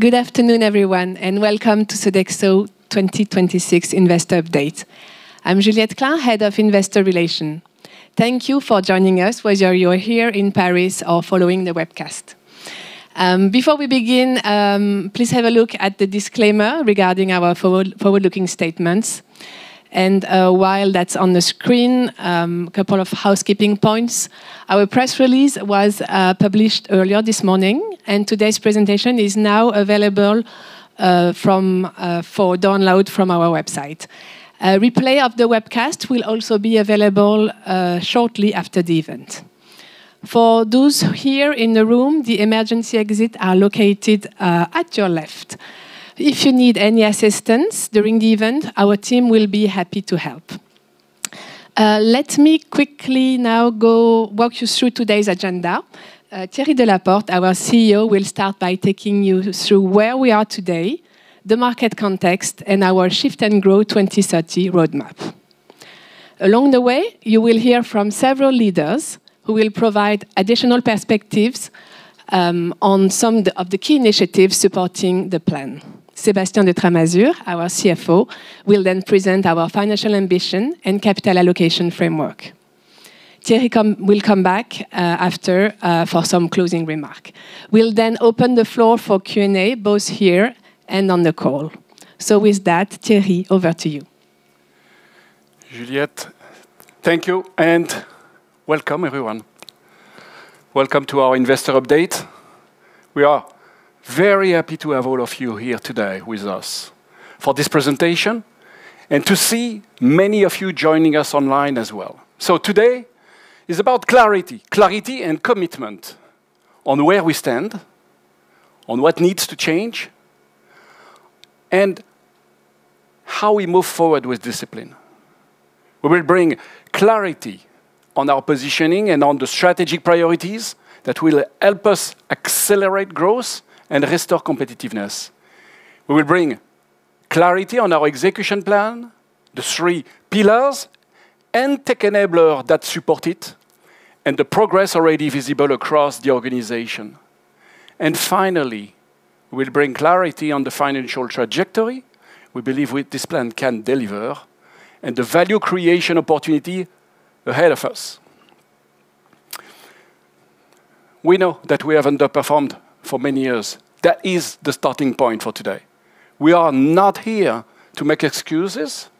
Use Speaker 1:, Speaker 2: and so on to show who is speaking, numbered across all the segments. Speaker 1: Good afternoon, everyone, and welcome to Sodexo 2026 Investor Update. I'm Juliette Klein, Head of Investor Relations. Thank you for joining us, whether you're here in Paris or following the webcast. Before we begin, please have a look at the disclaimer regarding our forward-looking statements. While that's on the screen, a couple of housekeeping points. Our press release was published earlier this morning. Today's presentation is now available for download from our website. A replay of the webcast will also be available shortly after the event. For those here in the room, the emergency exit are located at your left. If you need any assistance during the event, our team will be happy to help. Let me quickly now go walk you through today's agenda. Thierry Delaporte, our CEO, will start by taking you through where we are today, the market context, and our Shift & Grow 2030 roadmap. Along the way, you will hear from several leaders who will provide additional perspectives on some of the key initiatives supporting the plan. Sébastien de Tramasure, our CFO, will then present our financial ambition and capital allocation framework. Thierry will come back after for some closing remark. We'll open the floor for Q&A, both here and on the call. With that, Thierry, over to you.
Speaker 2: Juliette, thank you. Welcome, everyone. Welcome to our investor update. We are very happy to have all of you here today with us for this presentation and to see many of you joining us online as well. Today is about clarity. Clarity and commitment on where we stand, on what needs to change, and how we move forward with discipline. We will bring clarity on our positioning and on the strategic priorities that will help us accelerate growth and restore competitiveness. We will bring clarity on our execution plan, the three pillars, and tech enabler that support it, and the progress already visible across the organization. Finally, we'll bring clarity on the financial trajectory we believe with this plan can deliver and the value creation opportunity ahead of us. We know that we have underperformed for many years. That is the starting point for today. We are not here to make excuses.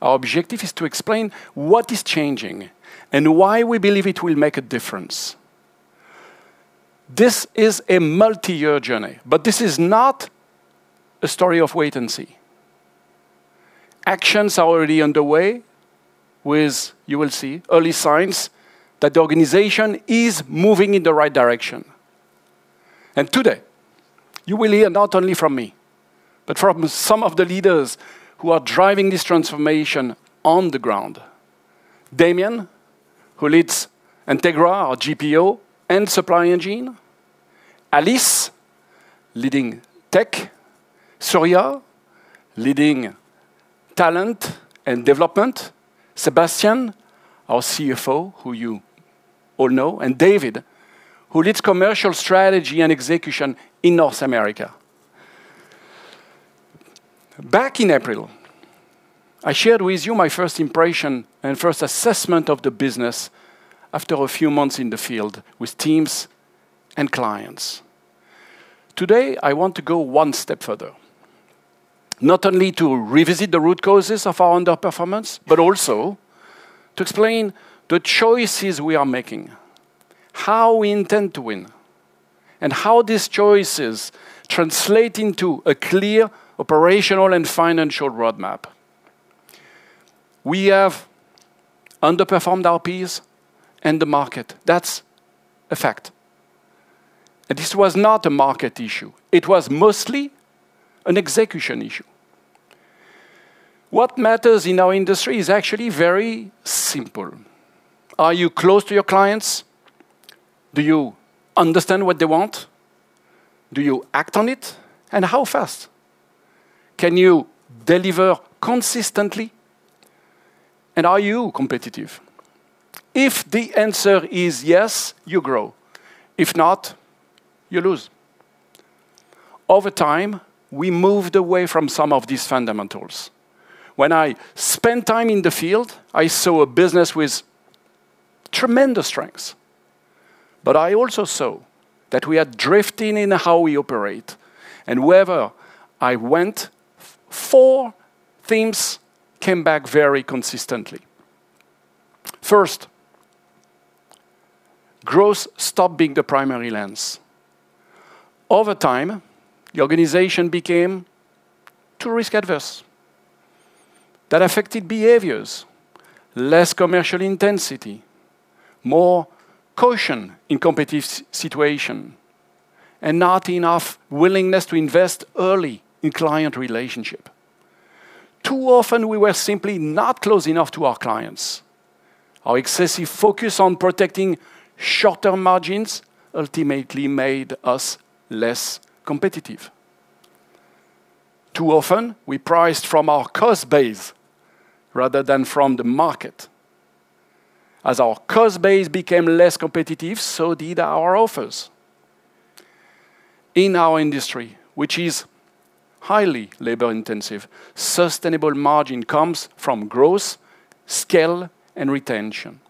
Speaker 2: Our objective is to explain what is changing and why we believe it will make a difference. This is a multi-year journey, but this is not a story of wait and see. Actions are already underway with, you will see, early signs that the organization is moving in the right direction. Today, you will hear not only from me, but from some of the leaders who are driving this transformation on the ground. Damien, who leads Entegra, our GPO and supply engine. Alice, leading tech. Soorya, leading talent and development. Sébastien, our CFO, who you all know. David, who leads commercial strategy and execution in North America. Back in April, I shared with you my first impression and first assessment of the business after a few months in the field with teams and clients. Today, I want to go one step further, not only to revisit the root causes of our underperformance, but also to explain the choices we are making, how we intend to win, and how these choices translate into a clear operational and financial roadmap. We have underperformed our peers and the market. That's a fact. This was not a market issue. It was mostly an execution issue. What matters in our industry is actually very simple. Are you close to your clients? Do you understand what they want? Do you act on it, and how fast? Can you deliver consistently? Are you competitive? If the answer is yes, you grow. If not, you lose. Over time, we moved away from some of these fundamentals. When I spent time in the field, I saw a business with tremendous strengths, but I also saw that we are drifting in how we operate. Wherever I went, four themes came back very consistently. First, growth stopped being the primary lens. Over time, the organization became too risk-averse. That affected behaviors, less commercial intensity, more caution in competitive situation, and not enough willingness to invest early in client relationship. Too often, we were simply not close enough to our clients. Our excessive focus on protecting short-term margins ultimately made us less competitive. Too often, we priced from our cost base rather than from the market. As our cost base became less competitive, so did our offers. In our industry, which is highly labor-intensive, sustainable margin comes from growth, scale, and retention.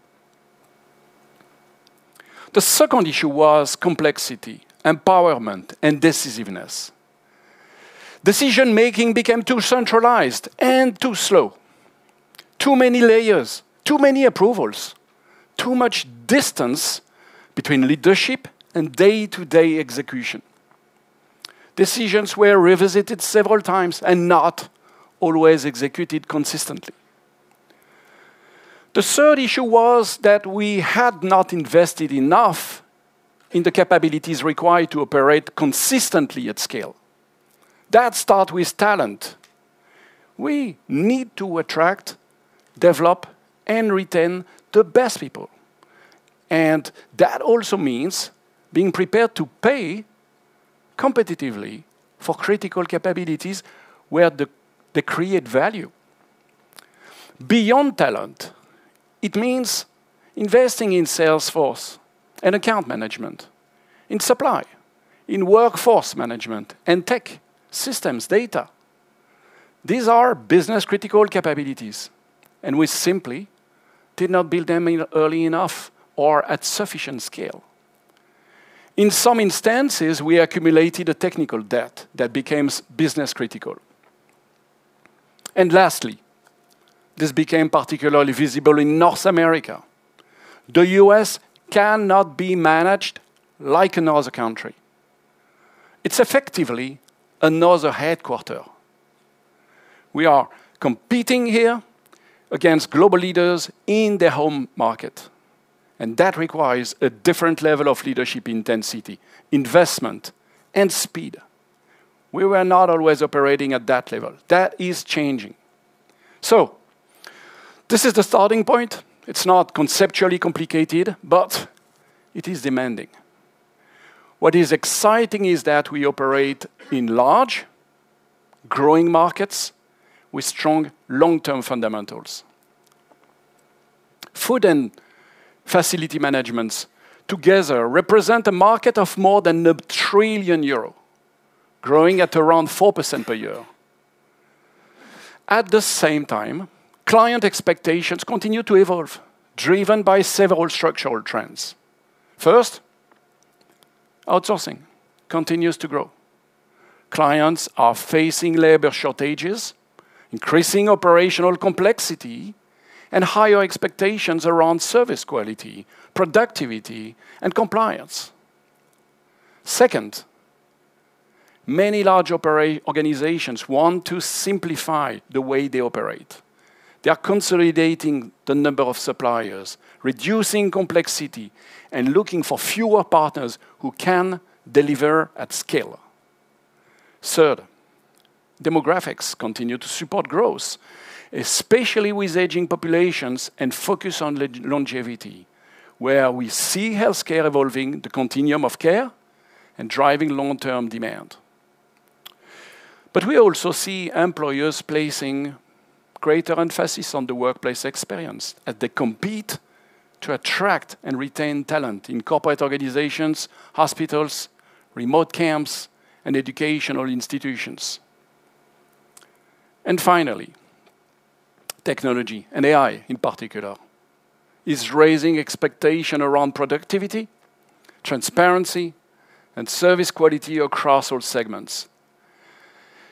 Speaker 2: The second issue was complexity, empowerment, and decisiveness. Decision-making became too centralized and too slow. Too many layers, too many approvals, too much distance between leadership and day-to-day execution. Decisions were revisited several times and not always executed consistently. The third issue was that we had not invested enough in the capabilities required to operate consistently at scale. That starts with talent. We need to attract, develop, and retain the best people, and that also means being prepared to pay competitively for critical capabilities where they create value. Beyond talent, it means investing in sales force and account management, in supply, in workforce management, and tech systems data. These are business-critical capabilities, and we simply did not build them early enough or at sufficient scale. In some instances, we accumulated a technical debt that became business critical. Lastly, this became particularly visible in North America. The U.S. cannot be managed like another country. It's effectively another headquarter. We are competing here against global leaders in their home market, and that requires a different level of leadership intensity, investment, and speed. We were not always operating at that level. That is changing. This is the starting point. It's not conceptually complicated, but it is demanding. What is exciting is that we operate in large, growing markets with strong long-term fundamentals. Food and facilities management together represent a market of more than 1 trillion euro, growing at around 4% per year. At the same time, client expectations continue to evolve, driven by several structural trends. First, outsourcing continues to grow. Clients are facing labor shortages, increasing operational complexity, and higher expectations around service quality, productivity, and compliance. Second, many large organizations want to simplify the way they operate. They are consolidating the number of suppliers, reducing complexity, and looking for fewer partners who can deliver at scale. Third, demographics continue to support growth, especially with aging populations and focus on longevity, where we see healthcare evolving the continuum of care and driving long-term demand. We also see employers placing greater emphasis on the workplace experience as they compete to attract and retain talent in corporate organizations, hospitals, remote camps, and educational institutions. Finally, technology, and AI in particular, is raising expectation around productivity, transparency, and service quality across all segments.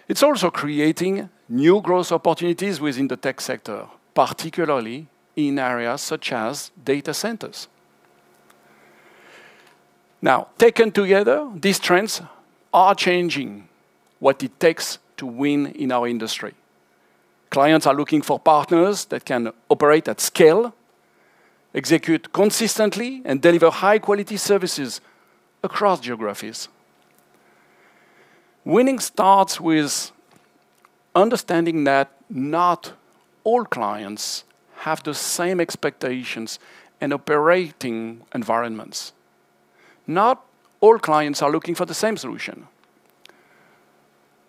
Speaker 2: It's also creating new growth opportunities within the tech sector, particularly in areas such as data centers. Taken together, these trends are changing what it takes to win in our industry. Clients are looking for partners that can operate at scale, execute consistently, and deliver high-quality services across geographies. Winning starts with understanding that not all clients have the same expectations and operating environments. Not all clients are looking for the same solution.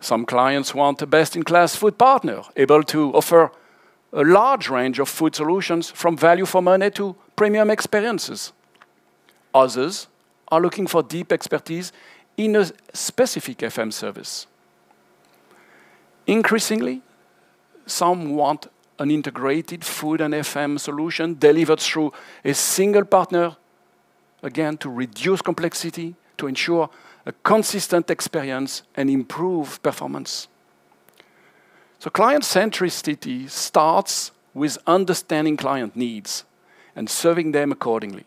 Speaker 2: Some clients want a best-in-class food partner able to offer a large range of food solutions from value for money to premium experiences. Others are looking for deep expertise in a specific FM service. Increasingly, some want an integrated food and FM solution delivered through a single partner, again, to reduce complexity, to ensure a consistent experience, and improve performance. Client centricity starts with understanding client needs and serving them accordingly.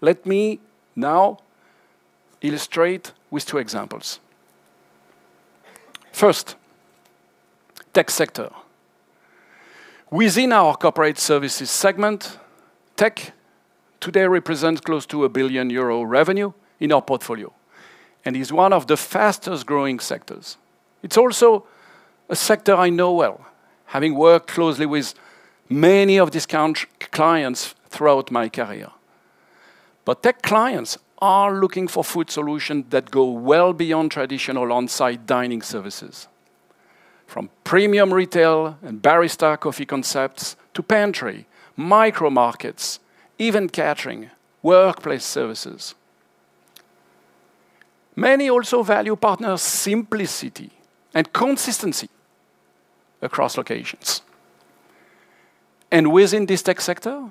Speaker 2: Let me now illustrate with two examples. First, tech sector. Within our corporate services segment, tech today represents close to 1 billion euro revenue in our portfolio and is one of the fastest-growing sectors. It's also a sector I know well, having worked closely with many of these clients throughout my career. Tech clients are looking for food solutions that go well beyond traditional on-site dining services. From premium retail and barista coffee concepts to pantry, micro markets, even catering, workplace services. Many also value partners' simplicity and consistency across locations. Within this tech sector,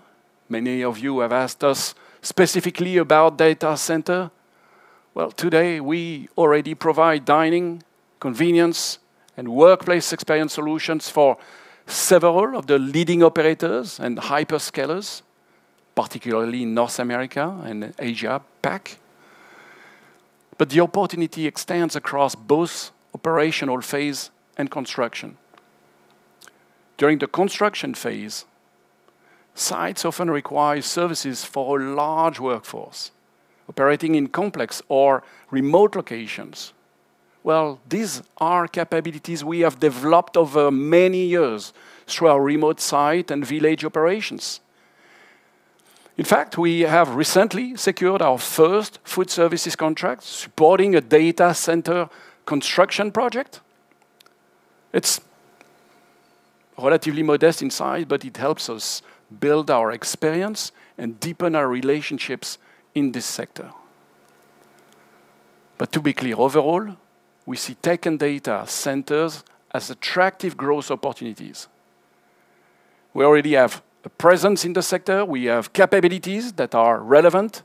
Speaker 2: many of you have asked us specifically about data center. Today we already provide dining, convenience, and workplace experience solutions for several of the leading operators and hyperscalers, particularly in North America and Asia PAC. The opportunity extends across both operational phase and construction. During the construction phase, sites often require services for a large workforce operating in complex or remote locations. These are capabilities we have developed over many years through our remote site and village operations. In fact, we have recently secured our first food services contract supporting a data center construction project. It's relatively modest in size, but it helps us build our experience and deepen our relationships in this sector. To be clear, overall, we see tech and data centers as attractive growth opportunities. We already have a presence in the sector. We have capabilities that are relevant,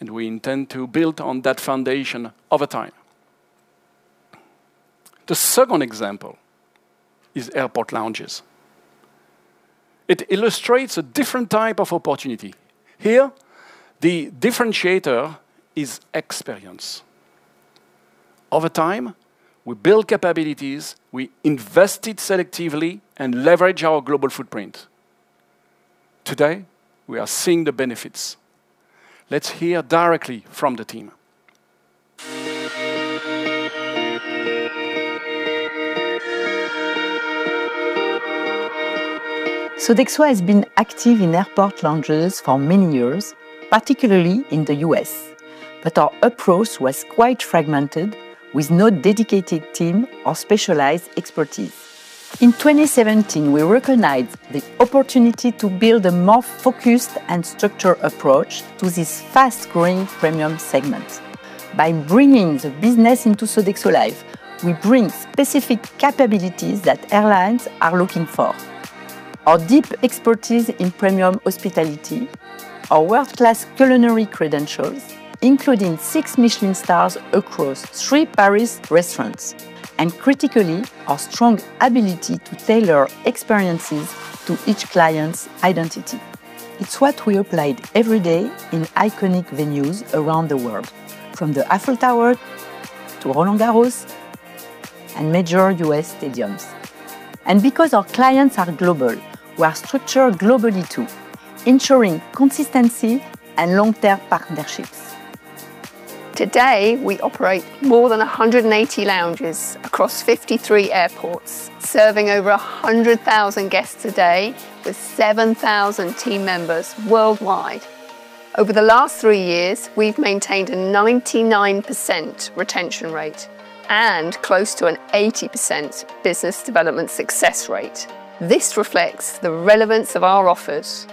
Speaker 2: and we intend to build on that foundation over time. The second example is airport lounges. It illustrates a different type of opportunity. Here, the differentiator is experience. Over time, we build capabilities, we invested selectively, and leverage our global footprint. Today, we are seeing the benefits. Let's hear directly from the team.
Speaker 3: Sodexo has been active in airport lounges for many years, particularly in the U.S., but our approach was quite fragmented with no dedicated team or specialized expertise. In 2017, we recognized the opportunity to build a more focused and structured approach to this fast-growing premium segment. By bringing the business into Sodexo Live!, we bring specific capabilities that airlines are looking for. Our deep expertise in premium hospitality, our world-class culinary credentials, including 6 Michelin stars across three Paris restaurants, and critically, our strong ability to tailor experiences to each client's identity. It's what we applied every day in iconic venues around the world, from the Eiffel Tower to Roland-Garros and major U.S. stadiums. Because our clients are global, we are structured globally, too, ensuring consistency and long-term partnerships. Today, we operate more than 180 lounges across 53 airports, serving over 100,000 guests a day with 7,000 team members worldwide. Over the last three years, we've maintained a 99% retention rate and close to an 80% business development success rate. This reflects the relevance of our offers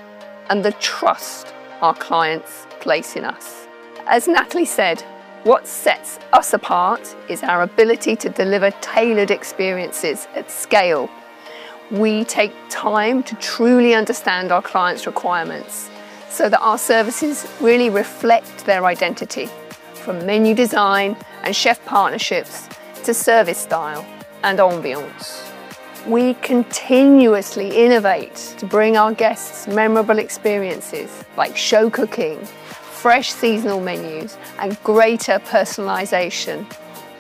Speaker 3: and the trust our clients place in us. As Nathalie said, what sets us apart is our ability to deliver tailored experiences at scale. We take time to truly understand our clients' requirements so that our services really reflect their identity, from menu design and chef partnerships to service style and ambiance. We continuously innovate to bring our guests memorable experiences like show cooking, fresh seasonal menus, and greater personalization,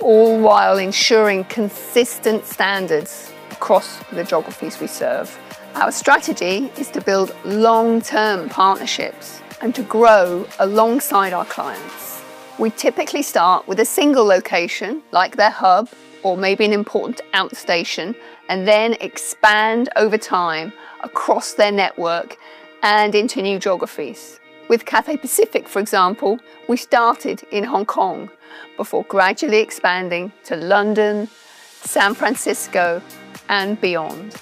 Speaker 3: all while ensuring consistent standards across the geographies we serve. Our strategy is to build long-term partnerships and to grow alongside our clients. We typically start with a single location, like their hub or maybe an important outstation, then expand over time across their network and into new geographies. With Cathay Pacific, for example, we started in Hong Kong before gradually expanding to London, San Francisco, and beyond.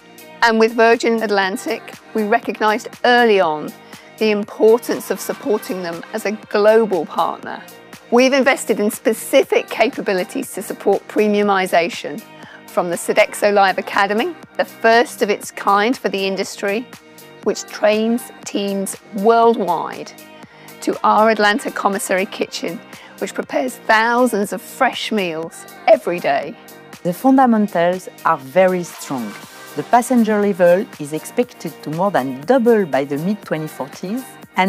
Speaker 3: With Virgin Atlantic, we recognized early on the importance of supporting them as a global partner. We've invested in specific capabilities to support premiumization from the Sodexo Live! Academy, the first of its kind for the industry, which trains teams worldwide, to our Atlanta commissary kitchen, which prepares thousands of fresh meals every day. The fundamentals are very strong. The passenger level is expected to more than double by the mid-2040s,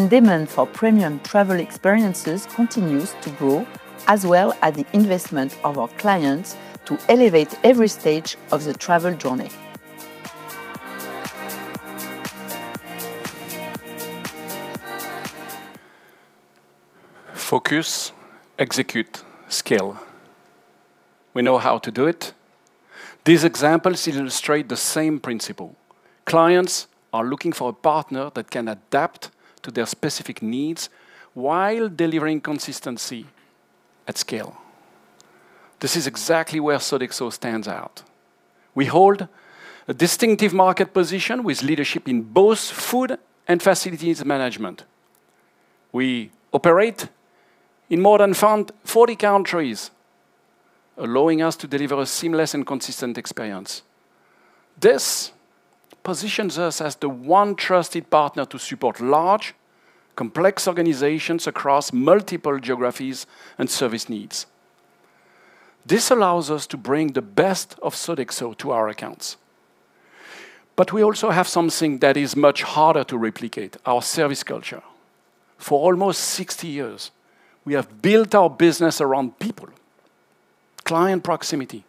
Speaker 3: demand for premium travel experiences continues to grow, as well as the investment of our clients to elevate every stage of the travel journey.
Speaker 2: Focus, execute, scale. We know how to do it. These examples illustrate the same principle. Clients are looking for a partner that can adapt to their specific needs while delivering consistency at scale. This is exactly where Sodexo stands out. We hold a distinctive market position with leadership in both food and facilities management. We operate in more than 40 countries, allowing us to deliver a seamless and consistent experience. This positions us as the one trusted partner to support large, complex organizations across multiple geographies and service needs. This allows us to bring the best of Sodexo to our accounts. We also have something that is much harder to replicate, our service culture. For almost 60 years, we have built our business around people, client proximity,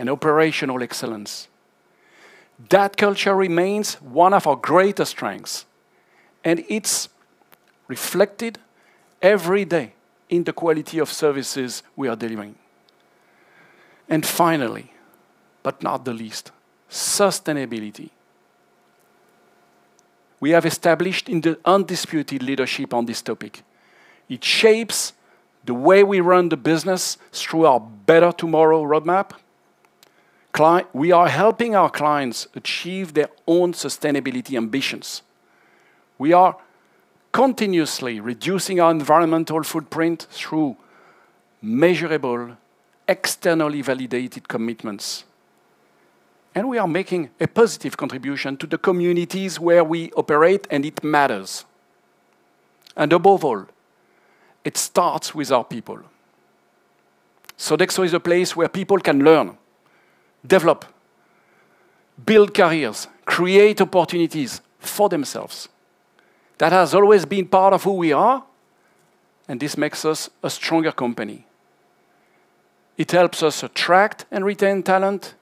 Speaker 2: and operational excellence. That culture remains one of our greatest strengths, it's reflected every day in the quality of services we are delivering. Finally, but not the least, sustainability. We have established the undisputed leadership on this topic. It shapes the way we run the business through our Better Tomorrow roadmap. We are helping our clients achieve their own sustainability ambitions. We are continuously reducing our environmental footprint through measurable, externally validated commitments. We are making a positive contribution to the communities where we operate, it matters. Above all, it starts with our people. Sodexo is a place where people can learn, develop, build careers, create opportunities for themselves. That has always been part of who we are, this makes us a stronger company. It helps us attract and retain talent.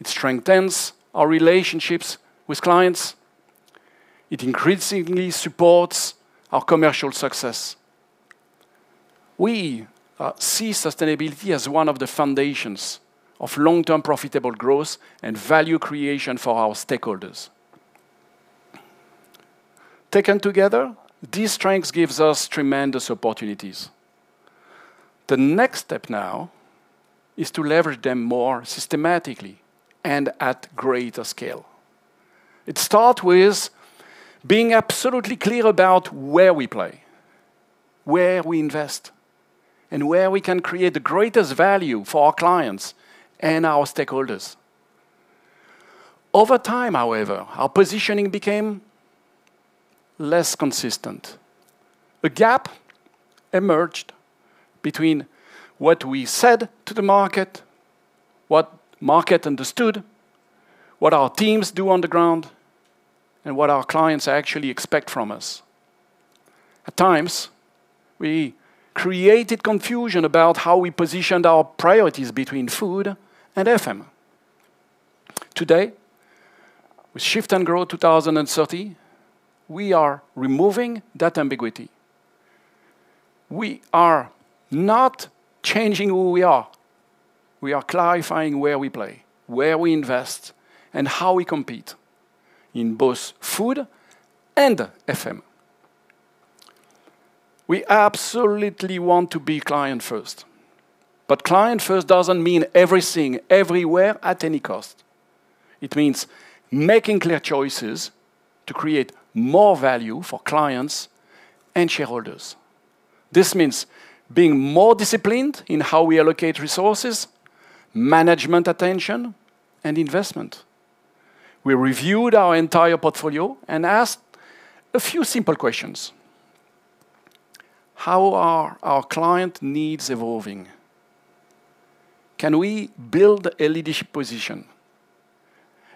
Speaker 2: It strengthens our relationships with clients. It increasingly supports our commercial succes. We see sustainability as one of the foundations of long-term profitable growth and value creation for our stakeholders. Taken together, these strengths give us tremendous opportunities. The next step now is to leverage them more systematically and at greater scale. It starts with being absolutely clear about where we play, where we invest, and where we can create the greatest value for our clients and our stakeholders. Over time, however, our positioning became less consistent. A gap emerged between what we said to the market, what market understood, what our teams do on the ground, and what our clients actually expect from us. At times, we created confusion about how we positioned our priorities between food and FM. Today, with Shift & Grow 2030, we are removing that ambiguity. We are not changing who we are. We are clarifying where we play, where we invest, and how we compete in both food and FM. We absolutely want to be client first. Client first doesn't mean everything, everywhere, at any cost. It means making clear choices to create more value for clients and shareholders. This means being more disciplined in how we allocate resources, management attention, and investment. We reviewed our entire portfolio and asked a few simple questions. How are our client needs evolving? Can we build a leadership position?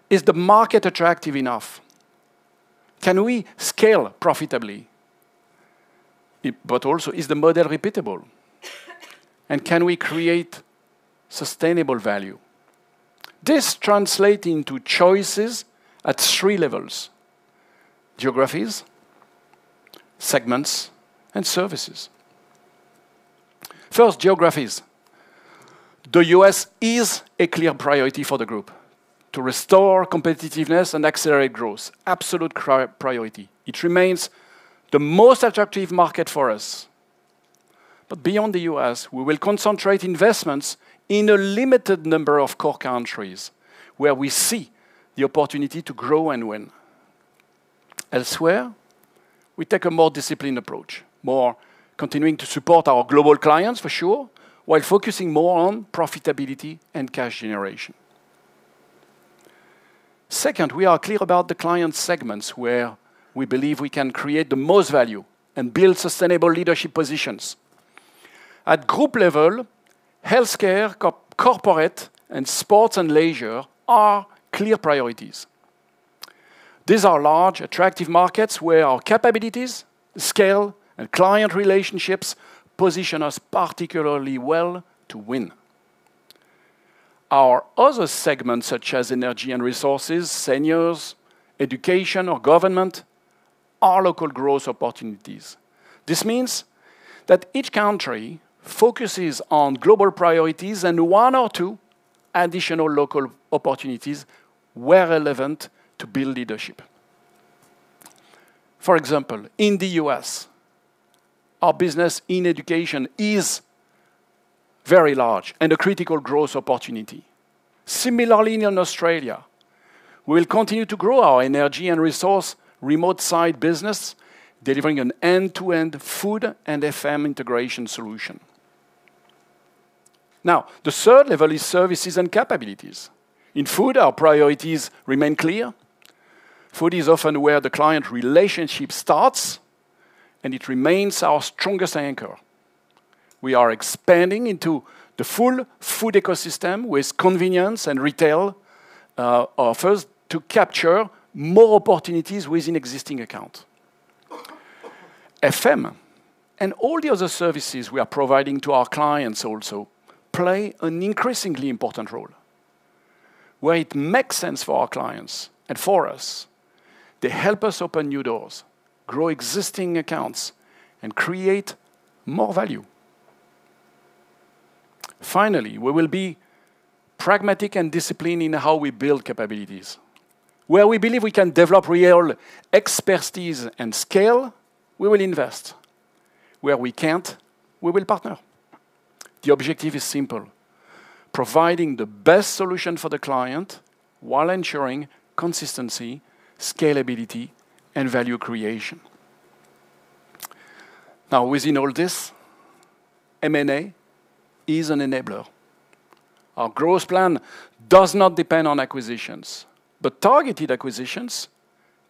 Speaker 2: Is the market attractive enough? Can we scale profitably? Also, is the model repeatable? Can we create sustainable value? This translates into choices at three levels: geographies, segments, and services. First, geographies. The U.S. is a clear priority for the group to restore competitiveness and accelerate growth. Absolute priority. It remains the most attractive market for us. Beyond the U.S., we will concentrate investments in a limited number of core countries where we see the opportunity to grow and win. Elsewhere, we take a more disciplined approach, continuing to support our global clients, for sure, while focusing more on profitability and cash generation. Second, we are clear about the client segments where we believe we can create the most value and build sustainable leadership positions. At group level, healthcare, corporate, and sports and leisure are clear priorities. These are large, attractive markets where our capabilities, scale, and client relationships position us particularly well to win. Our other segments such as energy and resources, seniors, education, or government, are local growth opportunities. This means that each country focuses on global priorities and one or two additional local opportunities where relevant to build leadership. For example, in the U.S., our business in education is very large and a critical growth opportunity. Similarly, in Australia, we will continue to grow our energy and resource remote site business, delivering an end-to-end food and FM integration solution. Now, the third level is services and capabilities. In food, our priorities remain clear. Food is often where the client relationship starts, and it remains our strongest anchor. We are expanding into the full food ecosystem with convenience and retail offers to capture more opportunities within existing account. FM and all the other services we are providing to our clients also play an increasingly important role. Where it makes sense for our clients and for us, they help us open new doors, grow existing accounts, and create more value. Finally, we will be pragmatic and disciplined in how we build capabilities. Where we believe we can develop real expertise and scale, we will invest. Where we can't, we will partner. The objective is simple, providing the best solution for the client while ensuring consistency, scalability, and value creation. Now, within all this, M&A is an enabler. Our growth plan does not depend on acquisitions, but targeted acquisitions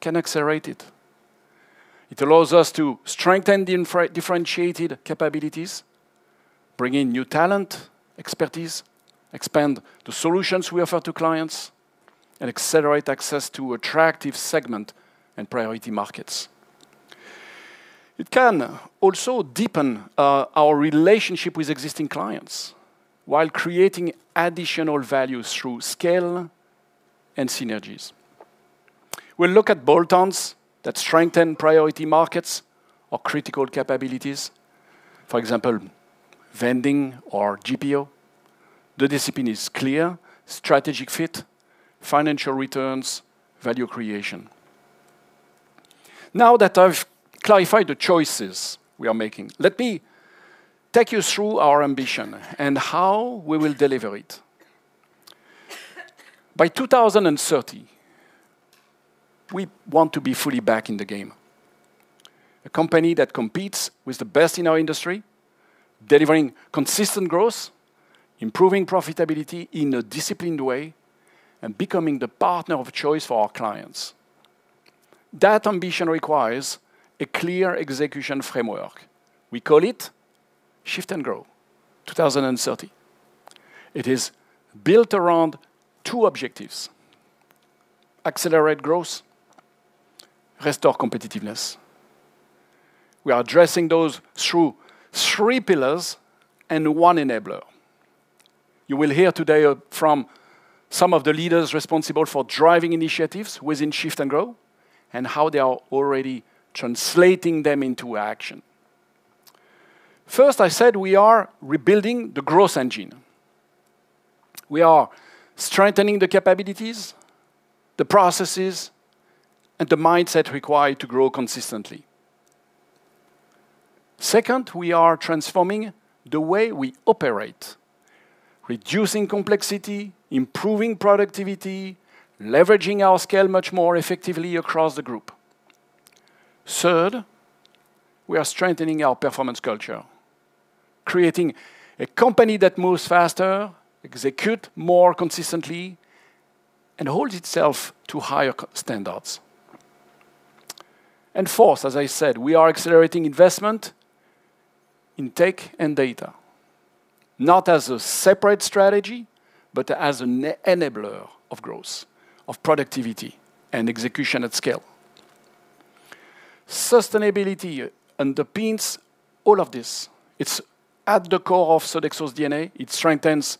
Speaker 2: can accelerate it. It allows us to strengthen differentiated capabilities, bring in new talent, expertise, expand the solutions we offer to clients, and accelerate access to attractive segment and priority markets. It can also deepen our relationship with existing clients while creating additional value through scale and synergies. We'll look at bolt-ons that strengthen priority markets or critical capabilities. For example, vending or GPO. The discipline is clear, strategic fit, financial returns, value creation. Now that I've clarified the choices we are making, let me take you through our ambition and how we will deliver it. By 2030, we want to be fully back in the game. A company that competes with the best in our industry, delivering consistent growth, improving profitability in a disciplined way, and becoming the partner of choice for our clients. That ambition requires a clear execution framework. We call it Shift & Grow 2030. It is built around two objectives, accelerate growth, restore competitiveness. We are addressing those through three pillars and one enabler. You will hear today from some of the leaders responsible for driving initiatives within Shift & Grow and how they are already translating them into action. First, I said we are rebuilding the growth engine. We are strengthening the capabilities, the processes, and the mindset required to grow consistently. Second, we are transforming the way we operate, reducing complexity, improving productivity, leveraging our scale much more effectively across the group. Third, we are strengthening our performance culture, creating a company that moves faster, executes more consistently, and holds itself to higher standards. Fourth, as I said, we are accelerating investment in tech and data, not as a separate strategy, but as an enabler of growth, of productivity, and execution at scale. Sustainability underpins all of this. It's at the core of Sodexo's DNA. It strengthens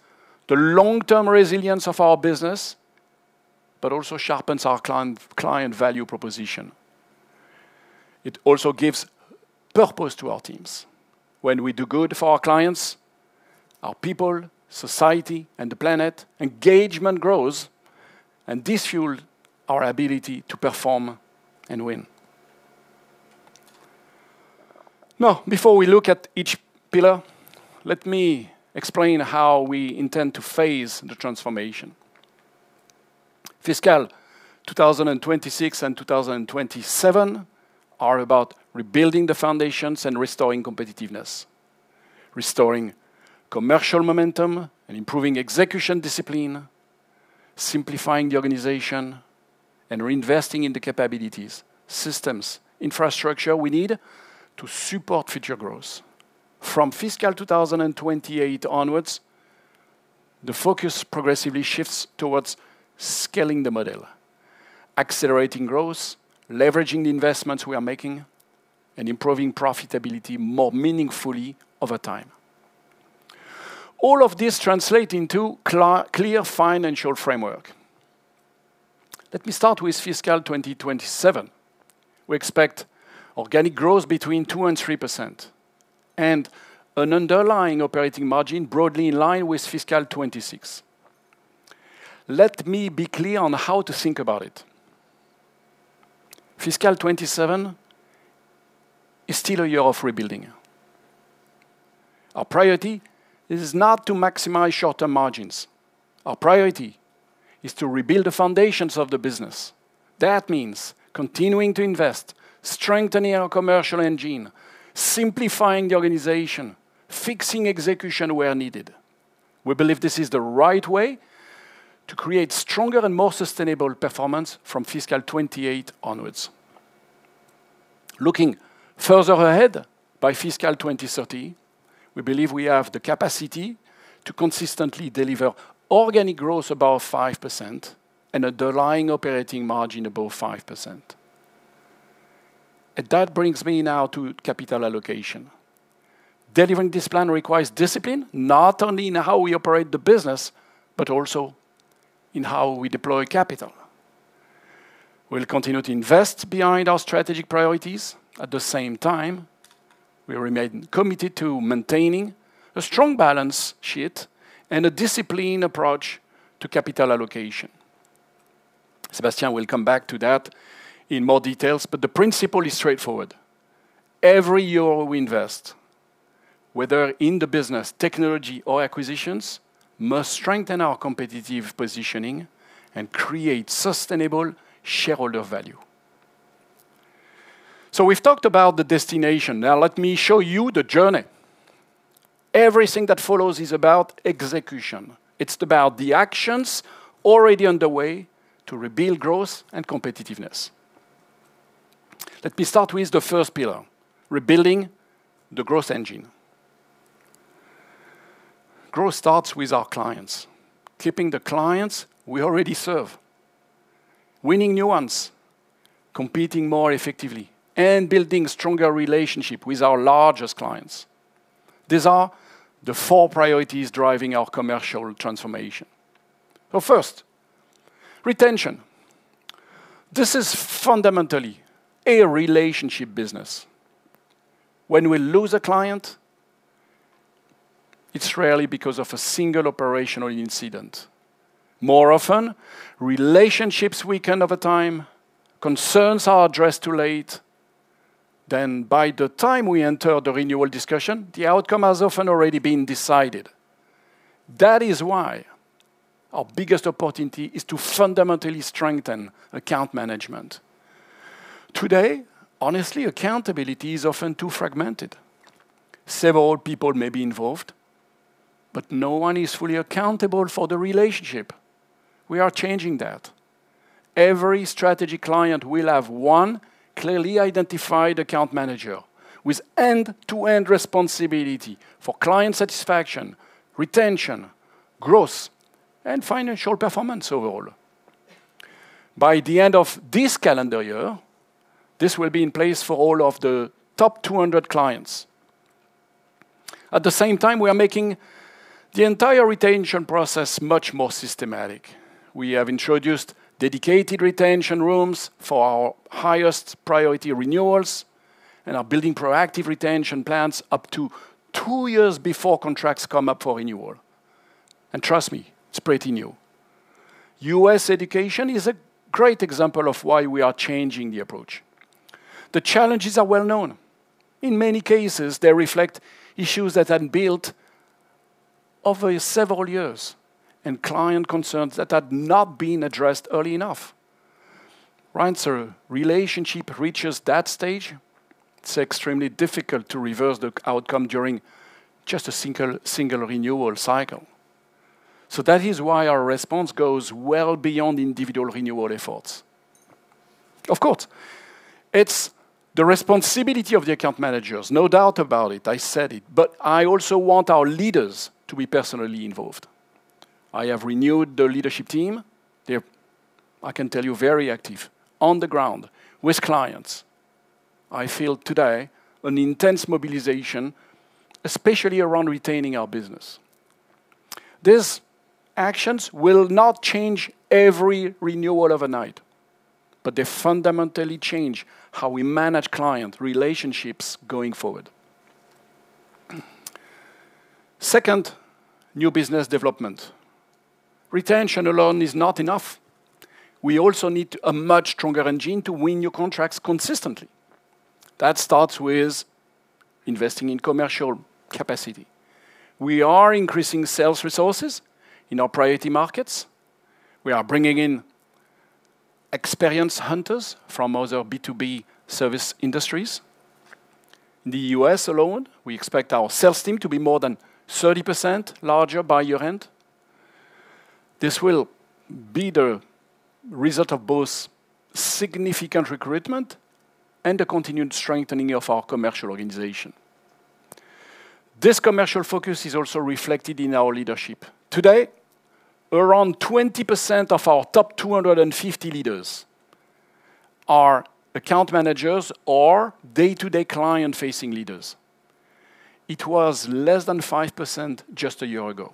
Speaker 2: the long-term resilience of our business, but also sharpens our client value proposition. It also gives purpose to our teams. When we do good for our clients, our people, society, and the planet, engagement grows, and this fuels our ability to perform and win. Before we look at each pillar, let me explain how we intend to phase the transformation. Fiscal 2026 and 2027 are about rebuilding the foundations and restoring competitiveness, restoring commercial momentum and improving execution discipline, simplifying the organization, and reinvesting in the capabilities, systems, infrastructure we need to support future growth. From FY 2028 onwards, the focus progressively shifts towards scaling the model Accelerating growth, leveraging the investments we are making, and improving profitability more meaningfully over time. All of this translate into clear financial framework. Let me start with FY 2027. We expect organic growth between 2% and 3%, and an underlying operating margin broadly in line with FY 2026. Let me be clear on how to think about it. FY 2027 is still a year of rebuilding. Our priority is not to maximize short-term margins. Our priority is to rebuild the foundations of the business. That means continuing to invest, strengthening our commercial engine, simplifying the organization, fixing execution where needed. We believe this is the right way to create stronger and more sustainable performance from FY 2028 onwards. Looking further ahead, by FY 2030, we believe we have the capacity to consistently deliver organic growth above 5% and underlying operating margin above 5%. That brings me now to capital allocation. Delivering this plan requires discipline, not only in how we operate the business, but also in how we deploy capital. We'll continue to invest behind our strategic priorities. At the same time, we remain committed to maintaining a strong balance sheet and a disciplined approach to capital allocation. Sébastien will come back to that in more details, but the principle is straightforward. Every year we invest, whether in the business, technology, or acquisitions, must strengthen our competitive positioning and create sustainable shareholder value. We've talked about the destination. Let me show you the journey. Everything that follows is about execution. It's about the actions already underway to rebuild growth and competitiveness. Let me start with the first pillar, rebuilding the growth engine. Growth starts with our clients, keeping the clients we already serve, winning new ones, competing more effectively, and building stronger relationship with our largest clients. These are the four priorities driving our commercial transformation. First, retention. This is fundamentally a relationship business. When we lose a client, it's rarely because of a single operational incident. More often, relationships weaken over time, concerns are addressed too late, by the time we enter the renewal discussion, the outcome has often already been decided. That is why our biggest opportunity is to fundamentally strengthen account management. Today, honestly, accountability is often too fragmented. Several people may be involved, but no one is fully accountable for the relationship. We are changing that. Every strategy client will have one clearly identified account manager with end-to-end responsibility for client satisfaction, retention, growth, and financial performance overall. By the end of this calendar year, this will be in place for all of the top 200 clients. At the same time, we are making the entire retention process much more systematic. We have introduced dedicated retention rooms for our highest priority renewals and are building proactive retention plans up to two years before contracts come up for renewal. Trust me, it's pretty new. U.S. education is a great example of why we are changing the approach. The challenges are well known. In many cases, they reflect issues that had built over several years and client concerns that had not been addressed early enough. Once a relationship reaches that stage, it's extremely difficult to reverse the outcome during just a single renewal cycle. That is why our response goes well beyond individual renewal efforts. Of course, it's the responsibility of the account managers, no doubt about it. I said it. I also want our leaders to be personally involved. I have renewed the leadership team. They're, I can tell you, very active on the ground with clients. I feel today an intense mobilization, especially around retaining our business. These actions will not change every renewal overnight, but they fundamentally change how we manage client relationships going forward. Second, new business development. Retention alone is not enough. We also need a much stronger engine to win new contracts consistently. That starts with investing in commercial capacity. We are increasing sales resources in our priority markets. We are bringing in experienced hunters from other B2B service industries. In the U.S. alone, we expect our sales team to be more than 30% larger by year-end. This will be the result of both significant recruitment and a continued strengthening of our commercial organization. This commercial focus is also reflected in our leadership. Today, around 20% of our top 250 leaders are account managers or day-to-day client-facing leaders. It was less than 5% just a year ago.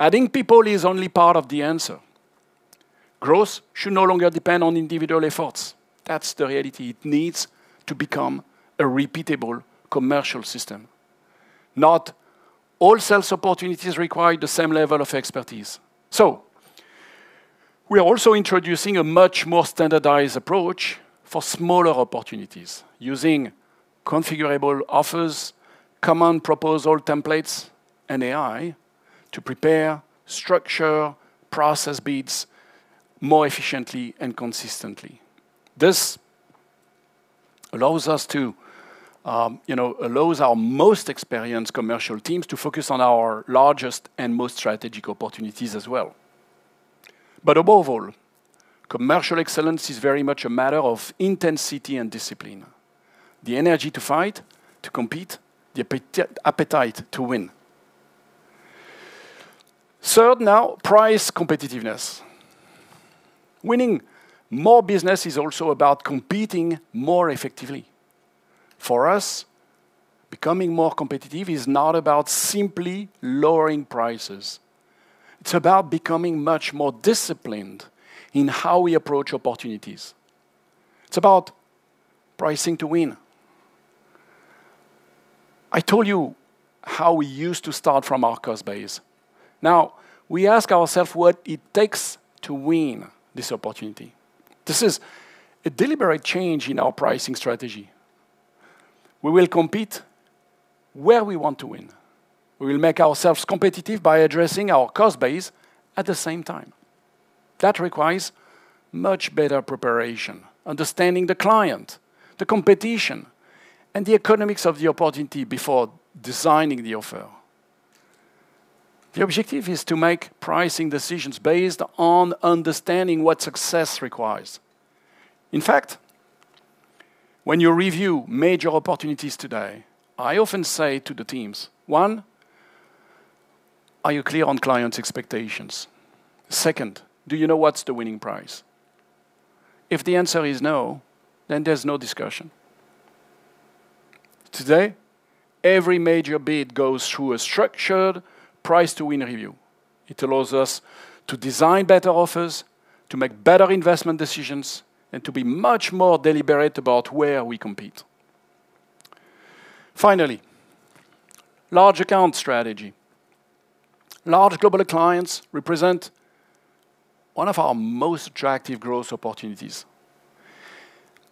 Speaker 2: Adding people is only part of the answer. Growth should no longer depend on individual efforts. That's the reality. It needs to become a repeatable commercial system. Not all sales opportunities require the same level of expertise. We are also introducing a much more standardized approach for smaller opportunities using configurable offers, command proposal templates, and AI to prepare, structure, process bids more efficiently and consistently. This allows our most experienced commercial teams to focus on our largest and most strategic opportunities as well. Above all, commercial excellence is very much a matter of intensity and discipline, the energy to fight, to compete, the appetite to win. Third now, price competitiveness. Winning more business is also about competing more effectively. For us, becoming more competitive is not about simply lowering prices. It's about becoming much more disciplined in how we approach opportunities. It's about pricing to win. I told you how we used to start from our cost base. Now, we ask ourselves what it takes to win this opportunity. This is a deliberate change in our pricing strategy. We will compete where we want to win. We will make ourselves competitive by addressing our cost base at the same time. That requires much better preparation, understanding the client, the competition, and the economics of the opportunity before designing the offer. The objective is to make pricing decisions based on understanding what success requires. In fact, when you review major opportunities today, I often say to the teams, one, are you clear on clients' expectations? Second, do you know what's the winning price? If the answer is no, there's no discussion. Today, every major bid goes through a structured price-to-win review. It allows us to design better offers, to make better investment decisions, and to be much more deliberate about where we compete. Finally, large account strategy. Large global clients represent one of our most attractive growth opportunities.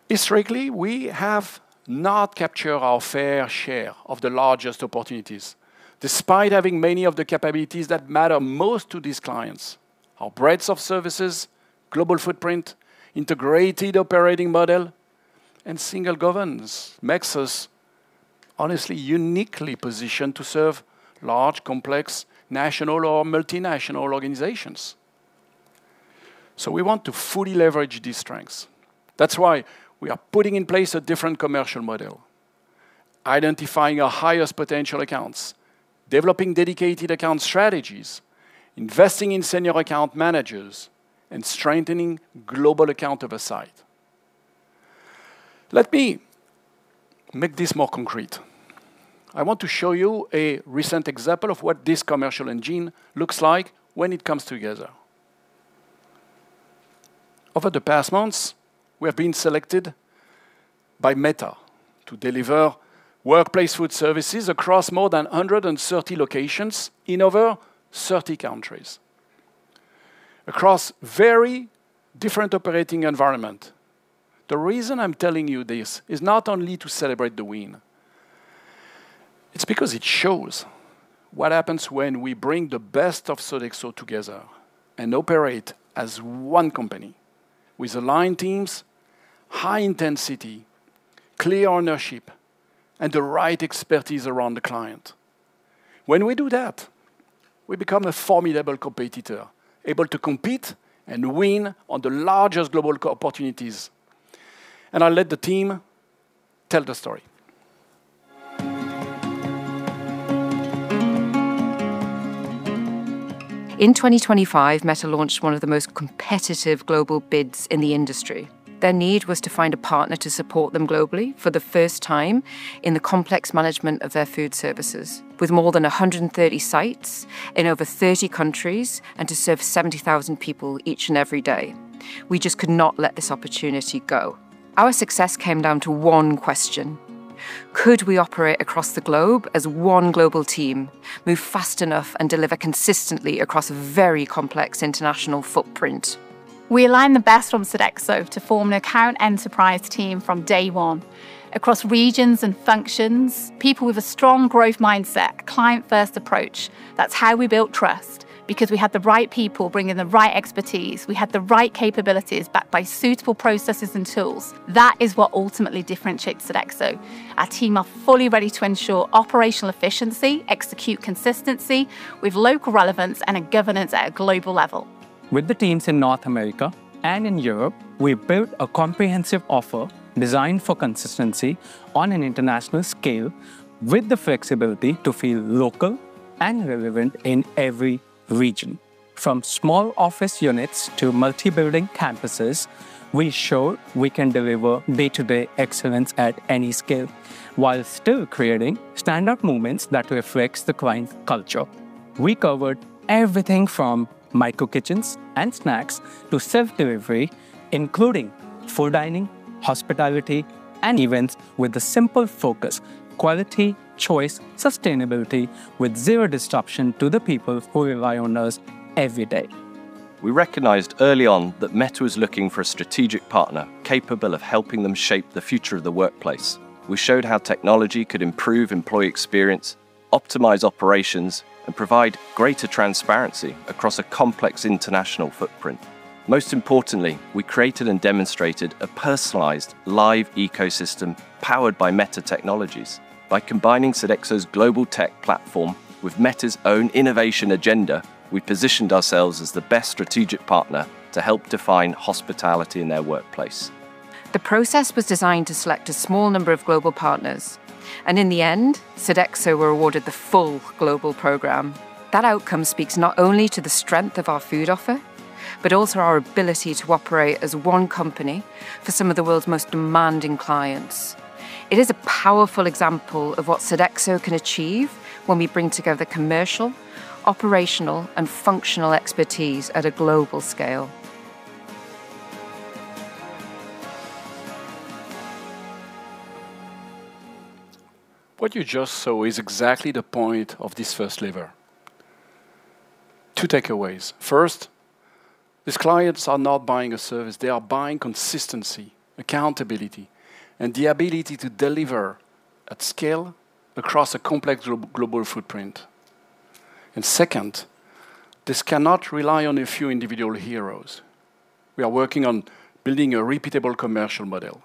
Speaker 2: Historically, we have not captured our fair share of the largest opportunities, despite having many of the capabilities that matter most to these clients. Our breadth of services, global footprint, integrated operating model, and single governance makes us honestly uniquely positioned to serve large, complex, national or multinational organizations. We want to fully leverage these strengths. That's why we are putting in place a different commercial model, identifying our highest potential accounts, developing dedicated account strategies, investing in senior account managers, and strengthening global account oversight. Let me make this more concrete. I want to show you a recent example of what this commercial engine looks like when it comes together. Over the past months, we have been selected by Meta to deliver workplace food services across more than 130 locations in over 30 countries, across very different operating environment. The reason I'm telling you this is not only to celebrate the win. It's because it shows what happens when we bring the best of Sodexo together and operate as one company with aligned teams, high intensity, clear ownership, and the right expertise around the client. When we do that, we become a formidable competitor, able to compete and win on the largest global opportunities. I'll let the team tell the story.
Speaker 3: In 2025, Meta launched one of the most competitive global bids in the industry. Their need was to find a partner to support them globally for the first time in the complex management of their food services, with more than 130 sites in over 30 countries and to serve 70,000 people each and every day. We just could not let this opportunity go. Our success came down to one question, could we operate across the globe as one global team, move fast enough, and deliver consistently across a very complex international footprint? We aligned the best from Sodexo to form an account enterprise team from day one. Across regions and functions, people with a strong growth mindset, client-first approach. That's how we built trust, because we had the right people bringing the right expertise. We had the right capabilities backed by suitable processes and tools. That is what ultimately differentiates Sodexo. Our team are fully ready to ensure operational efficiency, execute consistency with local relevance, and a governance at a global level. With the teams in North America and in Europe, we built a comprehensive offer designed for consistency on an international scale with the flexibility to feel local and relevant in every region. From small office units to multi-building campuses, we show we can deliver day-to-day excellence at any scale while still creating standout moments that reflects the client culture. We covered everything from micro kitchens and snacks to self-delivery, including full dining, hospitality, and events with a simple focus: quality, choice, sustainability with zero disruption to the people who rely on us every day. We recognized early on that Meta was looking for a strategic partner capable of helping them shape the future of the workplace. We showed how technology could improve employee experience, optimize operations, and provide greater transparency across a complex international footprint. Most importantly, we created and demonstrated a personalized live ecosystem powered by Meta technologies. By combining Sodexo's global tech platform with Meta's own innovation agenda, we positioned ourselves as the best strategic partner to help define hospitality in their workplace. The process was designed to select a small number of global partners, and in the end, Sodexo were awarded the full global program. That outcome speaks not only to the strength of our food offer, but also our ability to operate as one company for some of the world's most demanding clients. It is a powerful example of what Sodexo can achieve when we bring together commercial, operational, and functional expertise at a global scale.
Speaker 2: What you just saw is exactly the point of this first lever. Two takeaways. First, these clients are not buying a service. They are buying consistency, accountability, and the ability to deliver at scale across a complex global footprint. Second, this cannot rely on a few individual heroes. We are working on building a repeatable commercial model.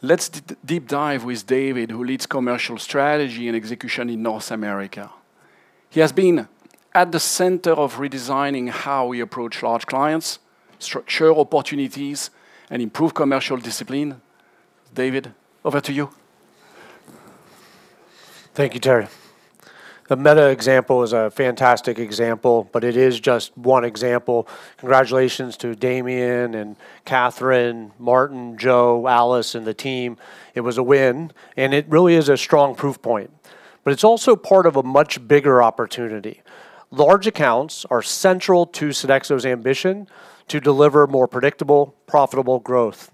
Speaker 2: Let's deep dive with David, who leads commercial strategy and execution in North America. He has been at the center of redesigning how we approach large clients, structure opportunities, and improve commercial discipline. David, over to you.
Speaker 4: Thank you, Thierry. The Meta example is a fantastic example, but it is just one example. Congratulations to Damien and Catherine, Martin, Joe, Alice, and the team. It was a win, and it really is a strong proof point. It's also part of a much bigger opportunity. Large accounts are central to Sodexo's ambition to deliver more predictable, profitable growth.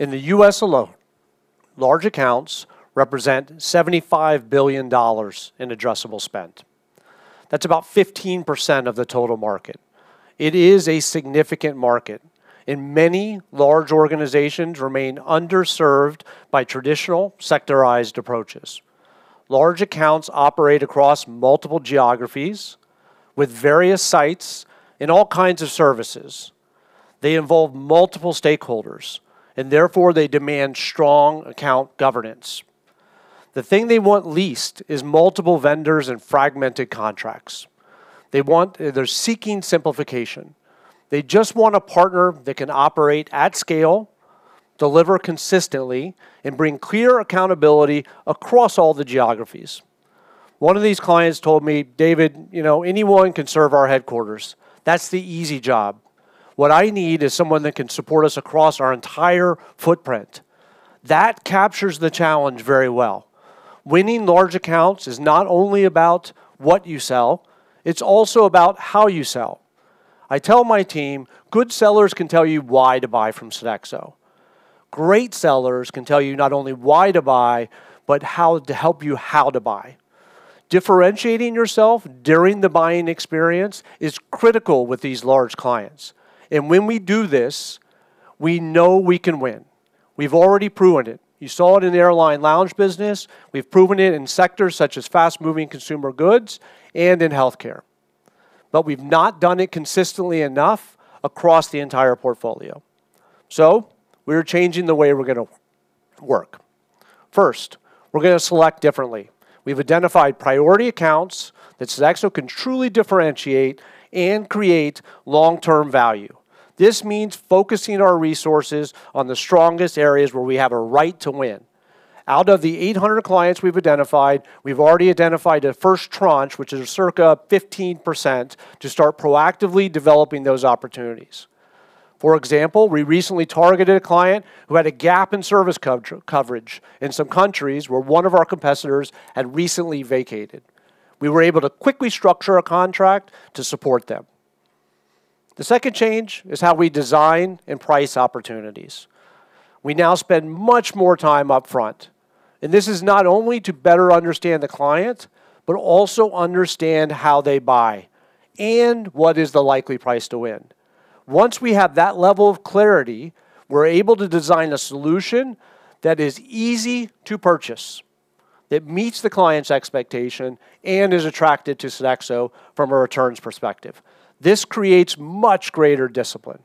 Speaker 4: In the U.S. alone, large accounts represent $75 billion in addressable spend. That's about 15% of the total market. It is a significant market, many large organizations remain underserved by traditional sectorized approaches. Large accounts operate across multiple geographies with various sites in all kinds of services. They involve multiple stakeholders, therefore they demand strong account governance. The thing they want least is multiple vendors and fragmented contracts. They're seeking simplification. They just want a partner that can operate at scale, deliver consistently, bring clear accountability across all the geographies. One of these clients told me, "David, anyone can serve our headquarters. That's the easy job. What I need is someone that can support us across our entire footprint." That captures the challenge very well. Winning large accounts is not only about what you sell, it's also about how you sell. I tell my team, good sellers can tell you why to buy from Sodexo. Great sellers can tell you not only why to buy, but how to help you how to buy. Differentiating yourself during the buying experience is critical with these large clients. When we do this, we know we can win. We've already proven it. You saw it in the airline lounge business. We've proven it in sectors such as fast-moving consumer goods and in healthcare. We've not done it consistently enough across the entire portfolio. We are changing the way we're going to work. First, we're going to select differently. We've identified priority accounts that Sodexo can truly differentiate and create long-term value. This means focusing our resources on the strongest areas where we have a right to win. Out of the 800 clients we've identified, we've already identified a first tranche, which is circa 15%, to start proactively developing those opportunities. For example, we recently targeted a client who had a gap in service coverage in some countries where one of our competitors had recently vacated. We were able to quickly structure a contract to support them. The second change is how we design and price opportunities. We now spend much more time upfront. This is not only to better understand the client, but also understand how they buy and what is the likely price to win. Once we have that level of clarity, we're able to design a solution that is easy to purchase, that meets the client's expectation, and is attractive to Sodexo from a returns perspective. This creates much greater discipline.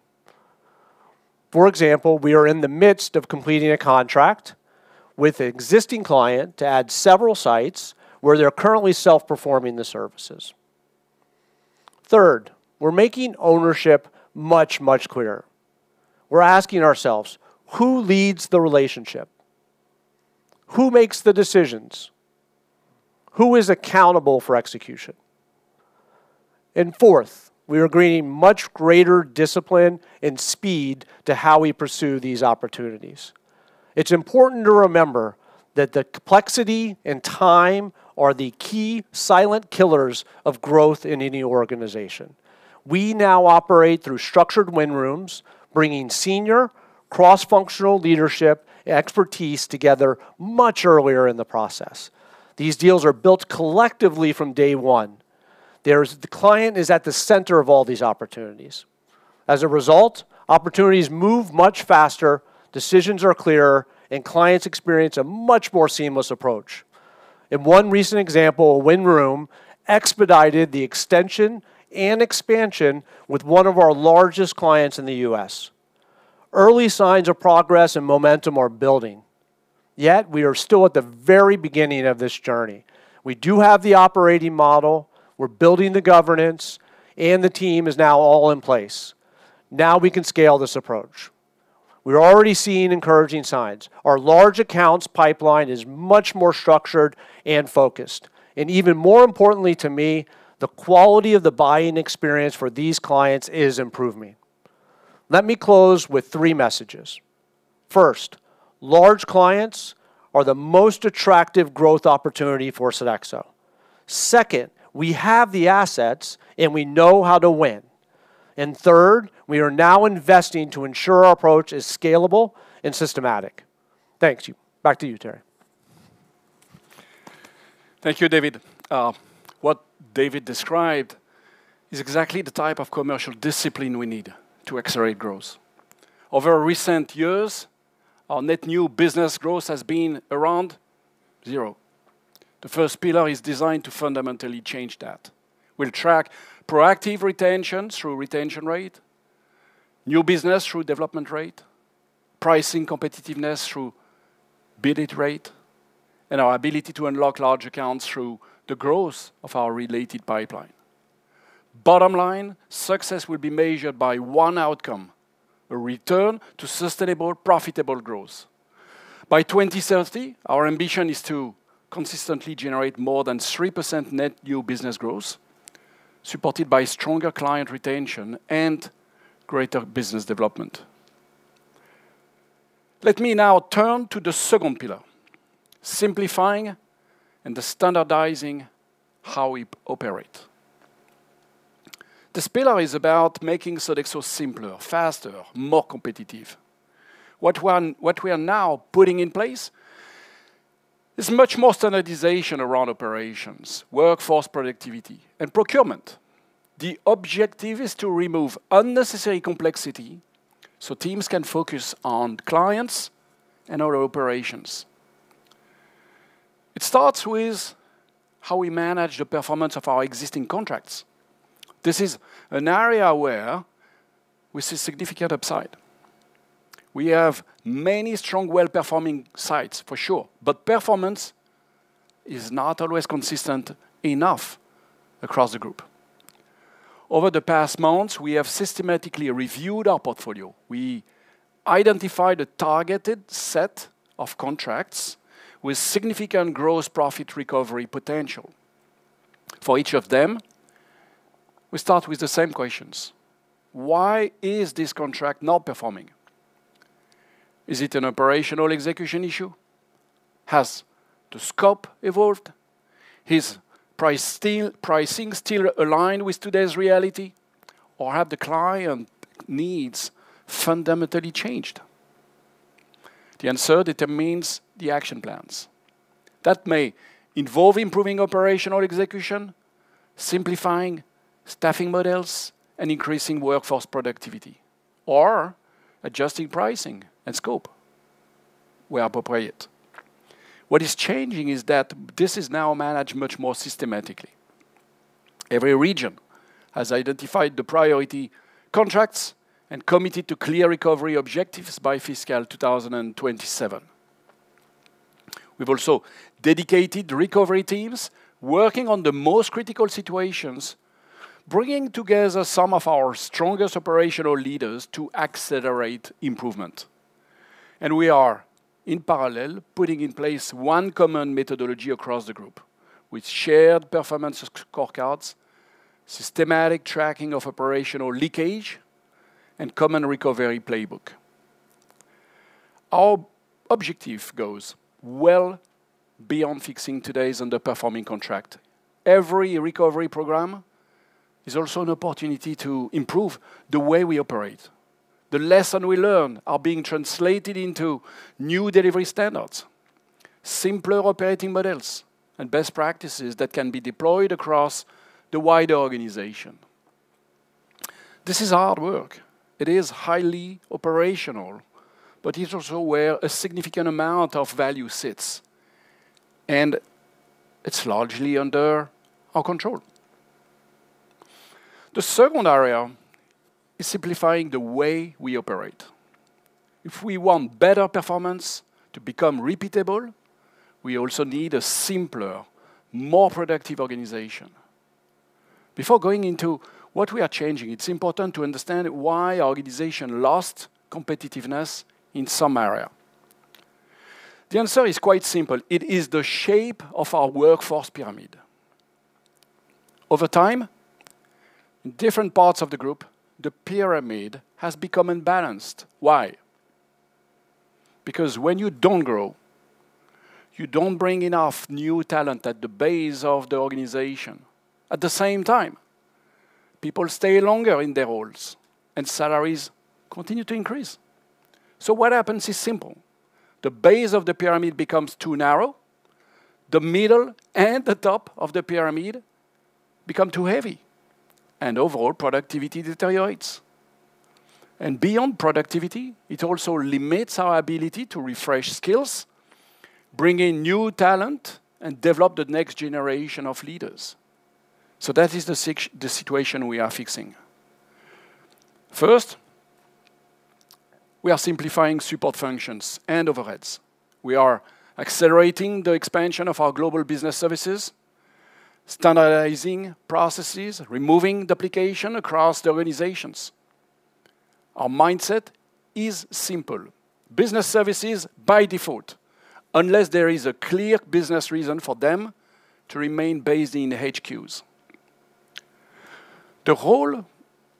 Speaker 4: For example, we are in the midst of completing a contract with an existing client to add several sites where they're currently self-performing the services. Third, we're making ownership much, much clearer. We're asking ourselves: who leads the relationship? Who makes the decisions? Who is accountable for execution? Fourth, we are bringing much greater discipline and speed to how we pursue these opportunities. It's important to remember that the complexity and time are the key silent killers of growth in any organization. We now operate through structured win rooms, bringing senior cross-functional leadership expertise together much earlier in the process. These deals are built collectively from day one. The client is at the center of all these opportunities. As a result, opportunities move much faster, decisions are clearer, and clients experience a much more seamless approach. In one recent example, a win room expedited the extension and expansion with one of our largest clients in the U.S. Early signs of progress and momentum are building, yet we are still at the very beginning of this journey. We do have the operating model, we're building the governance. The team is now all in place. Now we can scale this approach. We're already seeing encouraging signs. Our large accounts pipeline is much more structured and focused. Even more importantly to me, the quality of the buying experience for these clients is improving. Let me close with three messages. First, large clients are the most attractive growth opportunity for Sodexo. Second, we have the assets and we know how to win. Third, we are now investing to ensure our approach is scalable and systematic. Thank you. Back to you, Thierry.
Speaker 2: Thank you, David. What David described is exactly the type of commercial discipline we need to accelerate growth. Over recent years, our net new business growth has been around zero. The first pillar is designed to fundamentally change that. We'll track proactive retention through retention rate, new business through development rate, pricing competitiveness through bid rate, and our ability to unlock large accounts through the growth of our related pipeline. Bottom line, success will be measured by one outcome, a return to sustainable, profitable growth. By 2030, our ambition is to consistently generate more than 3% net new business growth, supported by stronger client retention and greater business development. Let me now turn to the second pillar, simplifying and standardizing how we operate. This pillar is about making Sodexo simpler, faster, more competitive. What we are now putting in place is much more standardization around operations, workforce productivity, and procurement. The objective is to remove unnecessary complexity so teams can focus on clients and our operations. It starts with how we manage the performance of our existing contracts. This is an area where we see significant upside. We have many strong, well-performing sites for sure, but performance is not always consistent enough across the group. Over the past months, we have systematically reviewed our portfolio. We identified a targeted set of contracts with significant gross profit recovery potential. For each of them, we start with the same questions. Why is this contract not performing? Is it an operational execution issue? Has the scope evolved? Is pricing still aligned with today's reality, or have the client needs fundamentally changed? The answer determines the action plans. That may involve improving operational execution, simplifying staffing models, and increasing workforce productivity, or adjusting pricing and scope where appropriate. What is changing is that this is now managed much more systematically. Every region has identified the priority contracts and committed to clear recovery objectives by FY 2027. We've also dedicated recovery teams working on the most critical situations, bringing together some of our strongest operational leaders to accelerate improvement. We are, in parallel, putting in place one common methodology across the group with shared performance scorecards, systematic tracking of operational leakage, and common recovery playbook. Our objective goes well beyond fixing today's underperforming contract. Every recovery program is also an opportunity to improve the way we operate. The lessons we learn are being translated into new delivery standards, simpler operating models, and best practices that can be deployed across the wider organization. This is hard work. It is highly operational, but it's also where a significant amount of value sits, and it's largely under our control. The second area is simplifying the way we operate. If we want better performance to become repeatable, we also need a simpler, more productive organization. Before going into what we are changing, it's important to understand why our organization lost competitiveness in some area. The answer is quite simple. It is the shape of our workforce pyramid. Over time, in different parts of the group, the pyramid has become imbalanced. Why? When you don't grow, you don't bring enough new talent at the base of the organization. At the same time, people stay longer in their roles, and salaries continue to increase. What happens is simple. The base of the pyramid becomes too narrow. The middle and the top of the pyramid become too heavy, and overall productivity deteriorates. Beyond productivity, it also limits our ability to refresh skills, bring in new talent, and develop the next generation of leaders. That is the situation we are fixing. First, we are simplifying support functions and overheads. We are accelerating the expansion of our global business services, standardizing processes, removing duplication across the organizations. Our mindset is simple. Business services by default, unless there is a clear business reason for them to remain based in HQs. The role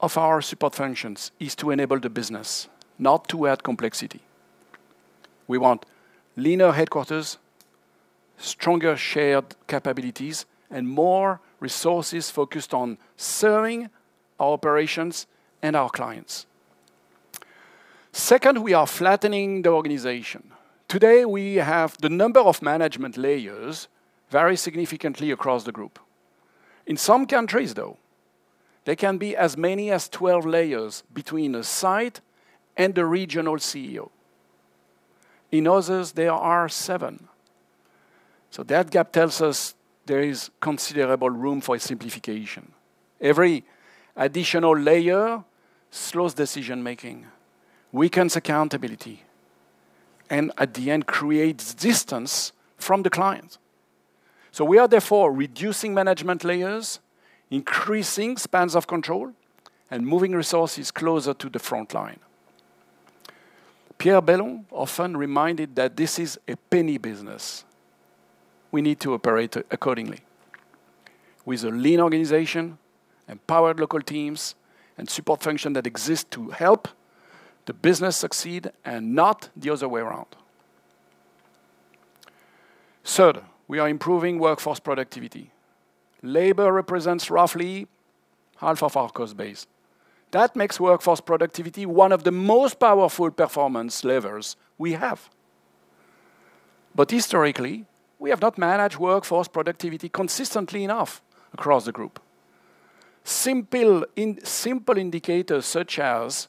Speaker 2: of our support functions is to enable the business, not to add complexity. We want leaner headquarters, stronger shared capabilities, and more resources focused on serving our operations and our clients. Second, we are flattening the organization. Today, we have the number of management layers vary significantly across the group. In some countries, though, there can be as many as 12 layers between a site and a regional CEO. In others, there are seven. That gap tells us there is considerable room for simplification. Every additional layer slows decision-making, weakens accountability, and at the end, creates distance from the client. We are therefore reducing management layers, increasing spans of control, and moving resources closer to the frontline. Pierre Bellon often reminded that this is a penny business. We need to operate accordingly. With a lean organization, empowered local teams, and support function that exist to help the business succeed and not the other way around. Third, we are improving workforce productivity. Labor represents roughly half of our cost base. That makes workforce productivity one of the most powerful performance levers we have. Historically, we have not managed workforce productivity consistently enough across the group. Simple indicators such as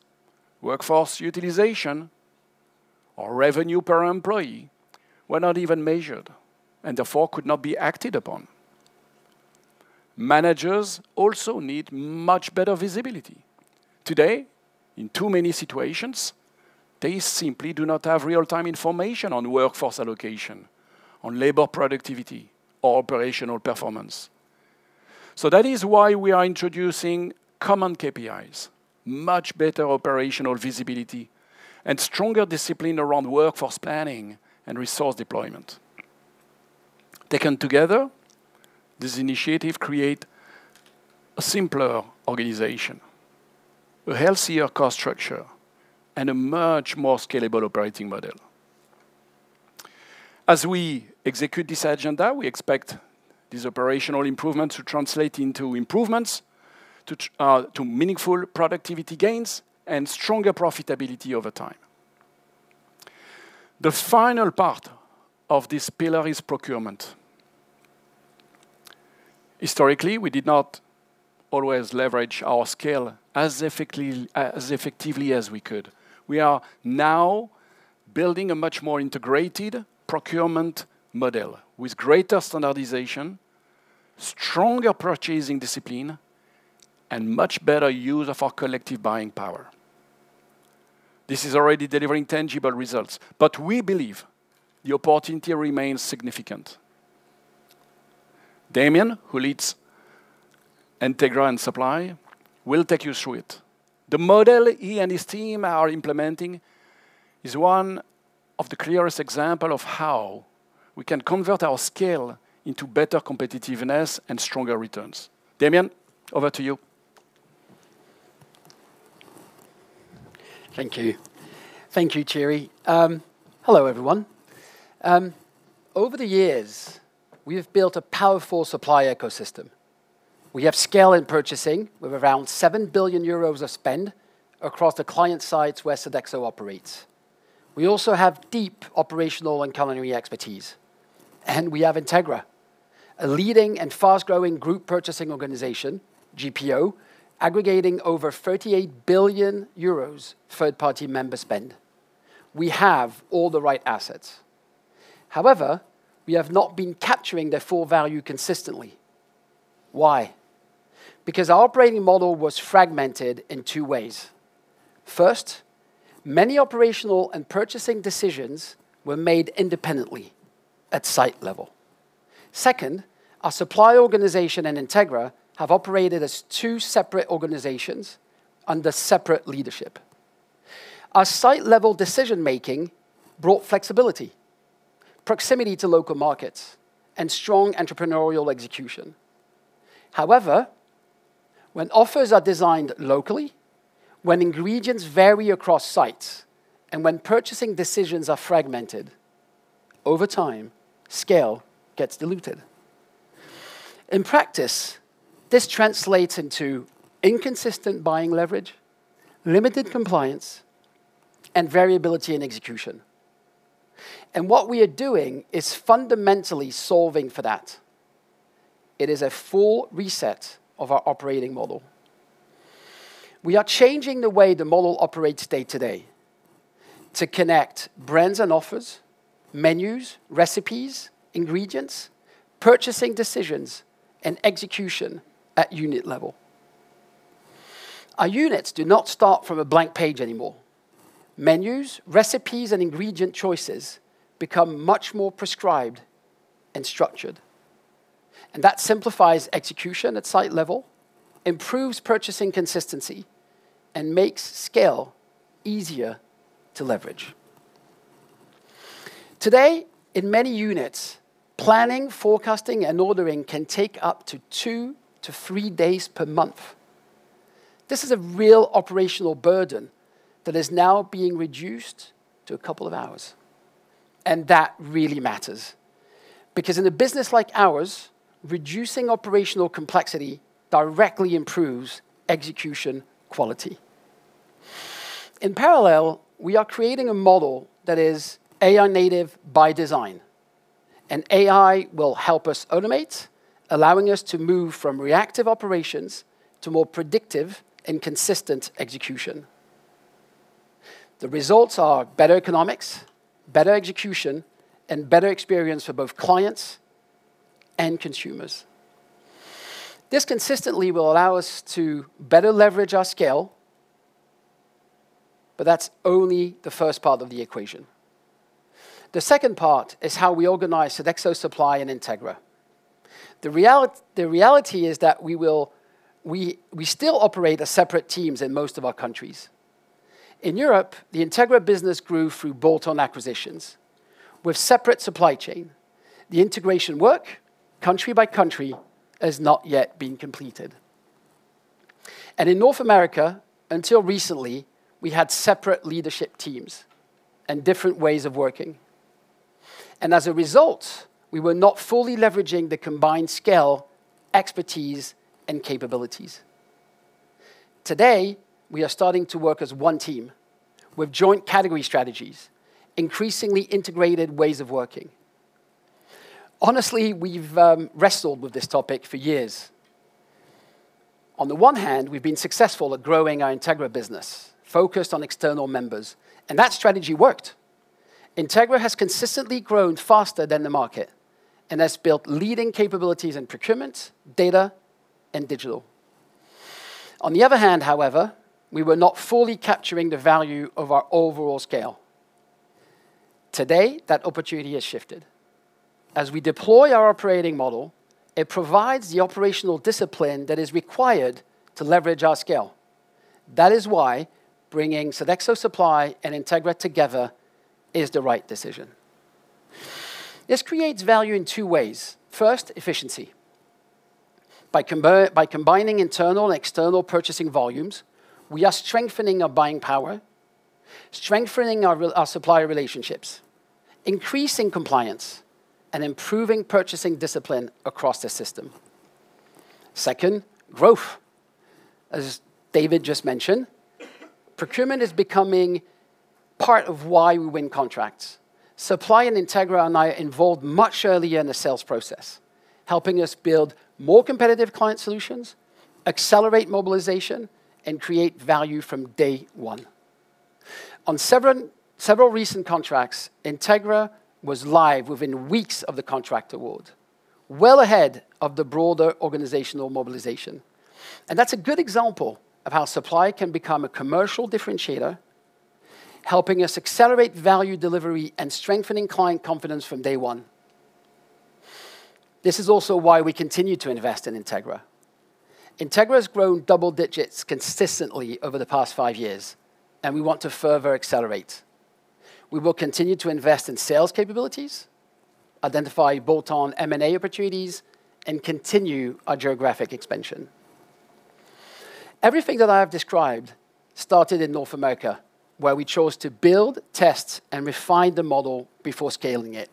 Speaker 2: workforce utilization or revenue per employee were not even measured, and therefore could not be acted upon. Managers also need much better visibility. Today, in too many situations, they simply do not have real-time information on workforce allocation, on labor productivity, or operational performance. That is why we are introducing common KPIs, much better operational visibility, and stronger discipline around workforce planning and resource deployment. Taken together, this initiative create a simpler organization, a healthier cost structure, and a much more scalable operating model. As we execute this agenda, we expect these operational improvements to translate into improvements to meaningful productivity gains and stronger profitability over time. The final part of this pillar is procurement. Historically, we did not always leverage our scale as effectively as we could. We are now building a much more integrated procurement model with greater standardization, stronger purchasing discipline, and much better use of our collective buying power. This is already delivering tangible results, but we believe the opportunity remains significant. Damien, who leads Entegra and Supply, will take you through it. The model he and his team are implementing is one of the clearest example of how we can convert our scale into better competitiveness and stronger returns. Damien, over to you.
Speaker 5: Thank you. Thank you, Thierry. Hello, everyone. Over the years, we have built a powerful supply ecosystem. We have scale in purchasing with around 7 billion euros of spend across the client sites where Sodexo operates. We also have deep operational and culinary expertise. And we have Entegra, a leading and fast-growing group purchasing organization, GPO, aggregating over 38 billion euros third-party member spend. We have all the right assets. However, we have not been capturing their full value consistently. Why? Because our operating model was fragmented in two ways. First, many operational and purchasing decisions were made independently at site level. Second, our supply organization and Entegra have operated as two separate organizations under separate leadership. Our site-level decision-making brought flexibility, proximity to local markets, and strong entrepreneurial execution. However, when offers are designed locally, when ingredients vary across sites, and when purchasing decisions are fragmented, over time, scale gets diluted. In practice, this translates into inconsistent buying leverage, limited compliance, and variability in execution. What we are doing is fundamentally solving for that. It is a full reset of our operating model. We are changing the way the model operates day-to-day to connect brands and offers, menus, recipes, ingredients, purchasing decisions, and execution at unit level. Our units do not start from a blank page anymore. Menus, recipes, and ingredient choices become much more prescribed and structured. That simplifies execution at site level, improves purchasing consistency, and makes scale easier to leverage. Today, in many units, planning, forecasting, and ordering can take up to 2-3 days per month. This is a real operational burden that is now being reduced to a couple of hours, and that really matters. In a business like ours, reducing operational complexity directly improves execution quality. In parallel, we are creating a model that is AI-native by design, and AI will help us automate, allowing us to move from reactive operations to more predictive and consistent execution. The results are better economics, better execution, and better experience for both clients and consumers. This consistently will allow us to better leverage our scale, but that's only the first part of the equation. The second part is how we organize Sodexo Supply and Entegra. The reality is that we still operate as separate teams in most of our countries. In Europe, the Entegra business grew through bolt-on acquisitions with separate supply chain. The integration work, country by country, has not yet been completed. In North America, until recently, we had separate leadership teams and different ways of working. As a result, we were not fully leveraging the combined scale, expertise, and capabilities. Today, we are starting to work as one team with joint category strategies, increasingly integrated ways of working. Honestly, we've wrestled with this topic for years. On the one hand, we've been successful at growing our Entegra business, focused on external members, and that strategy worked. Entegra has consistently grown faster than the market and has built leading capabilities in procurement, data, and digital. On the other hand, however, we were not fully capturing the value of our overall scale. Today, that opportunity has shifted. As we deploy our operating model, it provides the operational discipline that is required to leverage our scale. That is why bringing Sodexo Supply and Entegra together is the right decision. This creates value in two ways. First, efficiency. By combining internal and external purchasing volumes, we are strengthening our buying power, strengthening our supplier relationships, increasing compliance, and improving purchasing discipline across the system. Second, growth. As David just mentioned, procurement is becoming part of why we win contracts. Supply and Entegra are now involved much earlier in the sales process, helping us build more competitive client solutions, accelerate mobilization, and create value from day one. On several recent contracts, Entegra was live within weeks of the contract award, well ahead of the broader organizational mobilization. That's a good example of how supply can become a commercial differentiator, helping us accelerate value delivery and strengthening client confidence from day one. This is also why we continue to invest in Entegra. Entegra has grown double digits consistently over the past five years, and we want to further accelerate. We will continue to invest in sales capabilities, identify bolt-on M&A opportunities, and continue our geographic expansion. Everything that I have described started in North America, where we chose to build, test, and refine the model before scaling it.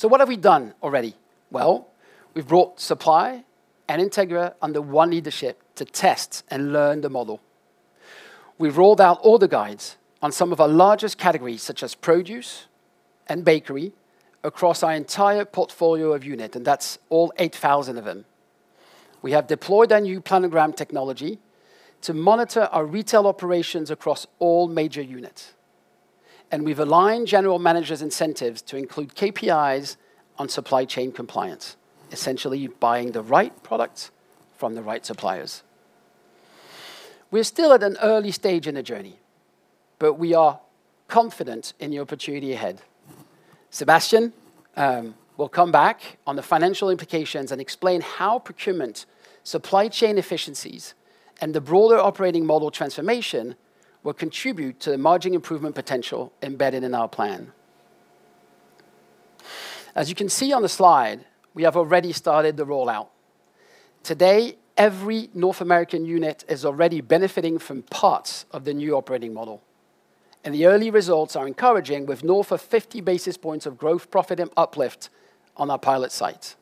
Speaker 5: What have we done already? We've brought Supply and Entegra under one leadership to test and learn the model. We've rolled out order guides on some of our largest categories, such as produce and bakery, across our entire portfolio of unit, and that's all 8,000 of them. We have deployed our new planogram technology to monitor our retail operations across all major units, and we've aligned general managers' incentives to include KPIs on supply chain compliance, essentially buying the right product from the right suppliers. We are still at an early stage in the journey, we are confident in the opportunity ahead. Sébastien will come back on the financial implications and explain how procurement, supply chain efficiencies, and the broader operating model transformation will contribute to the margin improvement potential embedded in our plan. As you can see on the slide, we have already started the rollout. Today, every North American unit is already benefiting from parts of the new operating model, and the early results are encouraging with north of 50 basis points of growth profit and uplift on our pilot sites.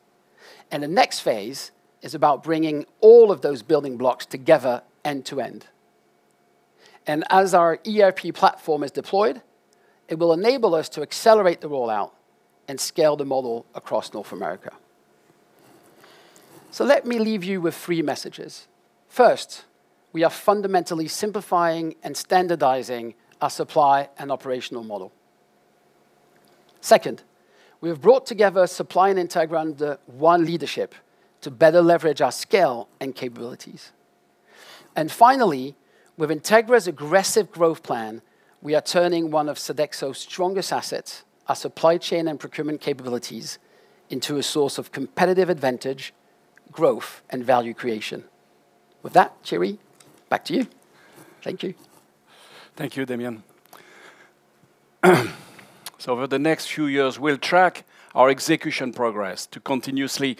Speaker 5: The next phase is about bringing all of those building blocks together end to end. As our ERP platform is deployed, it will enable us to accelerate the rollout and scale the model across North America. Let me leave you with three messages. First, we are fundamentally simplifying and standardizing our supply and operational model. Second, we have brought together Supply and Entegra under one leadership to better leverage our scale and capabilities. Finally, with Entegra's aggressive growth plan, we are turning one of Sodexo's strongest assets, our supply chain and procurement capabilities, into a source of competitive advantage, growth, and value creation. With that, Thierry, back to you. Thank you.
Speaker 2: Thank you, Damien. Over the next few years, we'll track our execution progress to continuously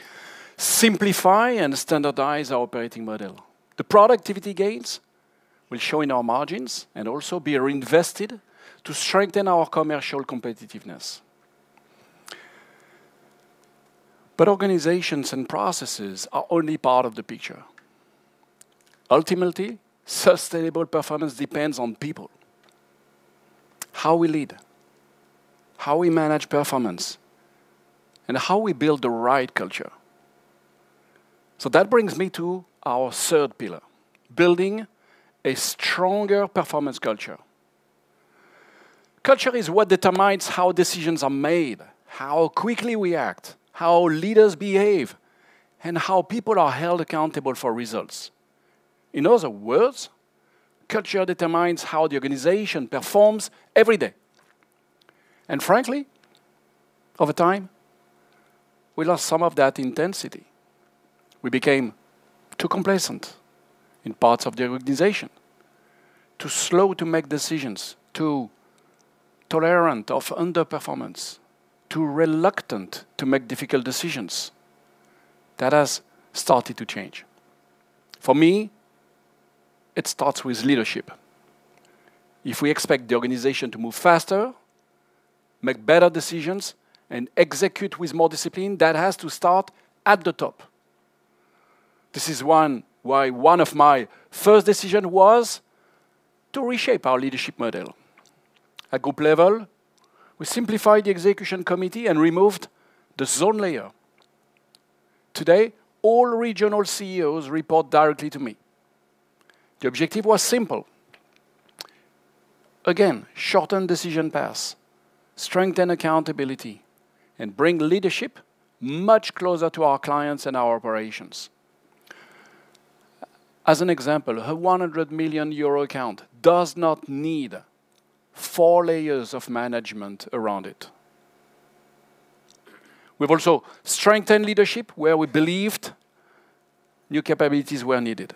Speaker 2: simplify and standardize our operating model. The productivity gains will show in our margins and also be reinvested to strengthen our commercial competitiveness. Organizations and processes are only part of the picture. Ultimately, sustainable performance depends on people. How we lead, how we manage performance, and how we build the right culture. That brings me to our third pillar, building a stronger performance culture. Culture is what determines how decisions are made, how quickly we act, how leaders behave, and how people are held accountable for results. In other words, culture determines how the organization performs every day. Frankly, over time, we lost some of that intensity. We became too complacent in parts of the organization. Too slow to make decisions, too tolerant of underperformance, too reluctant to make difficult decisions. That has started to change. For me, it starts with leadership. If we expect the organization to move faster, make better decisions, and execute with more discipline, that has to start at the top. This is why one of my first decision was to reshape our leadership model. At group level, we simplified the execution committee and removed the zone layer. Today, all regional CEOs report directly to me. The objective was simple. Shorten decision paths, strengthen accountability, and bring leadership much closer to our clients and our operations. As an example, a 100 million euro account does not need four layers of management around it. We've also strengthened leadership where we believed new capabilities were needed.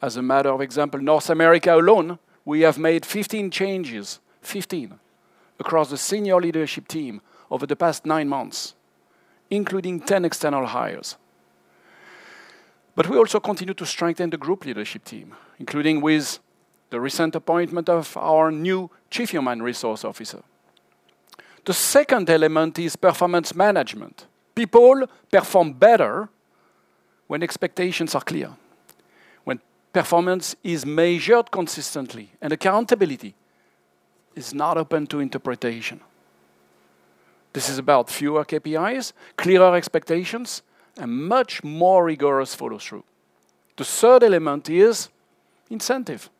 Speaker 2: As a matter of example, North America alone, we have made 15 changes across the senior leadership team over the past nine months, including 10 external hires. We also continue to strengthen the group leadership team, including with the recent appointment of our new Chief Human Resource Officer. The second element is performance management. People perform better when expectations are clear, when performance is measured consistently, and accountability is not open to interpretation. This is about fewer KPIs, clearer expectations, and much more rigorous follow-through. The third element is incentive.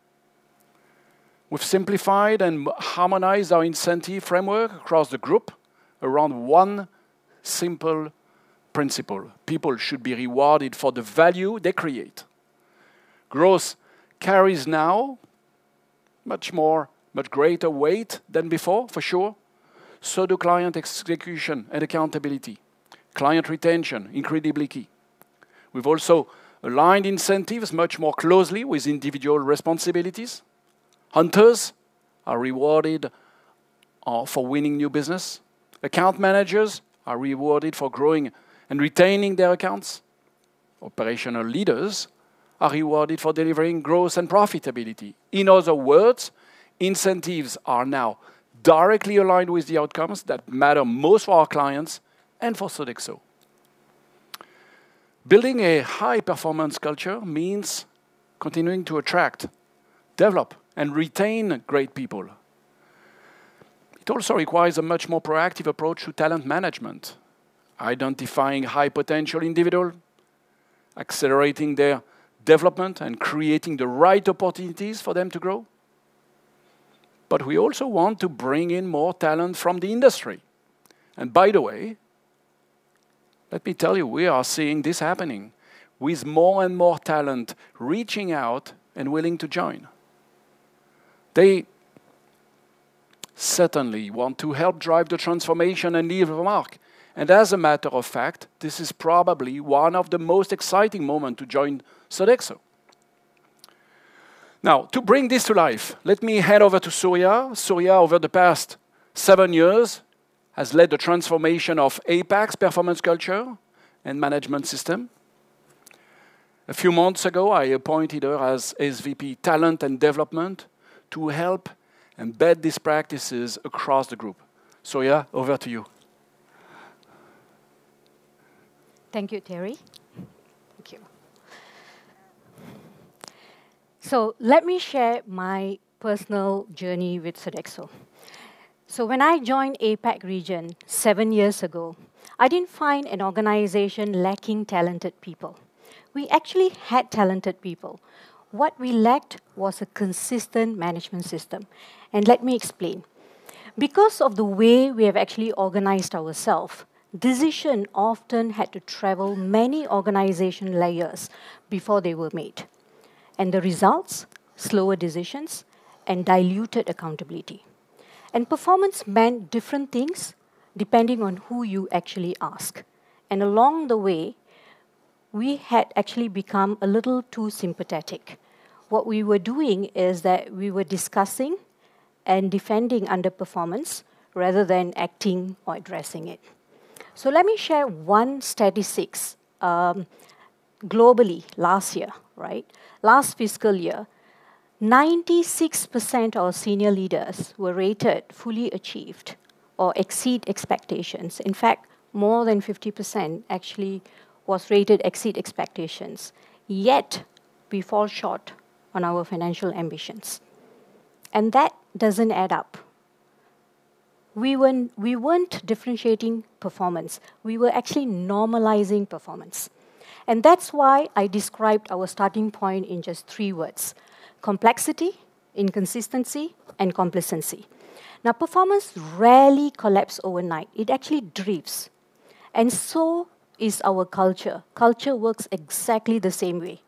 Speaker 2: We've simplified and harmonized our incentive framework across the group around one simple principle. People should be rewarded for the value they create. Growth carries now much greater weight than before, for sure. Client execution and accountability, client retention, incredibly key. We've also aligned incentives much more closely with individual responsibilities. Hunters are rewarded for winning new business. Account managers are rewarded for growing and retaining their accounts. Operational leaders are rewarded for delivering growth and profitability. In other words, incentives are now directly aligned with the outcomes that matter most for our clients and for Sodexo. Building a high-performance culture means continuing to attract, develop, and retain great people. It also requires a much more proactive approach to talent management. Identifying high potential individual, accelerating their development, and creating the right opportunities for them to grow. We also want to bring in more talent from the industry. By the way, let me tell you, we are seeing this happening with more and more talent reaching out and willing to join. They certainly want to help drive the transformation and leave a mark. As a matter of fact, this is probably one of the most exciting moment to join Sodexo. Now, to bring this to life, let me hand over to Soorya. Soorya, over the past seven years, has led the transformation of APAC's performance culture and management system. A few months ago, I appointed her as SVP Talent and Development to help embed these practices across the group. Soorya, over to you.
Speaker 6: Thank you, Thierry. Thank you. Let me share my personal journey with Sodexo. When I joined APAC region 7 years ago, I didn't find an organization lacking talented people. We actually had talented people. What we lacked was a consistent management system. Let me explain. Because of the way we have actually organized ourselves, decisions often had to travel many organization layers before they were made, slower decisions and diluted accountability. Performance meant different things depending on who you actually ask. Along the way, we had actually become a little too sympathetic. What we were doing is that we were discussing and defending underperformance rather than acting or addressing it. Let me share one statistic. Globally, last fiscal year, 96% of senior leaders were rated fully achieved or exceed expectations. In fact, more than 50% actually was rated exceed expectations, yet we fall short on our financial ambitions. That doesn't add up. We weren't differentiating performance. We were actually normalizing performance. That's why I described our starting point in just three words: complexity, inconsistency, and complacency. Performance rarely collapses overnight. It actually drifts, and so is our culture. Culture works exactly the same way.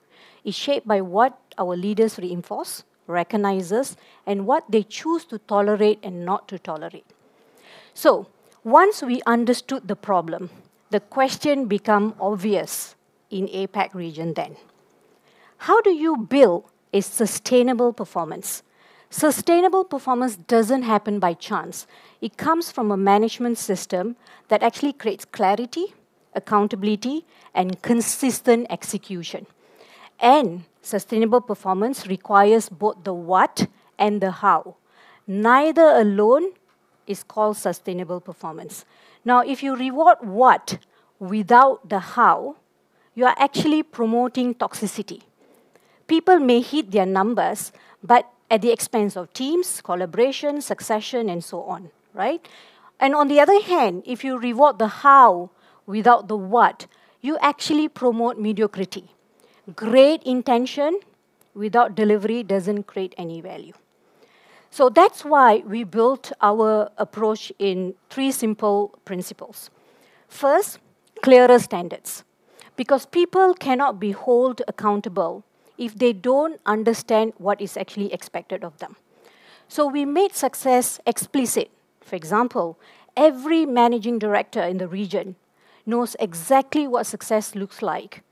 Speaker 6: It's shaped by what our leaders reinforce, recognize, and what they choose to tolerate and not to tolerate. Once we understood the problem, the question became obvious in APAC region then. How do you build a sustainable performance? Sustainable performance doesn't happen by chance. It comes from a management system that actually creates clarity, accountability, and consistent execution. Sustainable performance requires both the what and the how. Neither alone is called sustainable performance. If you reward what without the how, you are actually promoting toxicity. People may hit their numbers, but at the expense of teams, collaboration, succession, and so on. Right? On the other hand, if you reward the how without the what, you actually promote mediocrity. Great intention without delivery doesn't create any value. That's why we built our approach in three simple principles. First, clearer standards. Because people cannot be held accountable if they don't understand what is actually expected of them. We made success explicit. For example, every managing director in the region knows exactly what success looks like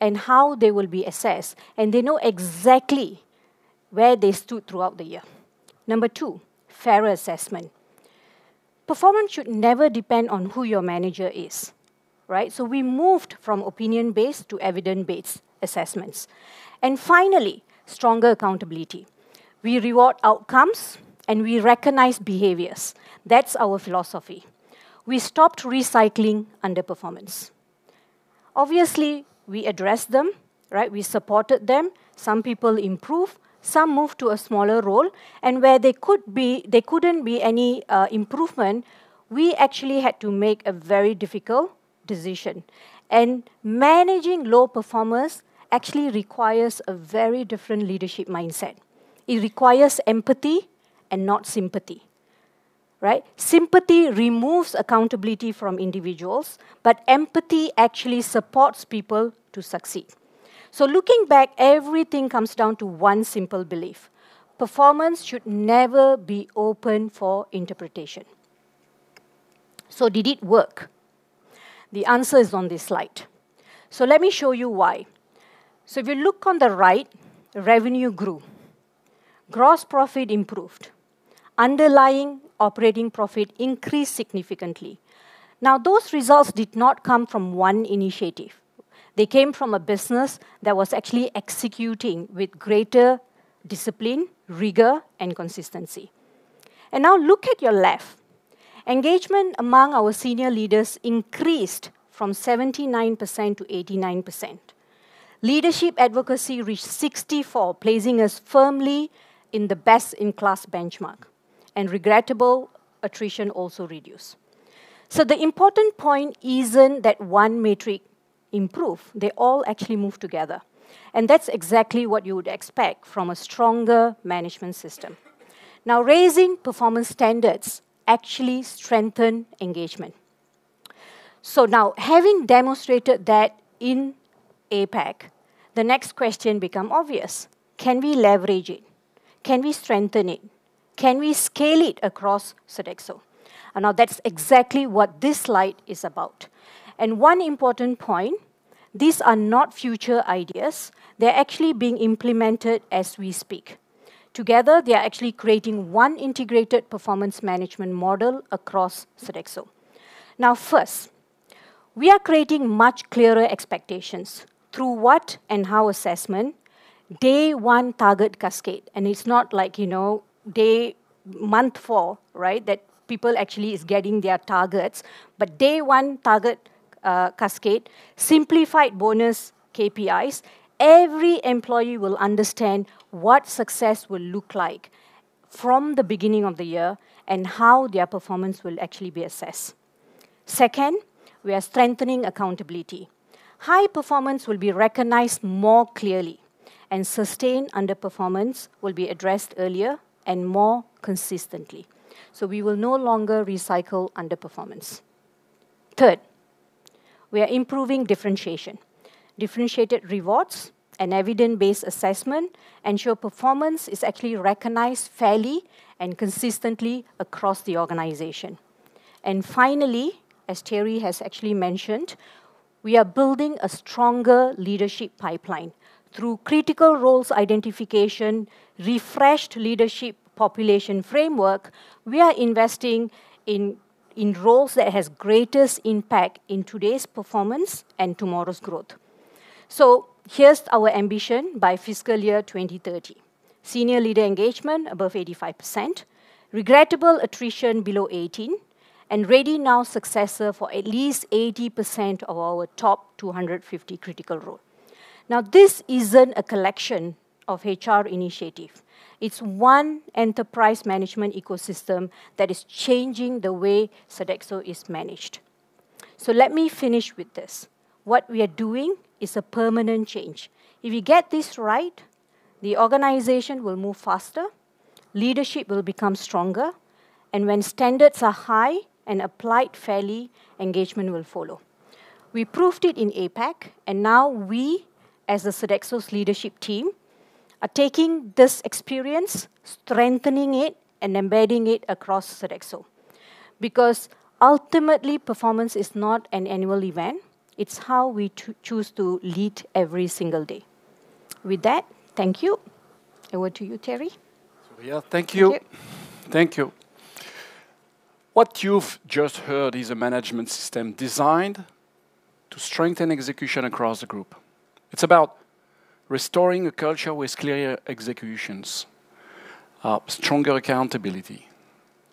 Speaker 6: and how they will be assessed, and they know exactly where they stood throughout the year. Number two, fairer assessment. Performance should never depend on who your manager is. Right? We moved from opinion-based to evidence-based assessments. Finally, stronger accountability. We reward outcomes, and we recognize behaviors. That's our philosophy. We stopped recycling underperformance. Obviously, we addressed them. We supported them. Some people improved, some moved to a smaller role. Where there couldn't be any improvement, we actually had to make a very difficult decision. Managing low performance actually requires a very different leadership mindset. It requires empathy and not sympathy. Right? Sympathy removes accountability from individuals, but empathy actually supports people to succeed. Looking back, everything comes down to 1 simple belief. Performance should never be open for interpretation. Did it work? The answer is on this slide. Let me show you why. If you look on the right, revenue grew. Gross profit improved. Underlying operating profit increased significantly. Those results did not come from one initiative. They came from a business that was actually executing with greater discipline, rigor, and consistency. Now look at your left. Engagement among our senior leaders increased from 79% to 89%. Leadership advocacy reached 64%, placing us firmly in the best-in-class benchmark, and regrettable attrition also reduced. The important point isn't that one metric improved. They all actually move together, and that's exactly what you would expect from a stronger management system. Raising performance standards actually strengthen engagement. Having demonstrated that in APAC, the next question became obvious. Can we leverage it? Can we strengthen it? Can we scale it across Sodexo? That's exactly what this slide is about. One important point, these are not future ideas. They're actually being implemented as we speak. Together, they are actually creating one integrated performance management model across Sodexo. First, we are creating much clearer expectations through what and how assessment day one target cascade. It's not like day, month four, right? That people actually are getting their targets, but day one target cascade, simplified bonus KPIs. Every employee will understand what success will look like from the beginning of the year and how their performance will actually be assessed. Second, we are strengthening accountability. High performance will be recognized more clearly and sustained underperformance will be addressed earlier and more consistently. We will no longer recycle underperformance. Third, we are improving differentiation. Differentiated rewards and evidence-based assessment ensure performance is actually recognized fairly and consistently across the organization. Finally, as Thierry has actually mentioned, we are building a stronger leadership pipeline through critical roles identification, refreshed leadership population framework. We are investing in roles that have greatest impact in today's performance and tomorrow's growth. Here's our ambition by fiscal year 2030. Senior leader engagement above 85%, regrettable attrition below 18%, and ready now successor for at least 80% of our top 250 critical roles. This isn't a collection of HR initiatives. It's one enterprise management ecosystem that is changing the way Sodexo is managed. Let me finish with this. What we are doing is a permanent change. If we get this right, the organization will move faster, leadership will become stronger, and when standards are high and applied fairly, engagement will follow. We proved it in APAC, we, as the Sodexo's leadership team, are taking this experience, strengthening it, and embedding it across Sodexo. Ultimately, performance is not an annual event. It's how we choose to lead every single day. With that, thank you. Over to you, Thierry.
Speaker 2: Soorya, thank you. Thank you. What you've just heard is a management system designed to strengthen execution across the group. It's about restoring a culture with clear executions, stronger accountability,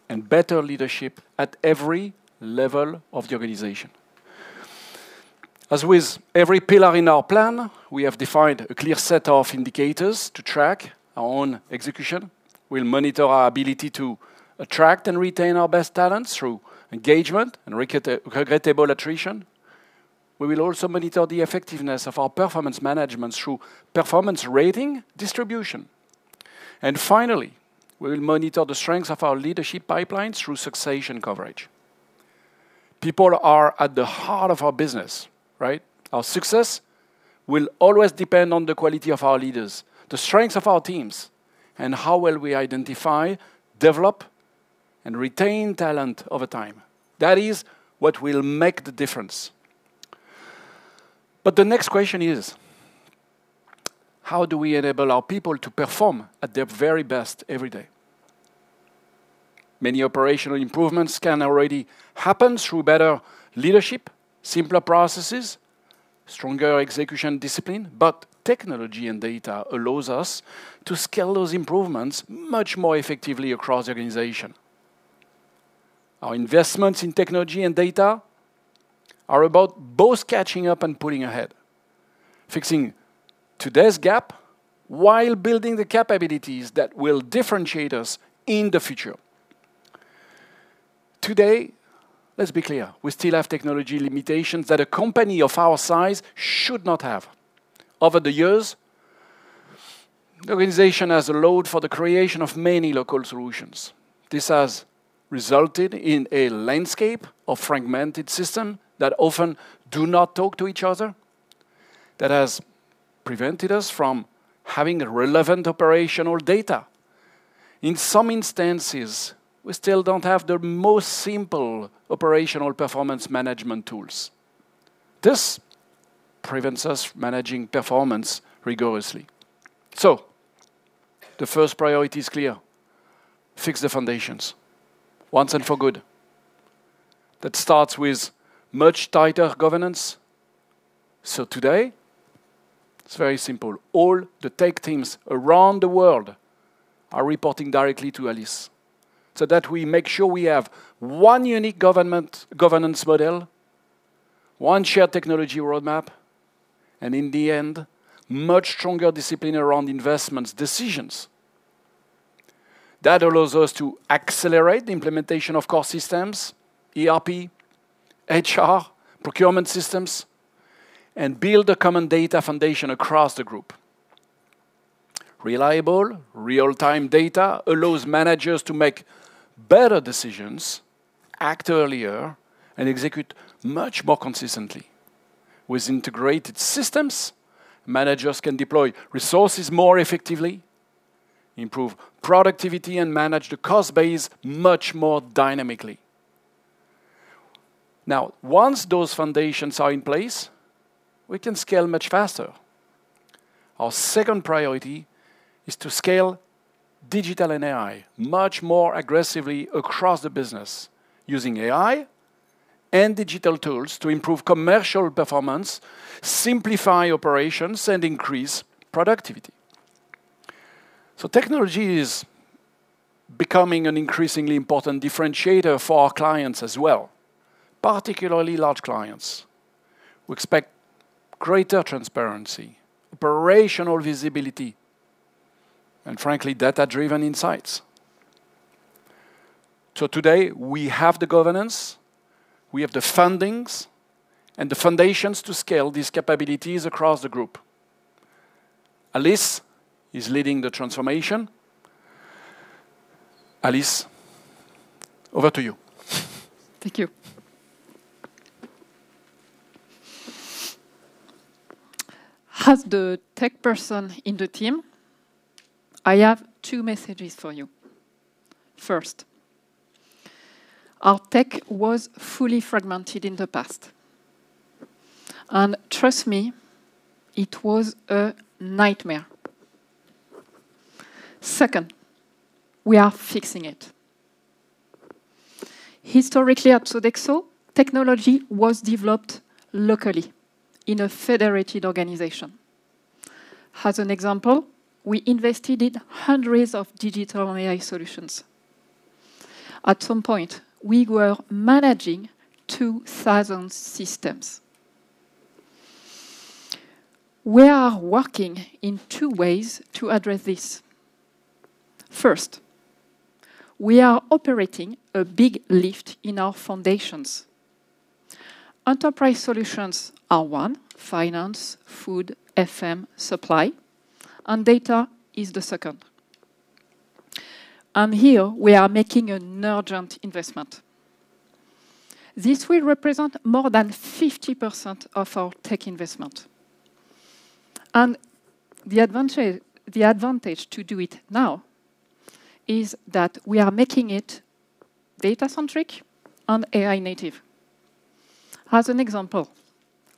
Speaker 2: and better leadership at every level of the organization. As with every pillar in our plan, we have defined a clear set of indicators to track our own execution. We'll monitor our ability to attract and retain our best talents through engagement and regrettable attrition. We will also monitor the effectiveness of our performance management through performance rating distribution. Finally, we will monitor the strength of our leadership pipeline through succession coverage. People are at the heart of our business, right? Our success will always depend on the quality of our leaders, the strengths of our teams, and how well we identify, develop, and retain talent over time. That is what will make the difference. The next question is, how do we enable our people to perform at their very best every day? Many operational improvements can already happen through better leadership, simpler processes, stronger execution discipline, technology and data allows us to scale those improvements much more effectively across the organization. Our investments in technology and data are about both catching up and pulling ahead. Fixing today's gap while building the capabilities that will differentiate us in the future. Today, let's be clear, we still have technology limitations that a company of our size should not have. Over the years, the organization has allowed for the creation of many local solutions. This has resulted in a landscape of fragmented systems that often do not talk to each other, that has prevented us from having relevant operational data. In some instances, we still don't have the most simple operational performance management tools. This prevents us managing performance rigorously. The first priority is clear. Fix the foundations once and for good. That starts with much tighter governance. Today, it's very simple. All the tech teams around the world are reporting directly to Alice, so that we make sure we have one unique governance model, one shared technology roadmap, and in the end, much stronger discipline around investments decisions. That allows us to accelerate the implementation of core systems, ERP, HR, procurement systems, and build a common data foundation across the group. Reliable, real-time data allows managers to make better decisions, act earlier, and execute much more consistently. With integrated systems, managers can deploy resources more effectively, improve productivity, and manage the cost base much more dynamically. Once those foundations are in place, we can scale much faster. Our second priority is to scale digital and AI much more aggressively across the business, using AI and digital tools to improve commercial performance, simplify operations, and increase productivity. Technology is becoming an increasingly important differentiator for our clients as well, particularly large clients, who expect greater transparency, operational visibility, and frankly, data-driven insights. Today, we have the governance, we have the fundings, and the foundations to scale these capabilities across the group. Alice is leading the transformation. Alice, over to you.
Speaker 7: Thank you. As the tech person in the team, I have two messages for you. First, our tech was fully fragmented in the past. Trust me, it was a nightmare. Second, we are fixing it. Historically at Sodexo, technology was developed locally in a federated organization. As an example, we invested in hundreds of digital and AI solutions. At some point, we were managing 2,000 systems. We are working in two ways to address this. First, we are operating a big lift in our foundations. Enterprise solutions are one, finance, food, FM, supply, and data is the second. Here, we are making an urgent investment. This will represent more than 50% of our tech investment. The advantage to do it now is that we are making it data-centric and AI-native. As an example,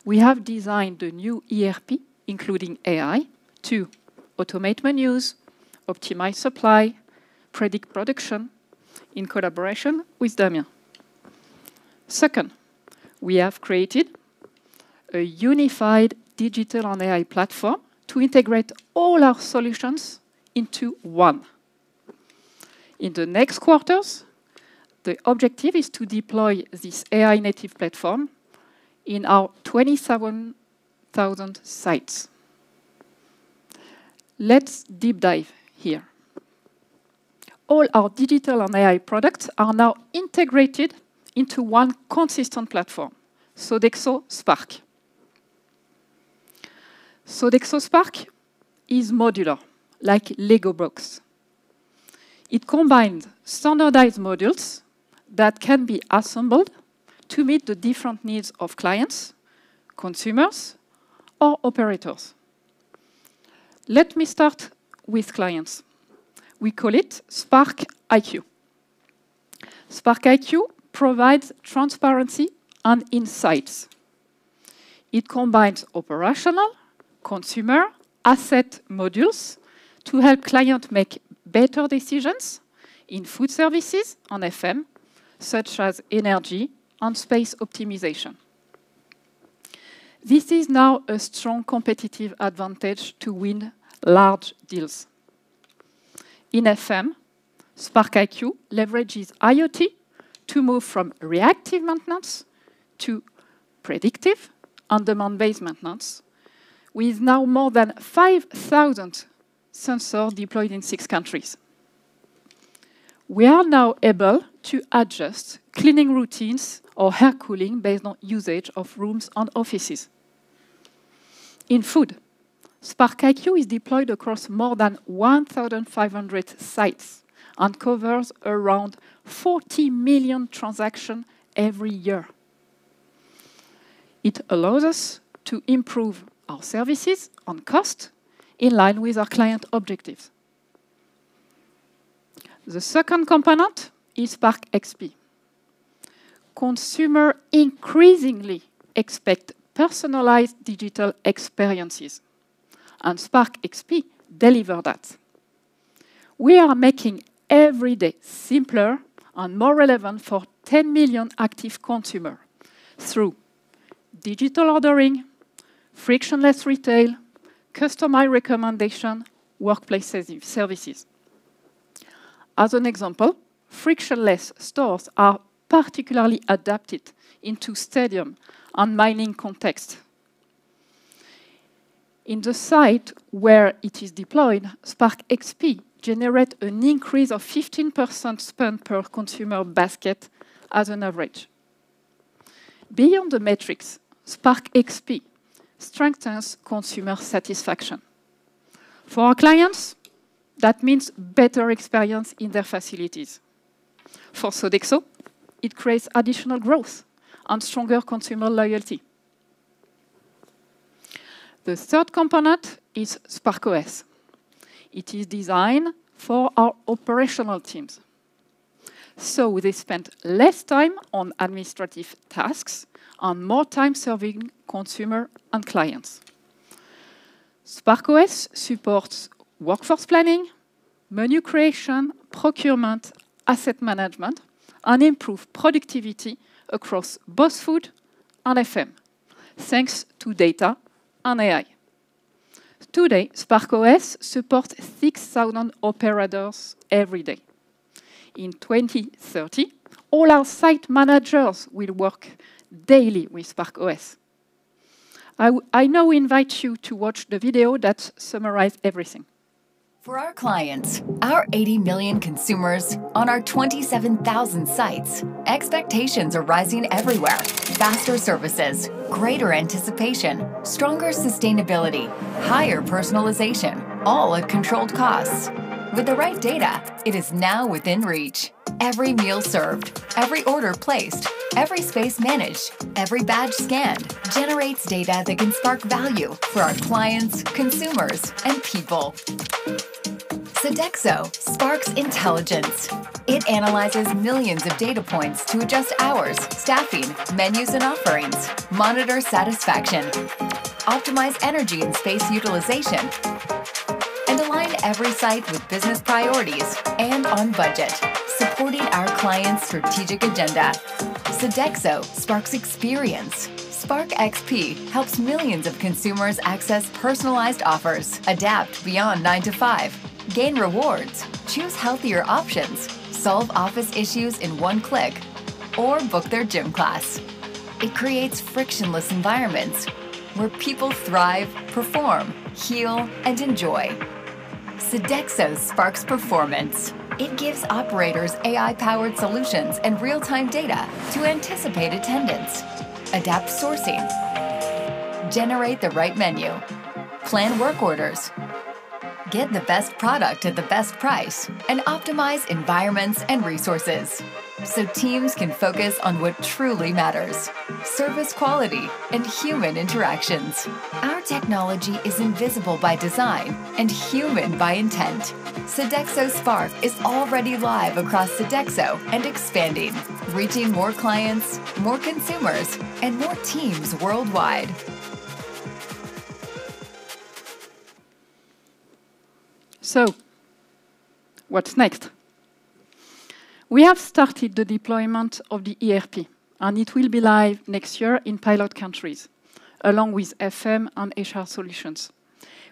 Speaker 7: we have designed a new ERP, including AI, to automate menus, optimize supply, predict production, in collaboration with Damien. Second, we have created a unified digital and AI platform to integrate all our solutions into one. In the next quarters, the objective is to deploy this AI-native platform in our 27,000 sites. Let's deep dive here. All our digital and AI products are now integrated into one consistent platform, Sodexo Spark. Sodexo Spark is modular, like Lego blocks. It combines standardized modules that can be assembled to meet the different needs of clients, consumers, or operators. Let me start with clients. We call it Spark IQ. Spark IQ provides transparency and insights. It combines operational, consumer, asset modules to help client make better decisions in food services and FM, such as energy and space optimization. This is now a strong competitive advantage to win large deals. In FM, Spark IQ leverages IoT to move from reactive maintenance to predictive and demand-based maintenance, with now more than 5,000 sensors deployed in six countries. We are now able to adjust cleaning routines or air cooling based on usage of rooms and offices. In food, Spark IQ is deployed across more than 1,500 sites and covers around 40 million transactions every year. It allows us to improve our services and cost in line with our client objectives. The second component is Spark XP. Consumer increasingly expect personalized digital experiences, and Spark XP deliver that. We are making every day simpler and more relevant for 10 million active consumer through Digital ordering, frictionless retail, customized recommendation, workplace services. As an example, frictionless stores are particularly adapted into stadium and mining context. In the site where it is deployed, SparkXP generate an increase of 15% spend per consumer basket as an average. Beyond the metrics, SparkXP strengthens consumer satisfaction. For our clients, that means better experience in their facilities. For Sodexo, it creates additional growth and stronger consumer loyalty. The third component is SparkOS. It is designed for our operational teams, so they spend less time on administrative tasks and more time serving consumer and clients. SparkOS supports workforce planning, menu creation, procurement, asset management, and improve productivity across both food and FM, thanks to data and AI. Today, SparkOS supports 6,000 operators every day. In 2030, all our site managers will work daily with SparkOS. I now invite you to watch the video that summarize everything.
Speaker 3: For our clients, our 80 million consumers on our 27,000 sites, expectations are rising everywhere. Faster services, greater anticipation, stronger sustainability, higher personalization, all at controlled costs. With the right data, it is now within reach. Every meal served, every order placed, every space managed, every badge scanned, generates data that can spark value for our clients, consumers, and people. Sodexo sparks intelligence. It analyzes millions of data points to adjust hours, staffing, menus, and offerings, monitor satisfaction, optimize energy and space utilization, and align every site with business priorities and on budget, supporting our clients' strategic agenda. Sodexo sparks experience. SparkXP helps millions of consumers access personalized offers, adapt beyond nine to five, gain rewards, choose healthier options, solve office issues in one click, or book their gym class. It creates frictionless environments where people thrive, perform, heal, and enjoy. Sodexo sparks performance. It gives operators AI-powered solutions and real-time data to anticipate attendance, adapt sourcing, generate the right menu, plan work orders, get the best product at the best price, and optimize environments and resources so teams can focus on what truly matters, service quality and human interactions. Our technology is invisible by design and human by intent. Sodexo Spark is already live across Sodexo and expanding, reaching more clients, more consumers, and more teams worldwide.
Speaker 7: What's next? We have started the deployment of the ERP, and it will be live next year in pilot countries, along with FM and HR solutions.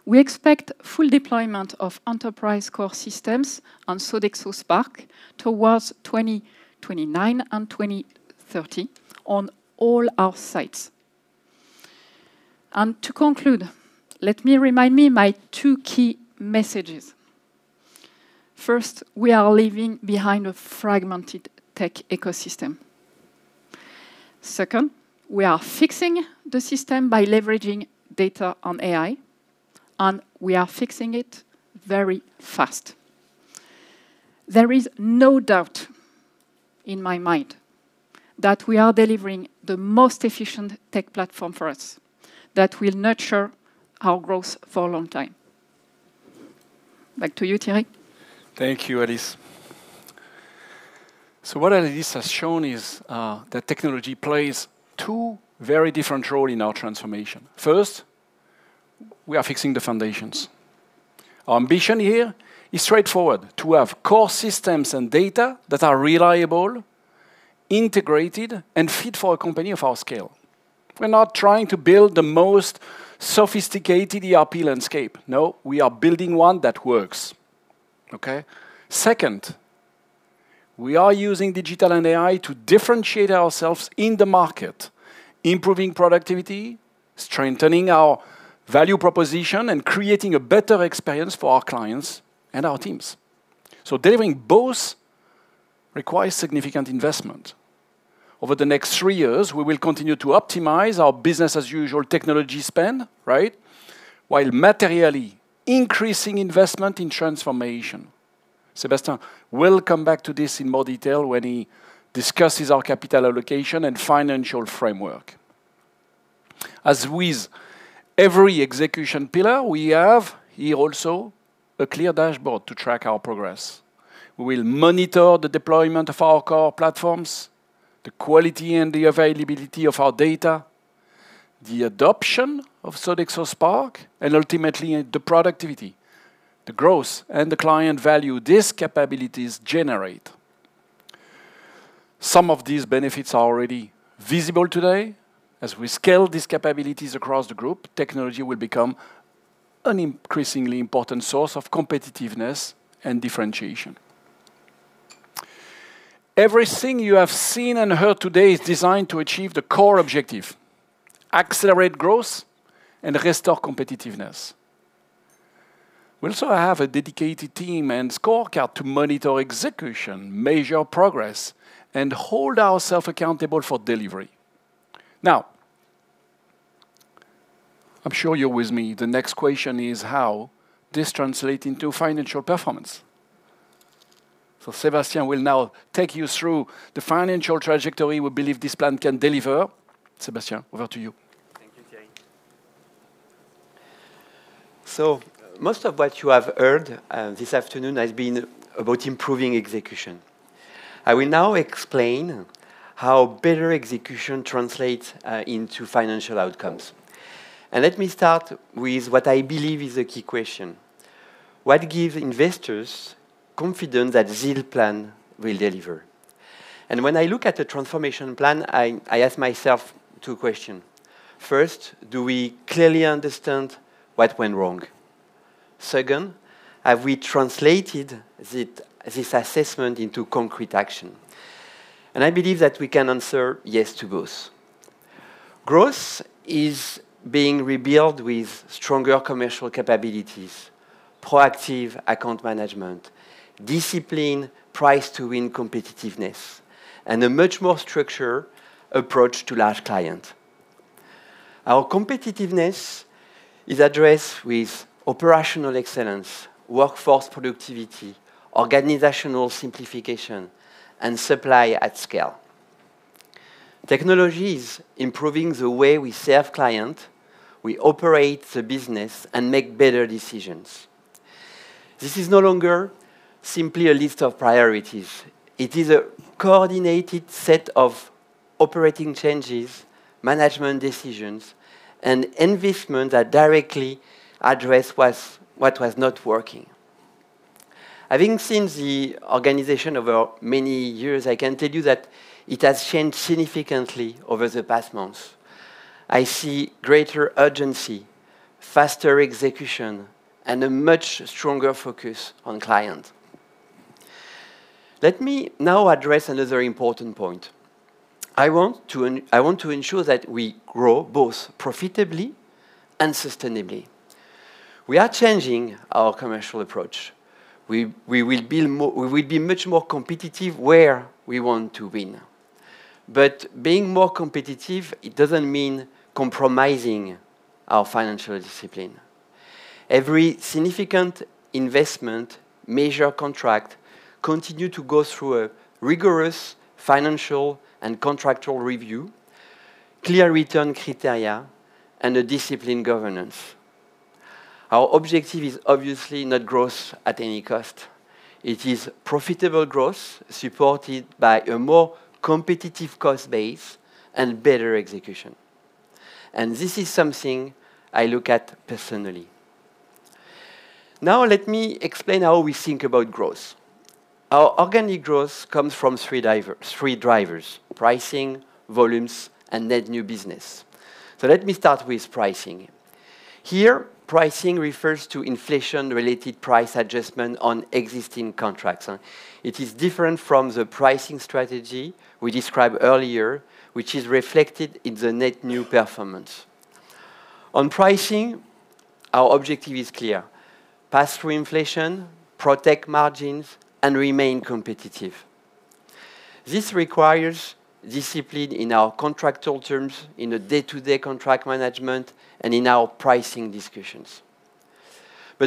Speaker 7: We expect full deployment of enterprise core systems on Sodexo Spark towards 2029 and 2030 on all our sites. To conclude, let me remind you my two key messages. First, we are leaving behind a fragmented tech ecosystem. Second, we are fixing the system by leveraging data on AI, and we are fixing it very fast. There is no doubt in my mind that we are delivering the most efficient tech platform for us that will nurture our growth for a long time. Back to you, Thierry.
Speaker 2: Thank you, Alice. What Alice has shown is that technology plays two very different roles in our transformation. First, we are fixing the foundations. Our ambition here is straightforward, to have core systems and data that are reliable, integrated, and fit for a company of our scale. We are not trying to build the most sophisticated ERP landscape. No, we are building one that works. Okay. Second, we are using digital and AI to differentiate ourselves in the market, improving productivity, strengthening our value proposition, and creating a better experience for our clients and our teams. Delivering both requires significant investment. Over the next three years, we will continue to optimize our business as usual technology spend, right, while materially increasing investment in transformation. Sébastien will come back to this in more detail when he discusses our capital allocation and financial framework. As with every execution pillar, we have here also a clear dashboard to track our progress. We will monitor the deployment of our core platforms, the quality and the availability of our data, the adoption of Sodexo Spark, and ultimately, the productivity, the growth, and the client value these capabilities generate. Some of these benefits are already visible today. As we scale these capabilities across the group, technology will become an increasingly important source of competitiveness and differentiation. Everything you have seen and heard today is designed to achieve the core objective: accelerate growth and restore competitiveness. We also have a dedicated team and scorecard to monitor execution, measure progress, and hold ourselves accountable for delivery. Now, I am sure you are with me. The next question is how this translates into financial performance. Sébastien will now take you through the financial trajectory we believe this plan can deliver. Sébastien, over to you.
Speaker 8: Thank you, Thierry. Most of what you have heard this afternoon has been about improving execution. I will now explain how better execution translates into financial outcomes. Let me start with what I believe is a key question. What gives investors confidence that ZEAL plan will deliver? When I look at the transformation plan, I ask myself two questions. First, do we clearly understand what went wrong? Second, have we translated this assessment into concrete action? I believe that we can answer yes to both. Growth is being rebuilt with stronger commercial capabilities, proactive account management, discipline, price to win competitiveness, and a much more structured approach to large clients. Our competitiveness is addressed with operational excellence, workforce productivity, organizational simplification, and supply at scale. Technology is improving the way we serve clients, we operate the business, and make better decisions. This is no longer simply a list of priorities. It is a coordinated set of operating changes, management decisions, and investments that directly address what was not working. Having seen the organization over many years, I can tell you that it has changed significantly over the past months. I see greater urgency, faster execution, and a much stronger focus on clients. Let me now address another important point. I want to ensure that we grow both profitably and sustainably. We are changing our commercial approach. We will be much more competitive where we want to win. Being more competitive, it doesn't mean compromising our financial discipline. Every significant investment, major contract, continue to go through a rigorous financial and contractual review, clear return criteria, and a disciplined governance. Our objective is obviously not growth at any cost. It is profitable growth supported by a more competitive cost base and better execution. This is something I look at personally. Let me explain how we think about growth. Our organic growth comes from three drivers, pricing, volumes, and net new business. Let me start with pricing. Here, pricing refers to inflation-related price adjustment on existing contracts. It is different from the pricing strategy we described earlier, which is reflected in the net new performance. On pricing, our objective is clear. Pass through inflation, protect margins, and remain competitive. This requires discipline in our contractual terms, in a day-to-day contract management, and in our pricing discussions.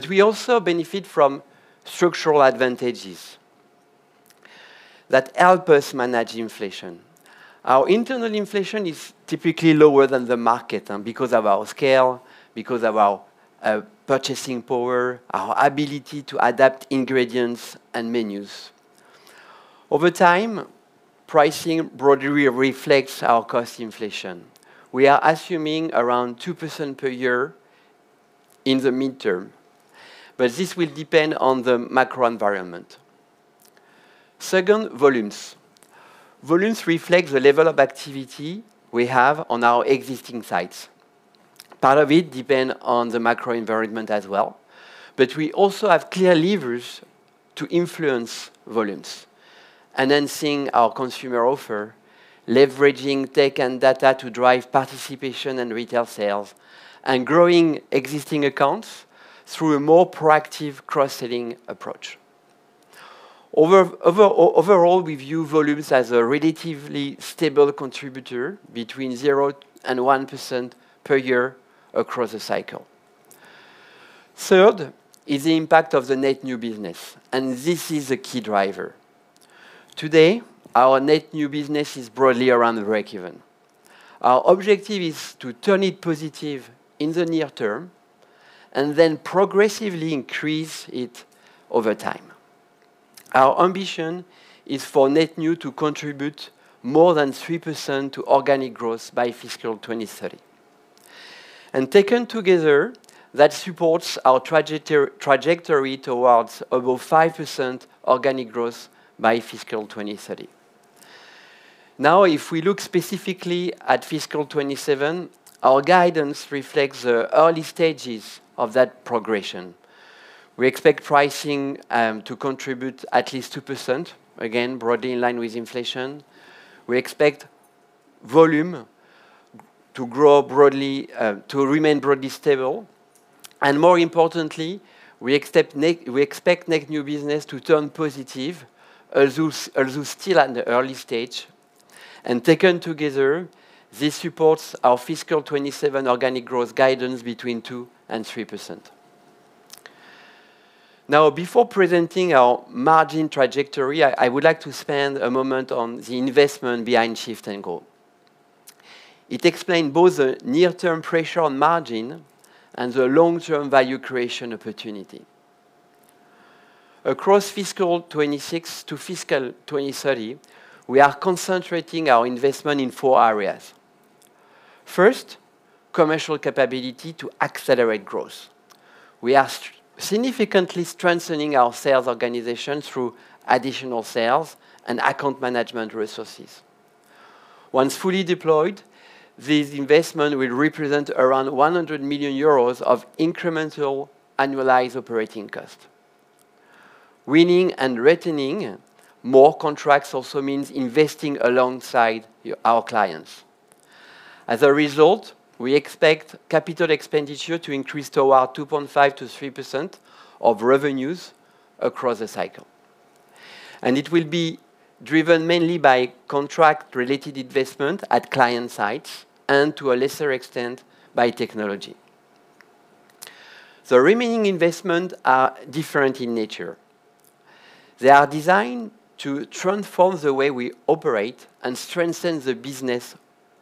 Speaker 8: We also benefit from structural advantages that help us manage inflation. Our internal inflation is typically lower than the market because of our scale, because of our purchasing power, our ability to adapt ingredients and menus. Over time, pricing broadly reflects our cost inflation. We are assuming around 2% per year in the midterm. This will depend on the macro environment. Second, volumes. Volumes reflect the level of activity we have on our existing sites. Part of it depends on the macro environment as well. We also have clear levers to influence volumes. Enhancing our consumer offer, leveraging tech and data to drive participation and retail sales, and growing existing accounts through a more proactive cross-selling approach. Overall, we view volumes as a relatively stable contributor between 0 and 1% per year across the cycle. Third is the impact of the net new business. This is a key driver. Today, our net new business is broadly around breakeven. Our objective is to turn it positive in the near term progressively increase it over time. Our ambition is for net new to contribute more than 3% to organic growth by fiscal 2030. Taken together, that supports our trajectory towards above 5% organic growth by fiscal 2030. If we look specifically at fiscal 27, our guidance reflects the early stages of that progression. We expect pricing to contribute at least 2%, again, broadly in line with inflation. We expect volume to remain broadly stable. More importantly, we expect net new business to turn positive, although still at the early stage. Taken together, this supports our fiscal 27 organic growth guidance between 2% and 3%. Before presenting our margin trajectory, I would like to spend a moment on the investment behind Shift & Grow. It explains both the near-term pressure on margin and the long-term value creation opportunity. Across fiscal 26 to fiscal 2030, we are concentrating our investment in four areas. First, commercial capability to accelerate growth. We are significantly strengthening our sales organization through additional sales and account management resources. Once fully deployed, this investment will represent around 100 million euros of incremental annualized operating cost. Winning and retaining more contracts also means investing alongside our clients. As a result, we expect capital expenditure to increase toward 2.5% to 3% of revenues across the cycle. It will be driven mainly by contract-related investment at client sites, and to a lesser extent, by technology. The remaining investment are different in nature. They are designed to transform the way we operate and strengthen the business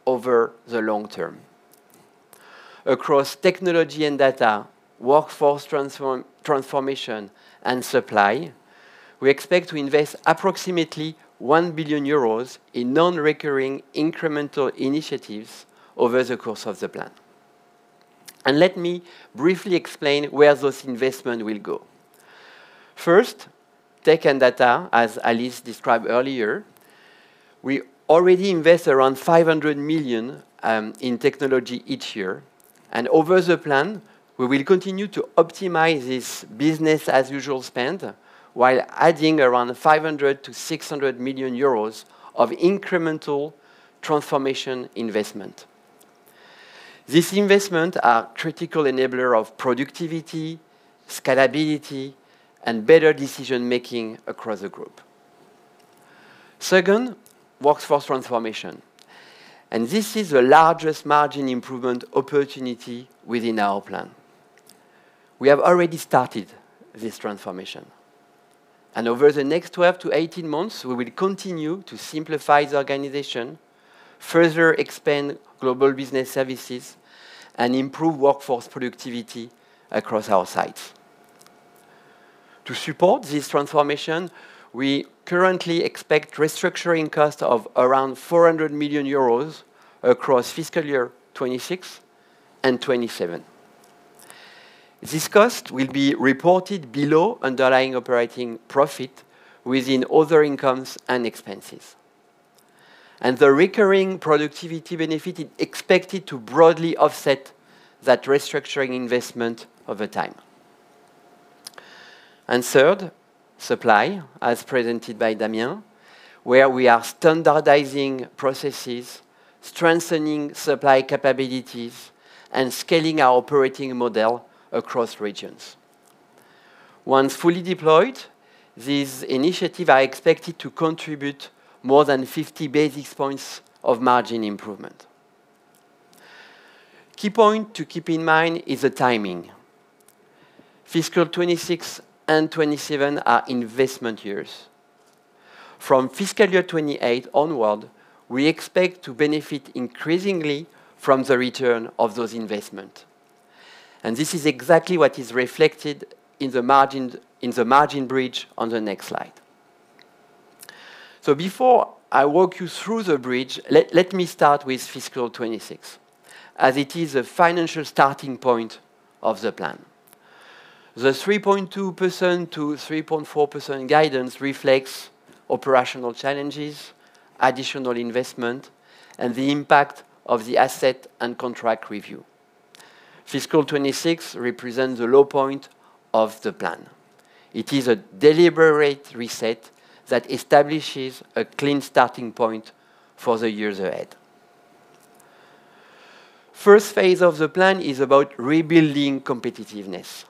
Speaker 8: over the long term. Across technology and data, workforce transformation, and supply, we expect to invest approximately 1 billion euros in non-recurring incremental initiatives over the course of the plan. Let me briefly explain where those investment will go. First, tech and data, as Alice described earlier. We already invest around 500 million in technology each year. Over the plan, we will continue to optimize this business as usual spend, while adding around 500 to 600 million euros of incremental transformation investment. This investment are critical enabler of productivity, scalability, and better decision-making across the group. Second, workforce transformation. This is the largest margin improvement opportunity within our plan. We have already started this transformation. Over the next 12 to 18 months, we will continue to simplify the organization, further expand global business services, and improve workforce productivity across our sites. To support this transformation, we currently expect restructuring cost of around 400 million euros across FY 2026 and FY 2027. This cost will be reported below underlying operating profit within other incomes and expenses. The recurring productivity benefit is expected to broadly offset that restructuring investment over time. Third, supply, as presented by Damien, where we are standardizing processes, strengthening supply capabilities, and scaling our operating model across regions. Once fully deployed, these initiatives are expected to contribute more than 50 basis points of margin improvement. Key point to keep in mind is the timing. FY 2026 and FY 2027 are investment years. From FY 2028 onward, we expect to benefit increasingly from the return of those investment. This is exactly what is reflected in the margin bridge on the next slide. Before I walk you through the bridge, let me start with FY 2026, as it is a financial starting point of the plan. The 3.2% to 3.4% guidance reflects operational challenges, additional investment, and the impact of the asset and contract review. FY 2026 represents the low point of the plan. It is a deliberate reset that establishes a clean starting point for the years ahead. First phase of the plan is about rebuilding competitiveness.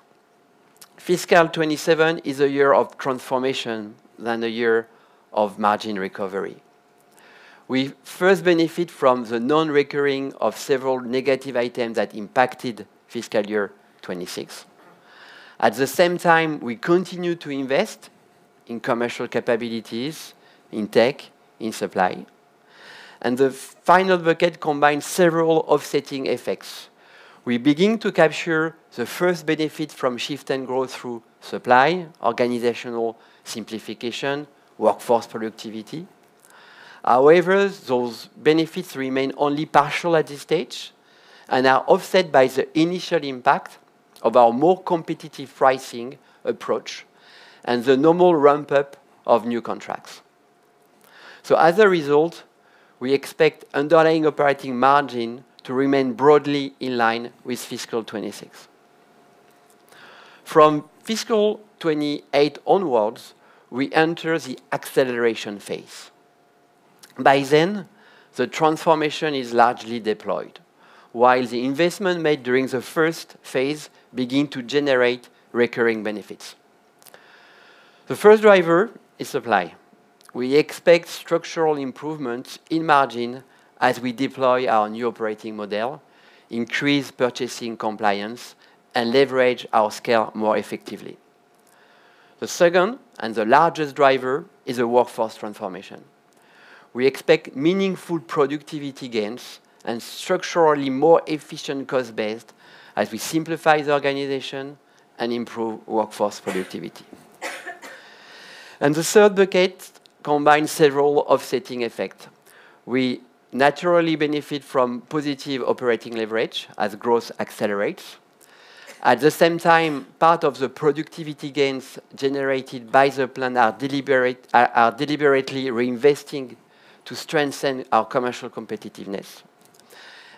Speaker 8: FY 2027 is a year of transformation than a year of margin recovery. We first benefit from the non-recurring of several negative items that impacted FY 2026. At the same time, we continue to invest in commercial capabilities, in tech, in supply. The final bucket combines several offsetting effects. We begin to capture the first benefit from Shift & Grow through supply, organizational simplification, workforce productivity. However, those benefits remain only partial at this stage and are offset by the initial impact of our more competitive pricing approach and the normal ramp-up of new contracts. As a result, we expect underlying operating margin to remain broadly in line with FY 2026. From FY 2028 onwards, we enter the acceleration phase. By then, the transformation is largely deployed while the investment made during the first phase begin to generate recurring benefits. The first driver is supply. We expect structural improvements in margin as we deploy our new operating model, increase purchasing compliance, and leverage our scale more effectively. The second, and the largest driver, is a workforce transformation. We expect meaningful productivity gains and structurally more efficient cost base as we simplify the organization and improve workforce productivity. The third bucket combines several offsetting effect. We naturally benefit from positive operating leverage as growth accelerates. At the same time, part of the productivity gains generated by the plan are deliberately reinvesting to strengthen our commercial competitiveness.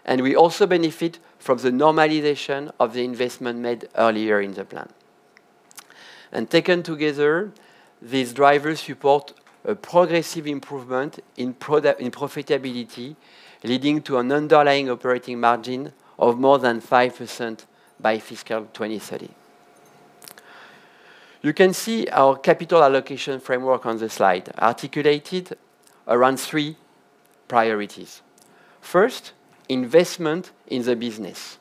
Speaker 8: We also benefit from the normalization of the investment made earlier in the plan. Taken together, these drivers support a progressive improvement in profitability, leading to an underlying operating margin of more than 5% by fiscal 2030. You can see our capital allocation framework on the slide, articulated around three priorities. First, investment in the business.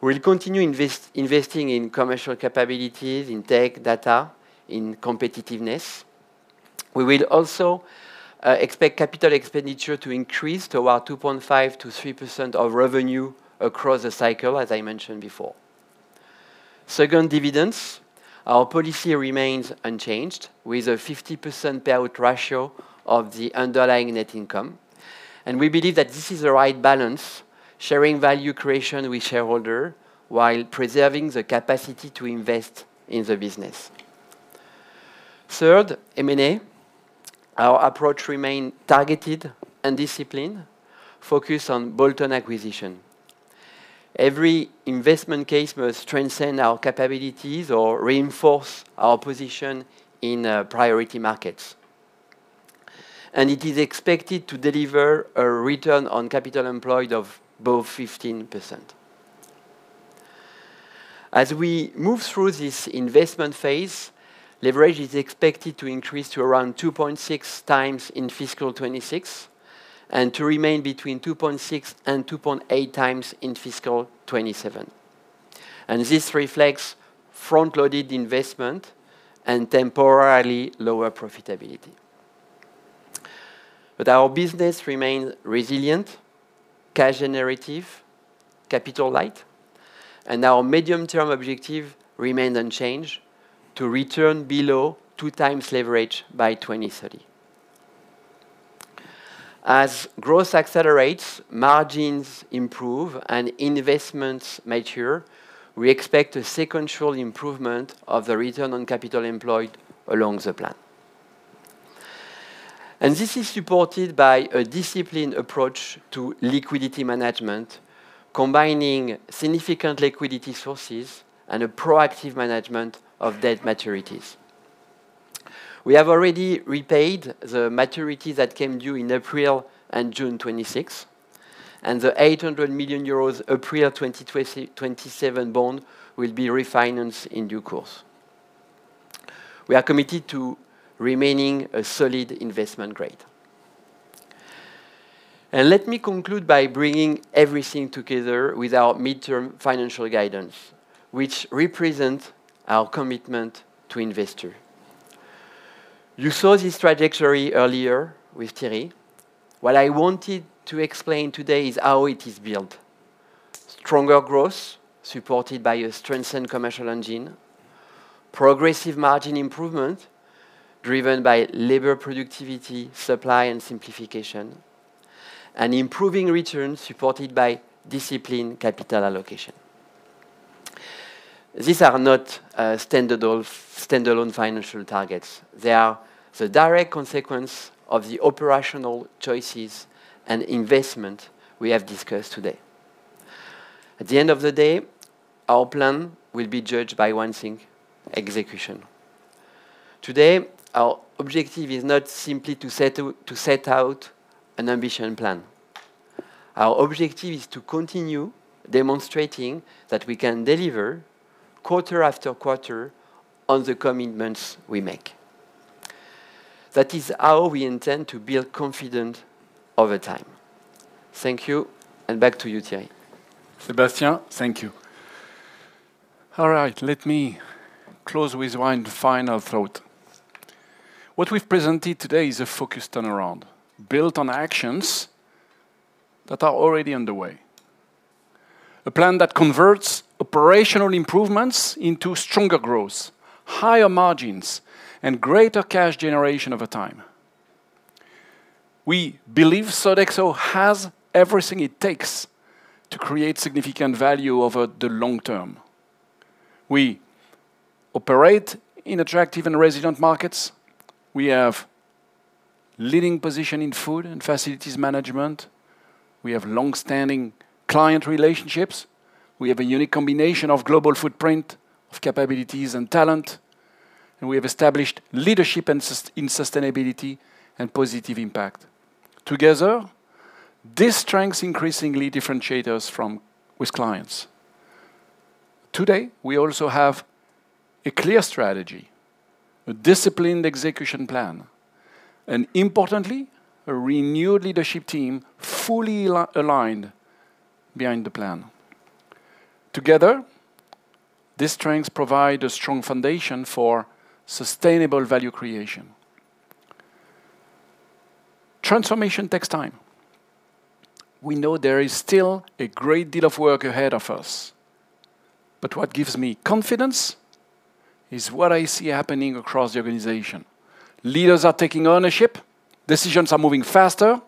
Speaker 8: We'll continue investing in commercial capabilities, in tech data, in competitiveness. We will also expect capital expenditure to increase to about 2.5%-3% of revenue across the cycle, as I mentioned before. Second, dividends. Our policy remains unchanged with a 50% payout ratio of the underlying net income, and we believe that this is the right balance, sharing value creation with shareholder while preserving the capacity to invest in the business. Third, M&A. Our approach remain targeted and disciplined, focused on bolt-on acquisition. Every investment case must transcend our capabilities or reinforce our position in priority markets. It is expected to deliver a return on capital employed of above 15%. As we move through this investment phase, leverage is expected to increase to around 2.6 times in FY 2026 and to remain between 2.6 and 2.8 times in FY 2027. This reflects front-loaded investment and temporarily lower profitability. Our business remains resilient, cash generative, capital light, and our medium-term objective remain unchanged to return below 2 times leverage by 2030. As growth accelerates, margins improve, and investments mature, we expect a sequential improvement of the return on capital employed along the plan. This is supported by a disciplined approach to liquidity management, combining significant liquidity sources and a proactive management of debt maturities. We have already repaid the maturity that came due in April and June 2026, and the 800 million euros April 2027 bond will be refinanced in due course. We are committed to remaining a solid investment grade. Let me conclude by bringing everything together with our midterm financial guidance, which represent our commitment to investor. You saw this trajectory earlier with Thierry. What I wanted to explain today is how it is built. Stronger growth, supported by a strengthened commercial engine, progressive margin improvement driven by labor productivity, supply, and simplification, and improving returns supported by disciplined capital allocation. These are not standalone financial targets. They are the direct consequence of the operational choices and investment we have discussed today. At the end of the day, our plan will be judged by one thing, execution. Today, our objective is not simply to set out an ambition plan. Our objective is to continue demonstrating that we can deliver quarter after quarter on the commitments we make. That is how we intend to build confidence over time. Thank you, and back to you, Thierry.
Speaker 2: Sébastien, thank you. All right, let me close with one final thought. What we've presented today is a focused turnaround built on actions that are already underway. A plan that converts operational improvements into stronger growth, higher margins, and greater cash generation over time. We believe Sodexo has everything it takes to create significant value over the long term. We operate in attractive and resilient markets. We have leading position in food and facilities management. We have longstanding client relationships. We have a unique combination of global footprint of capabilities and talent, and we have established leadership in sustainability and positive impact. Together, these strengths increasingly differentiate us with clients. Today, we also have a clear strategy, a disciplined execution plan, and importantly, a renewed leadership team fully aligned behind the plan. Together, these strengths provide a strong foundation for sustainable value creation. Transformation takes time. We know there is still a great deal of work ahead of us. What gives me confidence is what I see happening across the organization. Leaders are taking ownership, decisions are moving faster,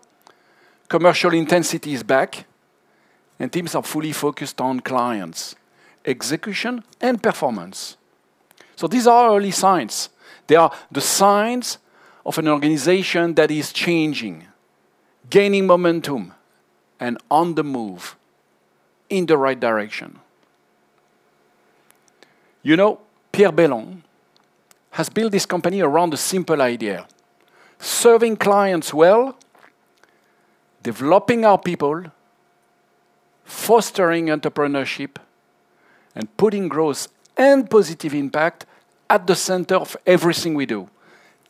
Speaker 2: commercial intensity is back, and teams are fully focused on clients, execution, and performance. These are early signs. They are the signs of an organization that is changing, gaining momentum, and on the move in the right direction. Pierre Bellon has built this company around a simple idea. Serving clients well, developing our people, fostering entrepreneurship, and putting growth and positive impact at the center of everything we do.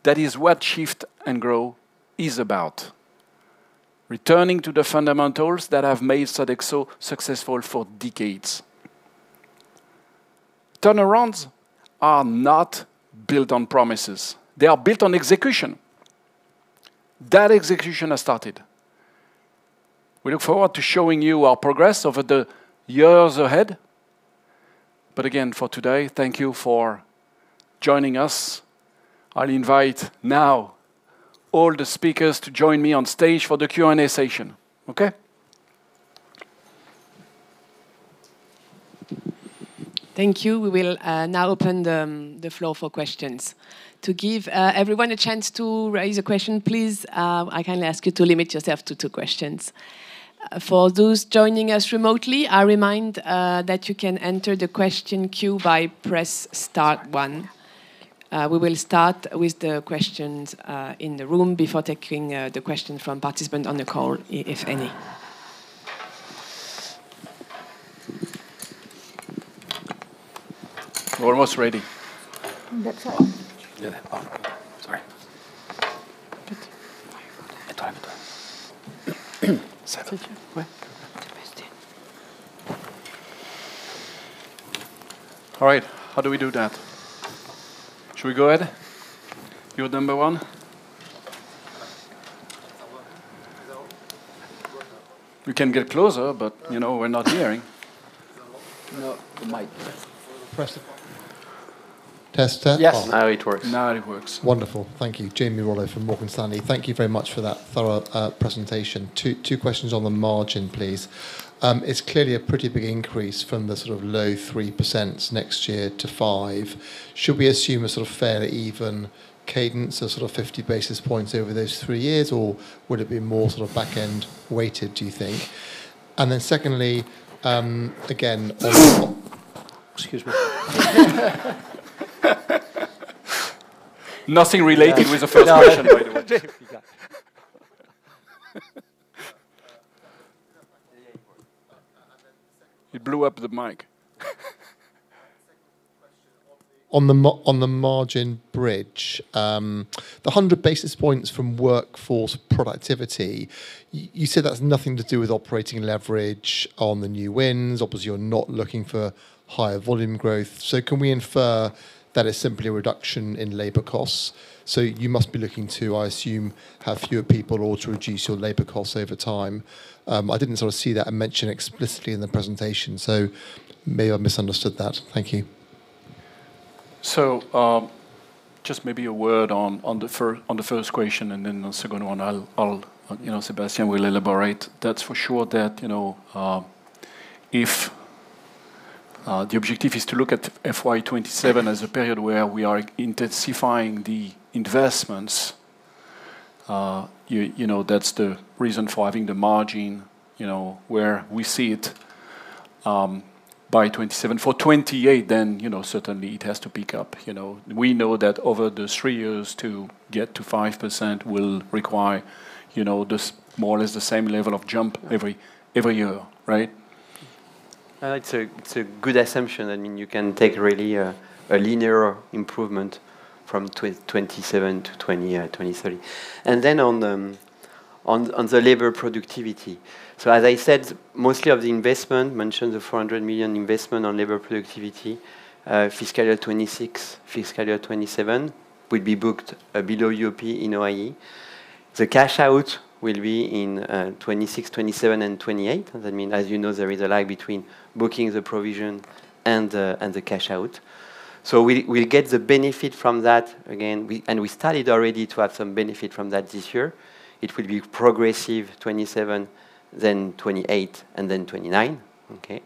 Speaker 2: That is what Shift & Grow is about. Returning to the fundamentals that have made Sodexo successful for decades. Turnarounds are not built on promises. They are built on execution. That execution has started. We look forward to showing you our progress over the years ahead. Again, for today, thank you for joining us. I'll invite now all the speakers to join me on stage for the Q&A session. Okay?
Speaker 1: Thank you. We will now open the floor for questions. To give everyone a chance to raise a question, please, I kindly ask you to limit yourself to two questions. For those joining us remotely, I remind that you can enter the question queue by press star one. We will start with the questions in the room before taking the questions from participants on the call, if any.
Speaker 2: We're almost ready.
Speaker 1: That's on.
Speaker 2: All right. How do we do that? Should we go ahead? You're number one. We can get closer, but we're not hearing.
Speaker 9: Hello?
Speaker 8: No, the mic.
Speaker 2: Press it.
Speaker 8: Test, test. Oh.
Speaker 9: Yes, now it works.
Speaker 8: Now it works.
Speaker 9: Wonderful. Thank you. Jamie Rollo from Morgan Stanley. Thank you very much for that thorough presentation. Two questions on the margin, please. It's clearly a pretty big increase from the sort of low 3% next year to 5%. Should we assume a sort of fairly even cadence of sort of 50 basis points over those three years, or would it be more sort of back end weighted, do you think?
Speaker 2: Excuse me. Nothing related with the first question, by the way. He blew up the mic.
Speaker 9: On the margin bridge, the 100 basis points from workforce productivity, you said that is nothing to do with operating leverage on the new wins. Obviously, you are not looking for higher volume growth. Can we infer that it is simply a reduction in labor costs? You must be looking to, I assume, have fewer people or to reduce your labor costs over time. I did not sort of see that mentioned explicitly in the presentation, so may have misunderstood that. Thank you.
Speaker 2: Just maybe a word on the first question and the second one, Sébastien will elaborate. That is for sure that, if the objective is to look at FY 2027 as a period where we are intensifying the investments, that is the reason for having the margin, where we see it by 2027. For 2028, certainly it has to pick up. We know that over the three years to get to 5% will require more or less the same level of jump every year, right?
Speaker 8: It is a good assumption. You can take really a linear improvement from 2027 to 2030. On the labor productivity. As I said, mostly of the investment, mentioned the 400 million investment on labor productivity, FY 2026, FY 2027, will be booked below UOP in OIE. The cash out will be in 2026, 2027, and 2028. As you know, there is a lag between booking the provision and the cash out. We will get the benefit from that again. We started already to have some benefit from that this year. It will be progressive 2027, 2028, and 2029. Okay.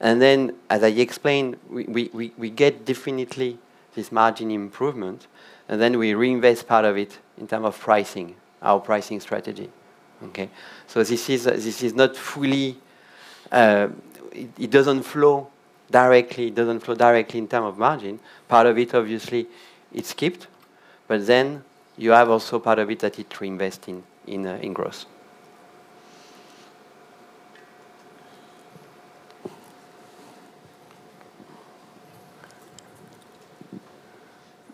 Speaker 8: As I explained, we get definitely this margin improvement, and we reinvest part of it in terms of pricing, our pricing strategy. Okay. It does not flow directly in terms of margin. Part of it, obviously, is kept, you have also part of it that you to invest in growth.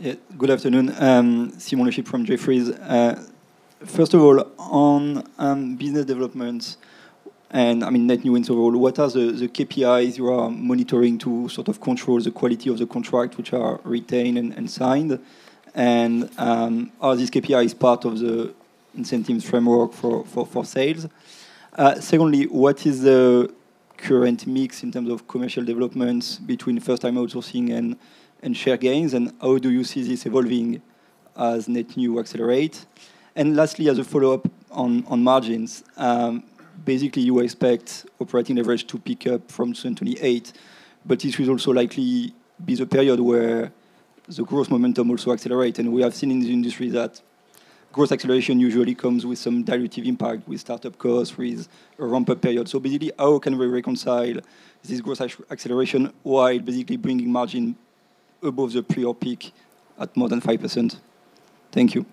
Speaker 10: Yeah. Good afternoon. Simon LeChipre from Jefferies. First of all, on business developments and net new interval, what are the KPIs you are monitoring to sort of control the quality of the contract which are retained and signed? Are these KPIs part of the incentives framework for sales? Secondly, what is the current mix in terms of commercial developments between first-time outsourcing and share gains, and how do you see this evolving as net new accelerate? Lastly, as a follow-up on margins, basically, you expect operating leverage to pick up from 2028, this will also likely be the period where the growth momentum also accelerate. We have seen in the industry that growth acceleration usually comes with some dilutive impact with startup costs, with a ramp-up period. Basically, how can we reconcile this growth acceleration while basically bringing margin above the pre-COVID peak at more than 5%? Thank you.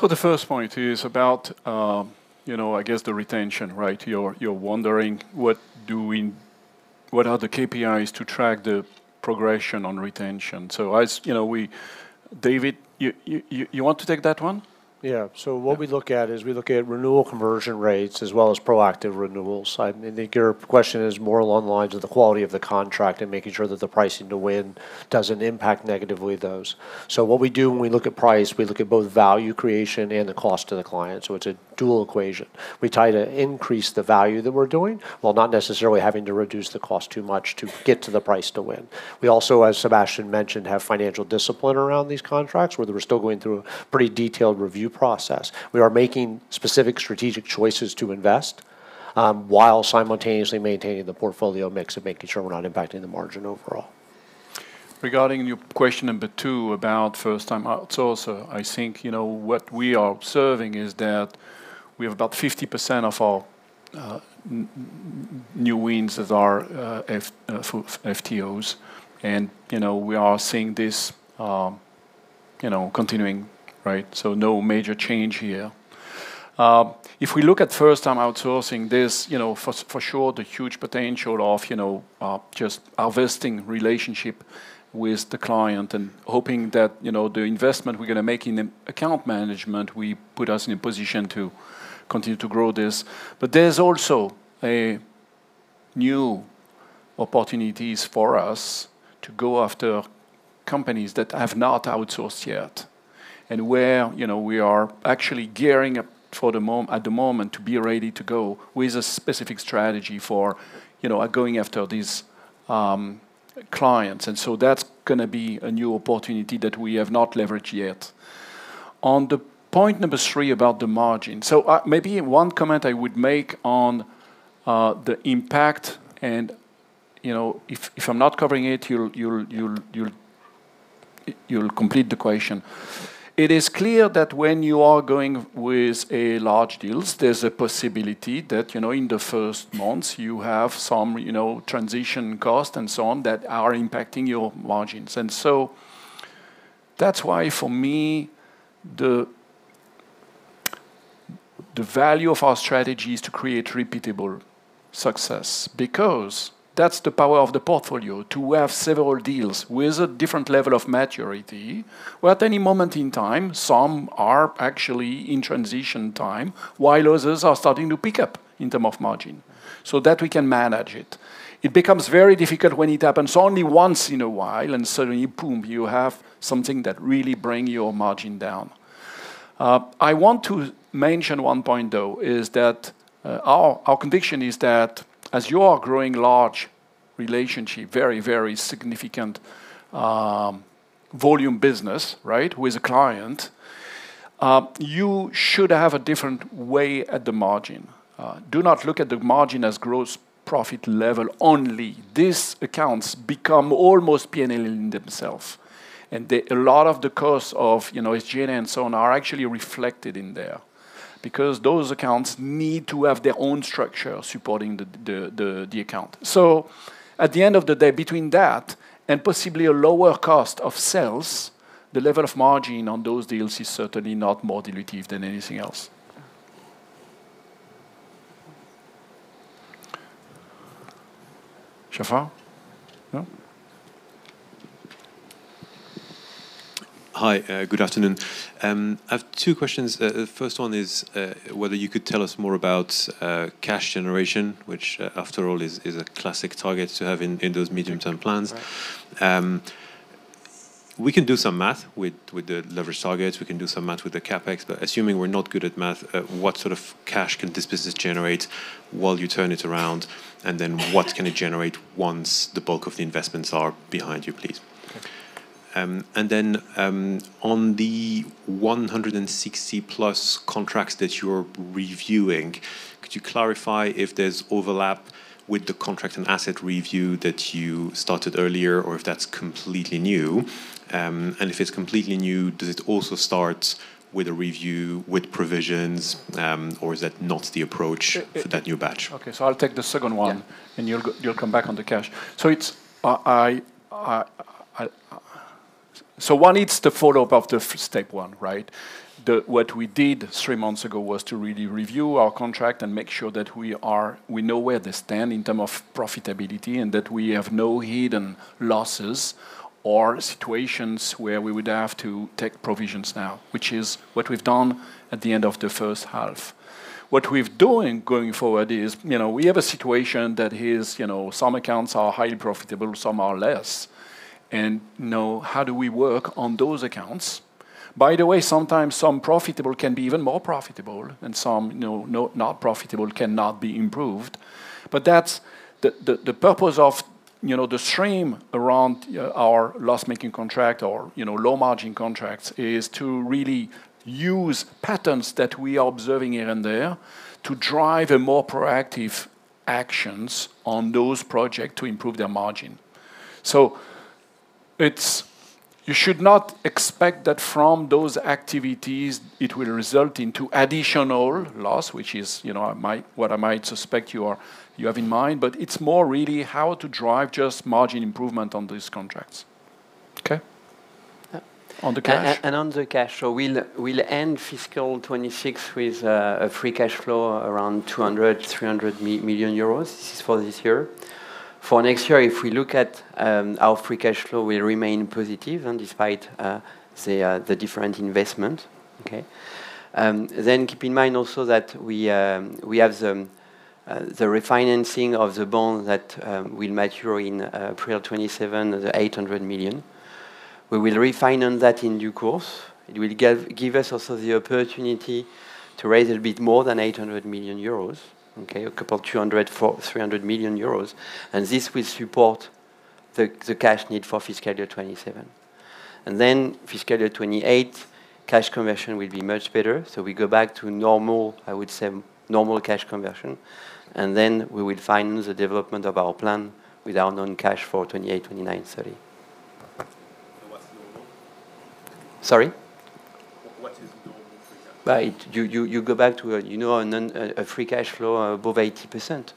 Speaker 2: The first point is about, I guess, the retention, right? You're wondering what are the KPIs to track the progression on retention. David, you want to take that one?
Speaker 4: What we look at is we look at renewal conversion rates as well as proactive renewals. I think your question is more along the lines of the quality of the contract and making sure that the pricing to win doesn't impact negatively those. What we do when we look at price, we look at both value creation and the cost to the client. It's a dual equation. We try to increase the value that we're doing while not necessarily having to reduce the cost too much to get to the price to win. We also, as Sébastien mentioned, have financial discipline around these contracts, where we're still going through a pretty detailed review process. We are making specific strategic choices to invest, while simultaneously maintaining the portfolio mix and making sure we're not impacting the margin overall.
Speaker 2: Regarding your question number two about first time outsourcer, I think what we are observing is that we have about 50% of our new wins that are FTOs, and we are seeing this continuing, right? No major change here. If we look at first time outsourcing, there's for sure the huge potential of just our vesting relationship with the client and hoping that the investment we're going to make in the account management will put us in a position to continue to grow this. There's also new opportunities for us to go after companies that have not outsourced yet, and where we are actually gearing up at the moment to be ready to go with a specific strategy for going after these clients. That's going to be a new opportunity that we have not leveraged yet. On the point number three about the margin. Maybe one comment I would make on the impact, and if I'm not covering it, you'll complete the question. It is clear that when you are going with large deals, there's a possibility that in the first months you have some transition cost and so on that are impacting your margins. That's why, for me, the value of our strategy is to create repeatable success. That's the power of the portfolio, to have several deals with a different level of maturity, where at any moment in time, some are actually in transition time, while others are starting to pick up in term of margin, so that we can manage it. It becomes very difficult when it happens only once in a while, and suddenly, boom, you have something that really bring your margin down. I want to mention one point, though, is that our conviction is that as you are growing large relationship, very, very significant volume business, right, with a client, you should have a different way at the margin. Do not look at the margin as gross profit level only. These accounts become almost P&L in themselves. A lot of the cost of SG&A and so on are actually reflected in there, because those accounts need to have their own structure supporting the account. At the end of the day, between that and possibly a lower cost of sales, the level of margin on those deals is certainly not more dilutive than anything else.
Speaker 11: Hi. Good afternoon. I have two questions. The first one is whether you could tell us more about cash generation, which after all is a classic target to have in those medium-term plans. We can do some math with the leverage targets. We can do some math with the CapEx. Assuming we're not good at math, what sort of cash can this business generate while you turn it around? What can it generate once the bulk of the investments are behind you, please? On the 160-plus contracts that you're reviewing, could you clarify if there's overlap with the contract and asset review that you started earlier, or if that's completely new? If it's completely new, does it also start with a review with provisions, or is that not the approach for that new batch?
Speaker 2: Okay, I'll take the second one. You'll come back on the cash. One, it's the follow-up of the step one, right? What we did three months ago was to really review our contract and make sure that we know where they stand in terms of profitability and that we have no hidden losses or situations where we would have to take provisions now, which is what we've done at the end of the first half. What we're doing going forward is, we have a situation that is, some accounts are highly profitable, some are less. How do we work on those accounts? By the way, sometimes some profitable can be even more profitable and some not profitable cannot be improved. The purpose of the stream around our loss-making contract or low margin contracts is to really use patterns that we are observing here and there to drive a more proactive actions on those projects to improve their margin. You should not expect that from those activities, it will result into additional loss, which is what I might suspect you have in mind. It's more really how to drive just margin improvement on these contracts.
Speaker 11: Okay.
Speaker 2: On the cash?
Speaker 8: On the cash. We'll end FY 2026 with a free cash flow around 200 million-300 million euros. This is for this year. For next year, if we look at our free cash flow will remain positive and despite the different investment. Okay? Keep in mind also that we have the refinancing of the bond that will mature in April 2027, the 800 million. We will refinance that in due course. It will give us also the opportunity to raise a bit more than 800 million euros. Okay? A couple of 200 million-300 million euros. This will support the cash need for FY 2027. Fiscal year 2028, cash conversion will be much better. We go back to normal, I would say, normal cash conversion, and then we will finance the development of our plan with our non-cash for FY 2028, FY 2029, FY 2030.
Speaker 11: What's normal?
Speaker 8: Sorry?
Speaker 11: What is normal for that?
Speaker 8: You go back to a free cash flow above 80%.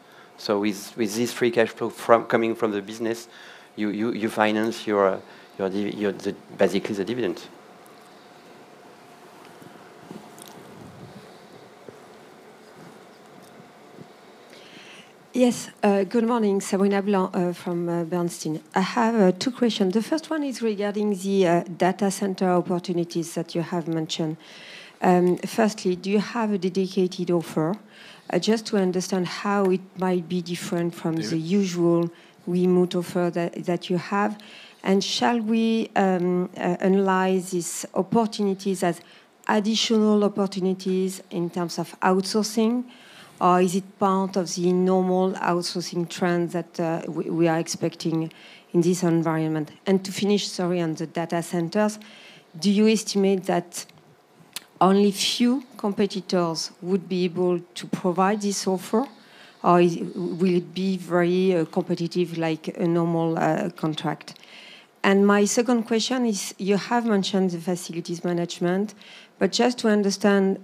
Speaker 8: With this free cash flow coming from the business, you finance basically the dividend.
Speaker 12: Yes. Good morning. Sabrina Blanc from Bernstein. I have two questions. The first one is regarding the data center opportunities that you have mentioned. Firstly, do you have a dedicated offer? Just to understand how it might be different from the usual remote offer that you have. Shall we analyze these opportunities as additional opportunities in terms of outsourcing, or is it part of the normal outsourcing trend that we are expecting in this environment? To finish, sorry, on the data centers, do you estimate that only few competitors would be able to provide this offer, or will it be very competitive like a normal contract? My second question is, you have mentioned the facilities management, but just to understand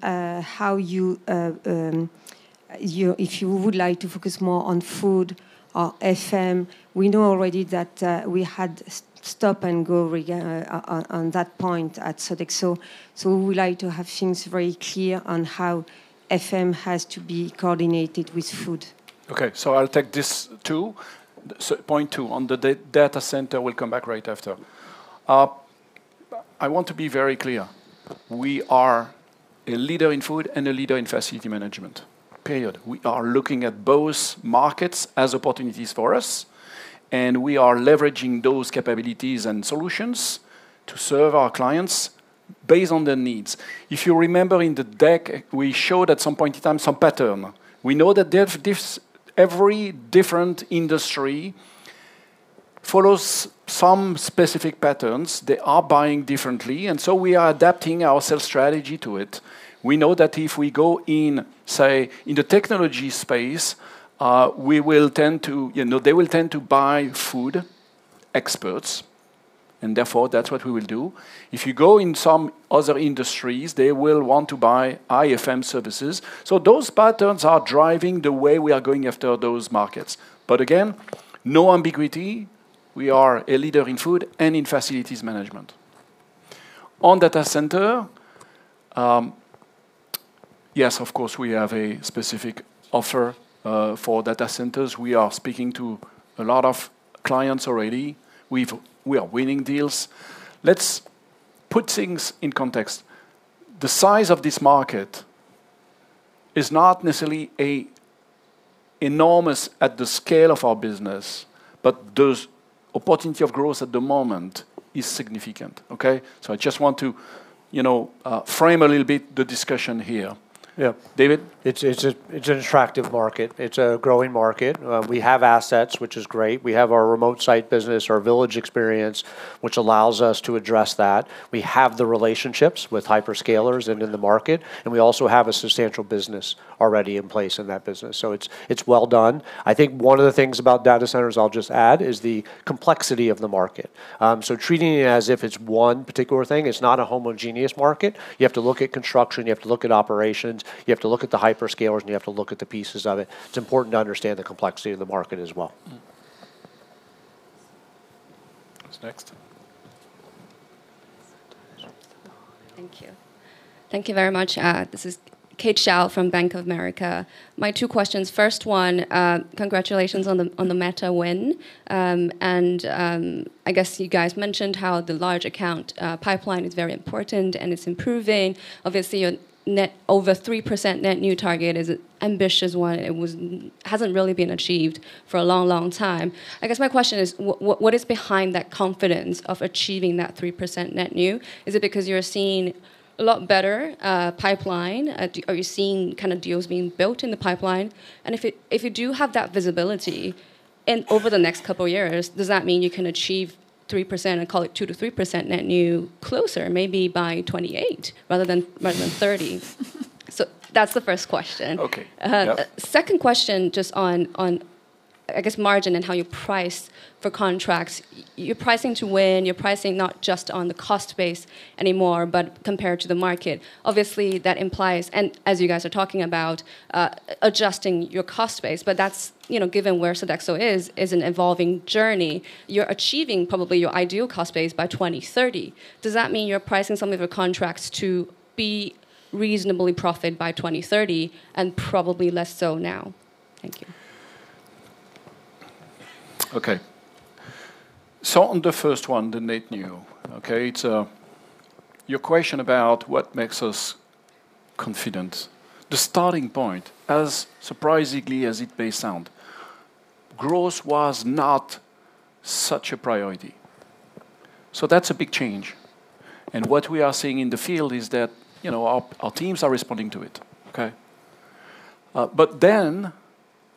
Speaker 12: if you would like to focus more on food or FM. We know already that we had stop and go on that point at Sodexo. We would like to have things very clear on how FM has to be coordinated with food.
Speaker 2: I'll take this two. Point two. On the data center, we'll come back right after. I want to be very clear. We are a leader in food and a leader in facility management, period. We are looking at both markets as opportunities for us, and we are leveraging those capabilities and solutions to serve our clients based on their needs. If you remember in the deck, we showed at some point in time some pattern. We know that every different industry follows some specific patterns. They are buying differently. We are adapting our sales strategy to it. We know that if we go in, say, in the technology space, they will tend to buy food experts. That's what we will do. If you go in some other industries, they will want to buy IFM services. Those patterns are driving the way we are going after those markets. Again, no ambiguity. We are a leader in food and in facilities management. On data center, yes, of course, we have a specific offer for data centers. We are speaking to a lot of clients already. We are winning deals. Let's put things in context. The size of this market is not necessarily enormous at the scale of our business, but the opportunity of growth at the moment is significant. Okay. I just want to frame a little bit the discussion here. Yeah. David?
Speaker 4: It's an attractive market. It's a growing market. We have assets, which is great. We have our remote site business, our village experience, which allows us to address that. We have the relationships with hyperscalers and in the market. We also have a substantial business already in place in that business. It's well done. I think one of the things about data centers, I'll just add, is the complexity of the market. Treating it as if it's one particular thing, it's not a homogeneous market. You have to look at construction, you have to look at operations, you have to look at the hyperscalers. You have to look at the pieces of it. It's important to understand the complexity of the market as well.
Speaker 2: Who's next?
Speaker 13: Thank you. Thank you very much. This is Kate Xiao from Bank of America. My two questions. First one, congratulations on the Meta win. I guess you guys mentioned how the large account pipeline is very important, and it's improving. Obviously, your over 3% net new target is an ambitious one. It hasn't really been achieved for a long, long time. I guess my question is, what is behind that confidence of achieving that 3% net new? Is it because you're seeing a lot better pipeline? Are you seeing deals being built in the pipeline? If you do have that visibility, and over the next couple of years, does that mean you can achieve 3%, and call it 2%-3% net new closer, maybe by 2028 rather than 2030? So that's the first question.
Speaker 2: Okay. Yep.
Speaker 13: Second question just on, I guess margin and how you price for contracts. You're pricing to win, you're pricing not just on the cost base anymore, but compared to the market. Obviously, that implies, and as you guys are talking about, adjusting your cost base, that's, given where Sodexo is an evolving journey. You're achieving probably your ideal cost base by 2030. Does that mean you're pricing some of your contracts to be reasonably profit by 2030 and probably less so now? Thank you.
Speaker 2: Okay. On the first one, the net new. Your question about what makes us confident. The starting point, as surprisingly as it may sound, growth was not such a priority. That's a big change, and what we are seeing in the field is that our teams are responding to it.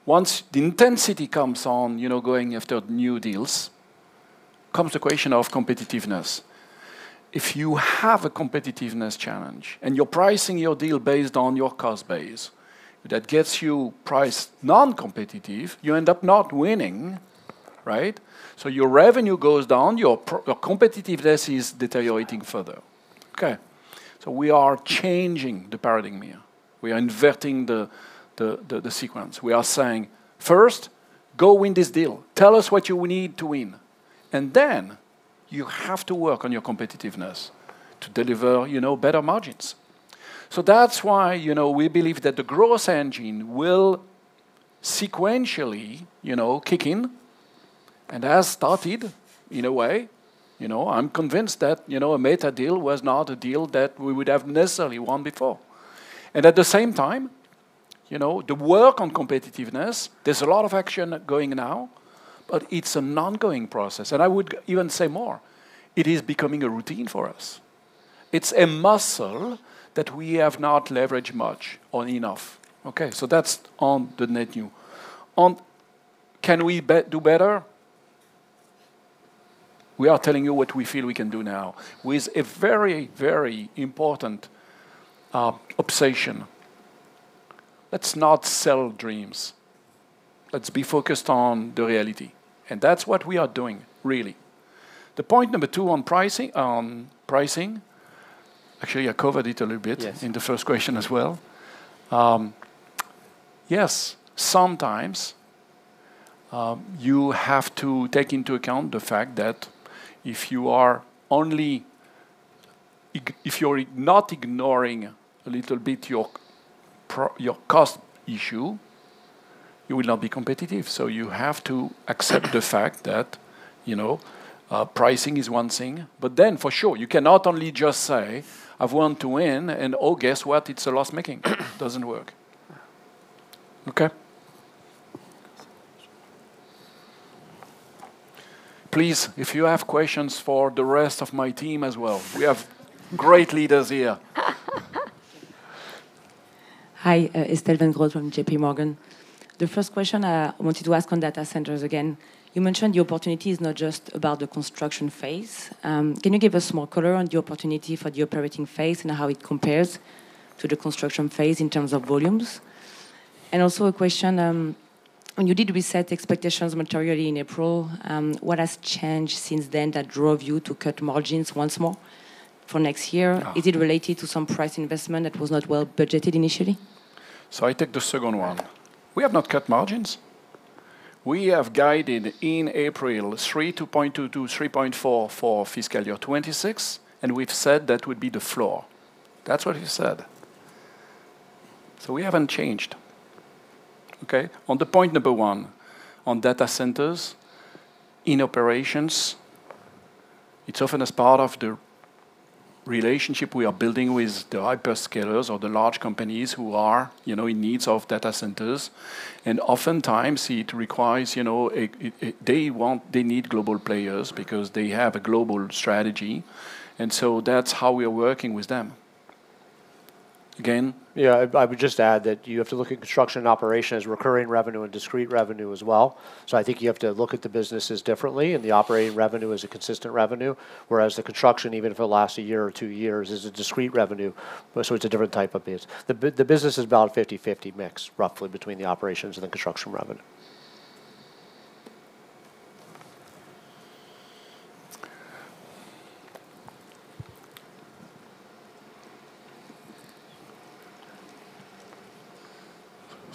Speaker 2: Once the intensity comes on, going after new deals, comes the question of competitiveness. If you have a competitiveness challenge, and you're pricing your deal based on your cost base, that gets you priced non-competitive, you end up not winning, right? Your revenue goes down, your competitiveness is deteriorating further. We are changing the paradigm here. We are inverting the sequence. We are saying, "First, go win this deal. Tell us what you need to win, and then you have to work on your competitiveness to deliver better margins." That's why we believe that the growth engine will sequentially kick in, and has started, in a way. I'm convinced that a Meta deal was not a deal that we would have necessarily won before. At the same time, the work on competitiveness, there's a lot of action going now, but it's an ongoing process. I would even say more. It is becoming a routine for us. It's a muscle that we have not leveraged much or enough. That's on the net new. On can we do better? We are telling you what we feel we can do now with a very, very important obsession. Let's not sell dreams. Let's be focused on the reality, and that's what we are doing, really. The point number two on pricing, actually, I covered it a little bit in the first question as well. Yes, sometimes, you have to take into account the fact that if you're not ignoring a little bit your cost issue, you will not be competitive. You have to accept the fact that pricing is one thing. For sure, you cannot only just say, "I want to win," and, "Oh, guess what? It's a loss-making." Doesn't work. Please, if you have questions for the rest of my team as well. We have great leaders here.
Speaker 14: Hi, Estelle Weingrod from JPMorgan. The first question I wanted to ask on data centers again. You mentioned the opportunity is not just about the construction phase. Can you give us more color on the opportunity for the operating phase and how it compares to the construction phase in terms of volumes? Also a question, when you did reset expectations materially in April, what has changed since then that drove you to cut margins once more for next year? Is it related to some price investment that was not well budgeted initially?
Speaker 2: I take the second one. We have not cut margins. We have guided in April 3.2% to 3.4% for FY 2026, and we've said that would be the floor. That's what we said. We haven't changed. Okay? On the point number one, on data centers, in operations it's often as part of the relationship we are building with the hyperscalers or the large companies who are in need of data centers, oftentimes they need global players because they have a global strategy, that's how we are working with them. Again?
Speaker 4: Yeah. I would just add that you have to look at construction and operation as recurring revenue and discrete revenue as well. I think you have to look at the businesses differently and the operating revenue as a consistent revenue. Whereas the construction, even if it lasts one year or two years, is a discrete revenue. It's a different type of base. The business is about 50/50 mix, roughly between the operations and the construction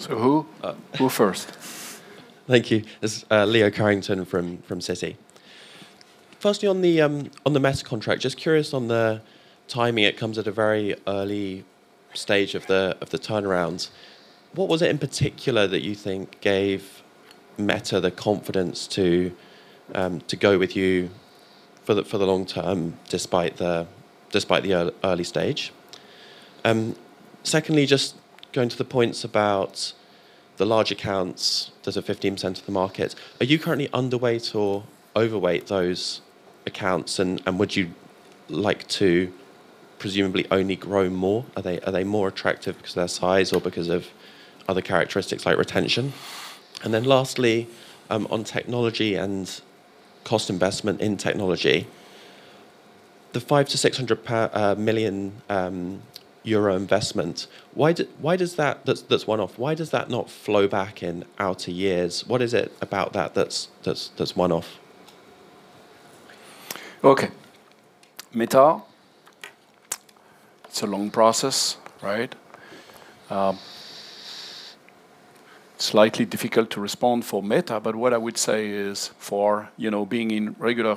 Speaker 4: revenue.
Speaker 2: Who? Who first?
Speaker 15: Thank you. It's Leo Carrington from Citi. Firstly, on the Meta contract, just curious on the timing. It comes at a very early stage of the turnaround. What was it in particular that you think gave Meta the confidence to go with you for the long term despite the early stage? Secondly, just going to the points about the large accounts, those are 15% of the market. Are you currently underweight or overweight those accounts, and would you like to presumably only grow more? Are they more attractive because of their size or because of other characteristics like retention? Lastly, on technology and cost investment in technology, the 500 million to 600 million euro investment, that's one-off. Why does that not flow back in outer years? What is it about that that's one-off?
Speaker 2: Meta, it's a long process, right? Slightly difficult to respond for Meta, what I would say is for being in regular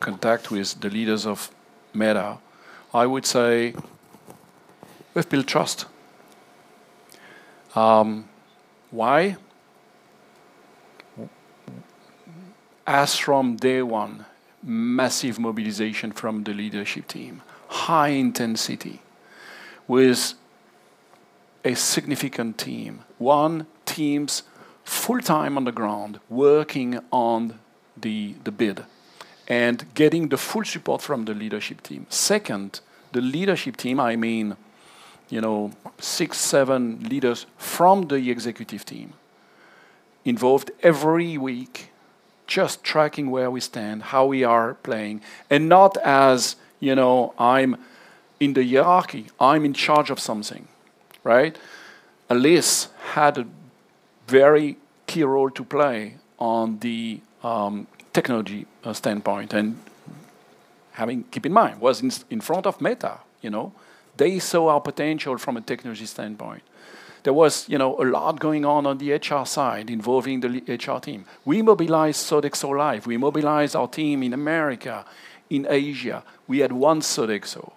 Speaker 2: contact with the leaders of Meta, I would say we've built trust. Why? From day one, massive mobilization from the leadership team, high intensity with a significant team. One, teams full-time on the ground working on the bid and getting the full support from the leadership team. Second, the leadership team, I mean, six, seven leaders from the executive team involved every week just tracking where we stand, how we are playing, and not as, "I'm in the hierarchy. I'm in charge of something." Right? Alice had a very key role to play on the technology standpoint. Keep in mind, was in front of Meta. They saw our potential from a technology standpoint. There was a lot going on on the HR side involving the HR team. We mobilized Sodexo Live!. We mobilized our team in America, in Asia. We had one Sodexo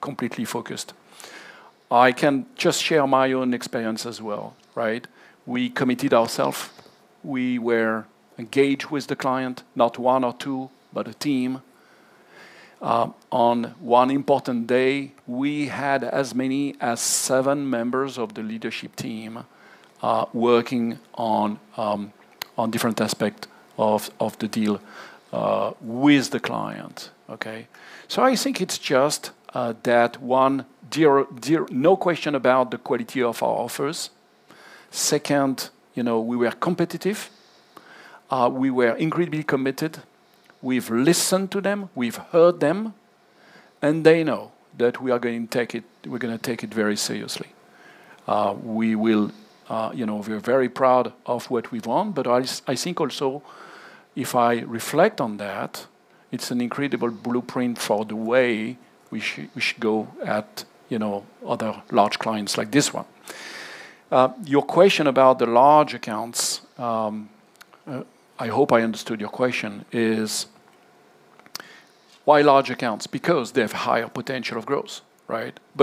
Speaker 2: completely focused. I can just share my own experience as well. We committed ourself. We were engaged with the client, not one or two, but a team. On one important day, we had as many as seven members of the leadership team working on different aspect of the deal with the client. I think it's just that, one, no question about the quality of our offers. Second, we were competitive. We were incredibly committed. We've listened to them, we've heard them, and they know that we're going to take it very seriously. We're very proud of what we've won, I think also if I reflect on that, it's an incredible blueprint for the way we should go at other large clients like this one. Your question about the large accounts, I hope I understood your question, is why large accounts? They have higher potential of growth.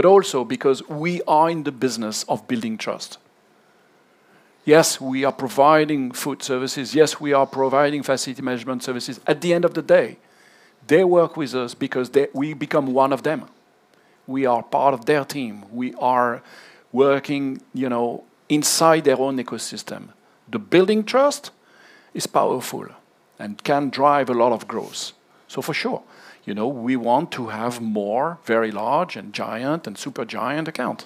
Speaker 2: Also because we are in the business of building trust. Yes, we are providing food services. Yes, we are providing facility management services. At the end of the day, they work with us because we become one of them. We are part of their team. We are working inside their own ecosystem. The building trust is powerful and can drive a lot of growth. For sure, we want to have more very large and giant and super giant account.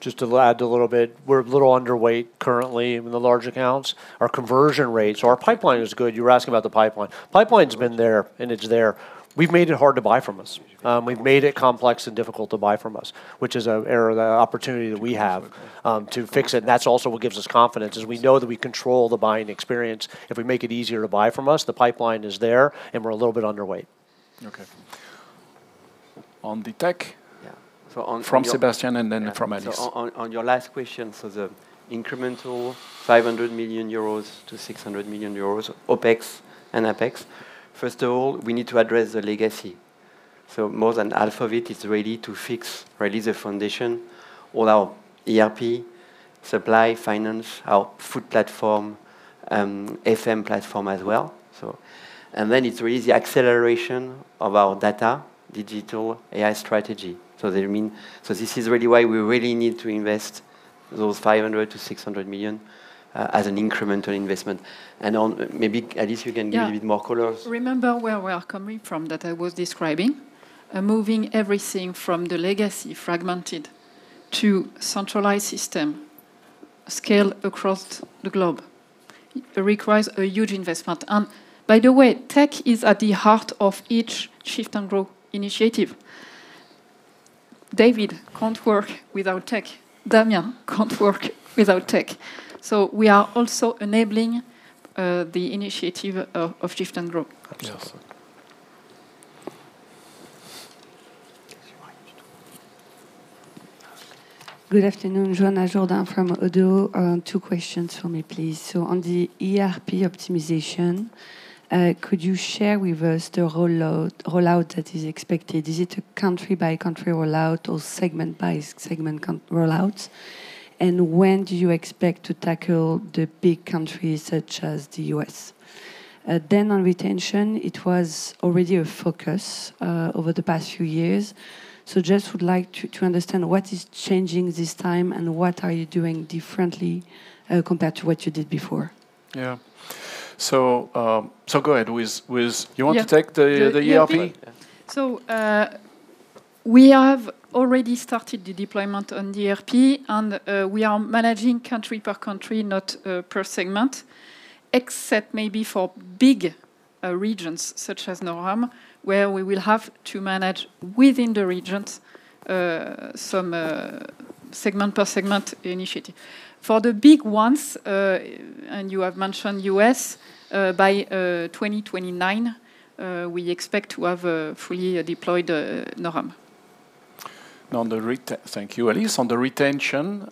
Speaker 4: Just to add a little bit, we're a little underweight currently in the large accounts. Our conversion rates or our pipeline is good. You were asking about the pipeline. Pipeline's been there and it's there. We've made it hard to buy from us. We've made it complex and difficult to buy from us, which is an opportunity that we have to fix it, and that's also what gives us confidence is we know that we control the buying experience. If we make it easier to buy from us, the pipeline is there, and we're a little bit underweight.
Speaker 2: Okay. On the tech? From Sébastien and then from Alice.
Speaker 8: On your last question, the incremental 500 million-600 million euros OPEX and CAPEX. First of all, we need to address the legacy more than half of it is ready to fix, ready the foundation, all our ERP, supply, finance, our food platform, and FM platform as well. Then it's really the acceleration of our data, digital AI strategy. This is really why we really need to invest those 500 million-600 million as an incremental investment. On maybe, Alice, you can give a bit more colors.
Speaker 7: Yeah. Remember where we are coming from that I was describing. Moving everything from the legacy fragmented to centralized system scale across the globe. It requires a huge investment. By the way, tech is at the heart of each Shift & Grow initiative. David can't work without tech. Damien can't work without tech. We are also enabling the initiative of Shift & Grow.
Speaker 16: Good afternoon. Johanna Jourdain from Oddo. Two questions for me, please. On the ERP optimization, could you share with us the rollout that is expected? Is it a country-by-country rollout or segment-by-segment rollouts? When do you expect to tackle the big countries such as the U.S.? On retention, it was already a focus over the past few years. Just would like to understand what is changing this time, and what are you doing differently compared to what you did before?
Speaker 2: Yeah. Go ahead. You want to take the ERP?
Speaker 7: We have already started the deployment on the ERP, and we are managing country per country, not per segment, except maybe for big regions such as NORAM, where we will have to manage within the regions, some, segment per segment initiative. For the big ones, and you have mentioned U.S., by 2029, we expect to have fully deployed NORAM.
Speaker 2: Thank you, Alice. On the retention,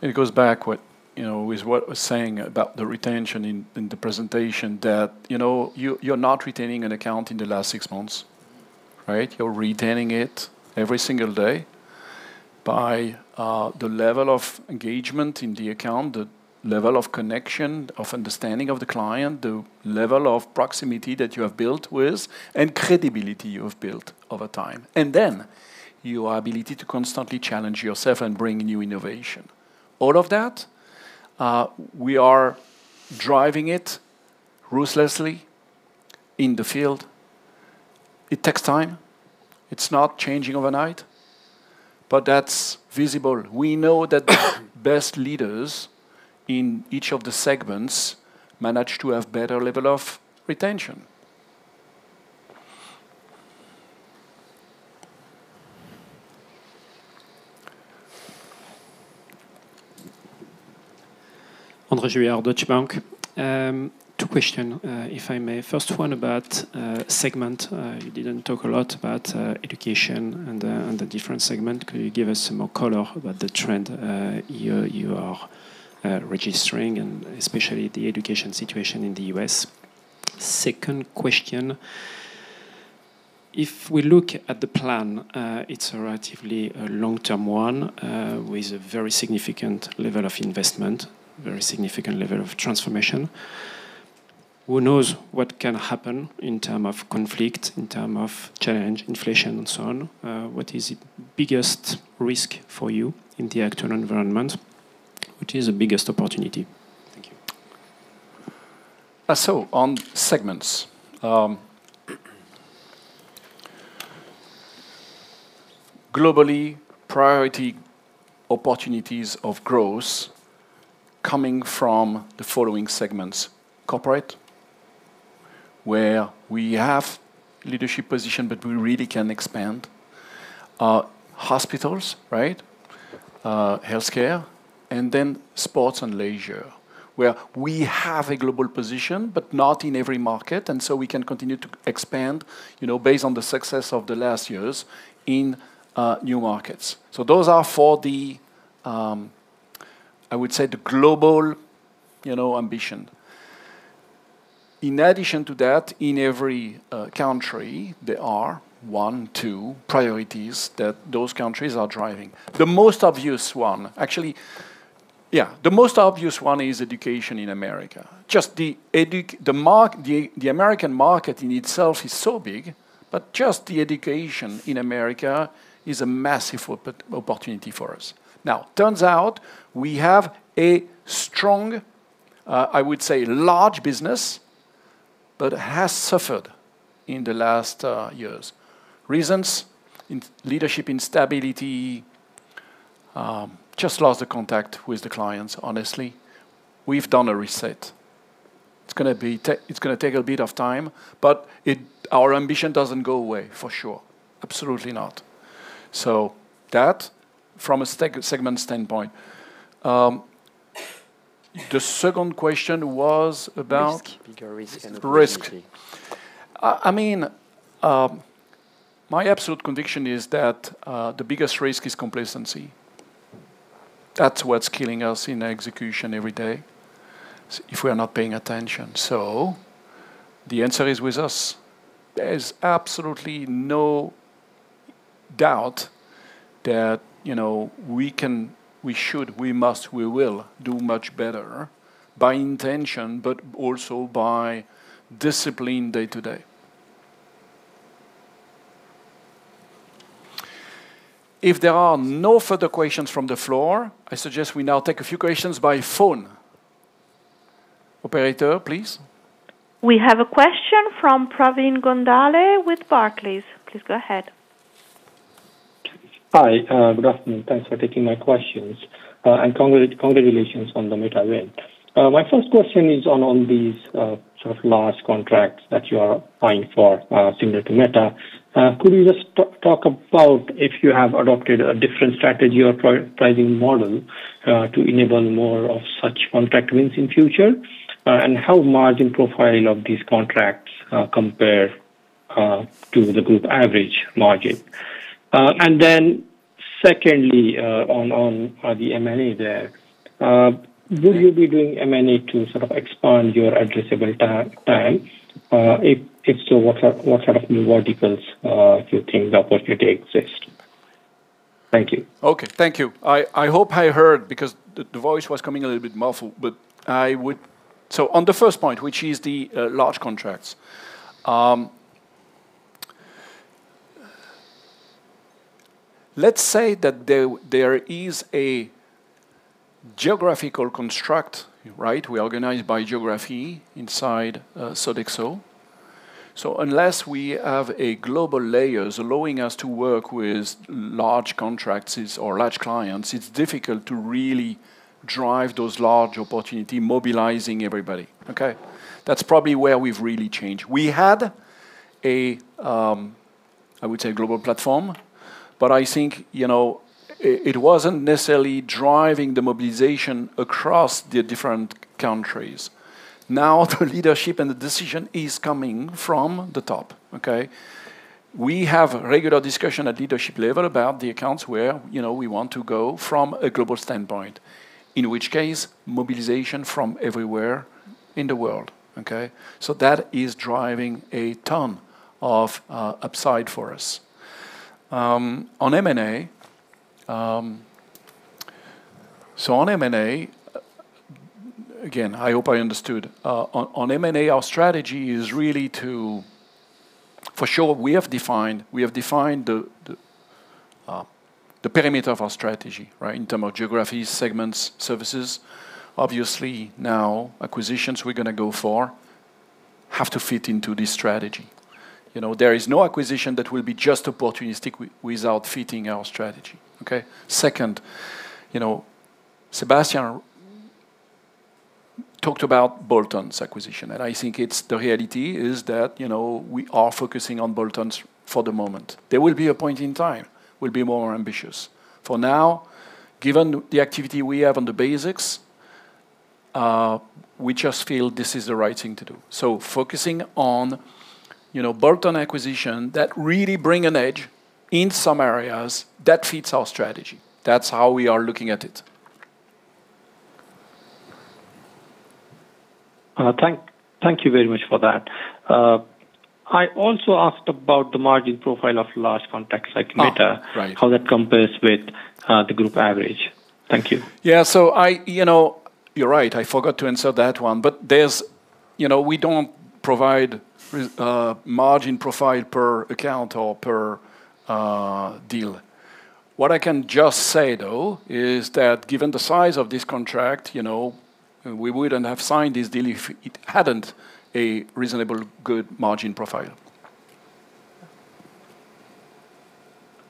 Speaker 2: it goes back with what I was saying about the retention in the presentation that you're not retaining an account in the last six months. Right? You're retaining it every single day by the level of engagement in the account, the level of connection, of understanding of the client, the level of proximity that you have built with, and credibility you have built over time. Then your ability to constantly challenge yourself and bring new innovation. All of that, we are driving it ruthlessly in the field. It takes time. It's not changing overnight, but that's visible. We know that best leaders in each of the segments manage to have better level of retention.
Speaker 17: André Juillard, Deutsche Bank. Two question, if I may. First one about segment. You didn't talk a lot about education and the different segment. Could you give us some more color about the trend you are registering and especially the education situation in the U.S.? Second question, if we look at the plan, it's a relatively long-term one with a very significant level of investment, very significant level of transformation. Who knows what can happen in term of conflict, in term of challenge, inflation and so on. What is the biggest risk for you in the actual environment? What is the biggest opportunity? Thank you.
Speaker 2: On segments. Globally, priority opportunities of growth coming from the following segments. Corporate, where we have leadership position, but we really can expand. Hospitals, right? Healthcare and then sports and leisure, where we have a global position, but not in every market. We can continue to expand based on the success of the last years in new markets. Those are for the, I would say the global ambition. In addition to that, in every country, there are one, two priorities that those countries are driving. The most obvious one is education in America. Just the American market in itself is so big, but just the education in America is a massive opportunity for us. Now, turns out we have a strong, I would say large business, but has suffered in the last years. Reasons, leadership instability, just lost the contact with the clients, honestly. We've done a reset. It's going to take a bit of time, but our ambition doesn't go away, for sure. Absolutely not. That from a segment standpoint. The second question was about?
Speaker 17: Risk. Bigger risk and opportunity.
Speaker 2: Risk. My absolute conviction is that the biggest risk is complacency. That's what's killing us in our execution every day, if we are not paying attention. The answer is with us. There's absolutely no doubt that we can, we should, we must, we will do much better by intention, but also by discipline day to day. If there are no further questions from the floor, I suggest we now take a few questions by phone. Operator, please.
Speaker 18: We have a question from Pravin Gondhale with Barclays. Please go ahead.
Speaker 19: Hi. Good afternoon. Thanks for taking my questions. Congratulations on the Meta win. My first question is on these sort of large contracts that you are applying for, similar to Meta. Could you just talk about if you have adopted a different strategy or pricing model to enable more of such contract wins in future? How margin profile of these contracts compare to the group average margin? Secondly, on the M&A there. Will you be doing M&A to sort of expand your addressable TAM? If so, what sort of new verticals do you think the opportunity exists? Thank you.
Speaker 2: Okay. Thank you. I hope I heard because the voice was coming a little bit muffled. On the first point, which is the large contracts. Let's say that there is a geographical construct, right? We are organized by geography inside Sodexo. Unless we have a global layers allowing us to work with large contracts or large clients, it's difficult to really drive those large opportunity, mobilizing everybody. Okay? That's probably where we've really changed. We had a, I would say global platform, but I think it wasn't necessarily driving the mobilization across the different countries. The leadership and the decision is coming from the top. Okay? We have regular discussion at leadership level about the accounts where we want to go from a global standpoint, in which case, mobilization from everywhere in the world. Okay? That is driving a ton of upside for us. On M&A. On M&A, again, I hope I understood. On M&A, our strategy is really to For sure, we have defined the perimeter of our strategy, right? In terms of geography, segments, services. Acquisitions we're gonna go for have to fit into this strategy. There is no acquisition that will be just opportunistic without fitting our strategy. Okay? Second, Sébastien talked about bolt-ons acquisition. I think it's the reality is that, we are focusing on bolt-ons for the moment. There will be a point in time we'll be more ambitious. For now, given the activity we have on the basics, we just feel this is the right thing to do. Focusing on bolt-on acquisition, that really bring an edge in some areas that fits our strategy. That's how we are looking at it.
Speaker 19: Thank you very much for that. I also asked about the margin profile of large contracts like Meta. How that compares with the group average. Thank you.
Speaker 2: Yeah, you're right, I forgot to answer that one. We don't provide margin profile per account or per deal. What I can just say, though, is that given the size of this contract, we wouldn't have signed this deal if it hadn't a reasonable good margin profile.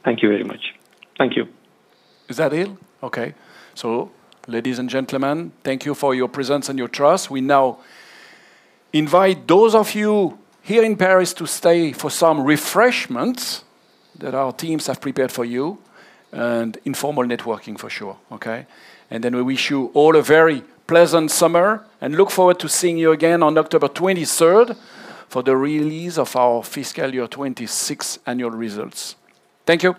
Speaker 19: Thank you very much. Thank you.
Speaker 2: Is that it? Okay. Ladies and gentlemen, thank you for your presence and your trust. We now invite those of you here in Paris to stay for some refreshments that our teams have prepared for you and informal networking for sure. Okay? We wish you all a very pleasant summer, and look forward to seeing you again on October 23rd for the release of our fiscal year 2026 annual results. Thank you very much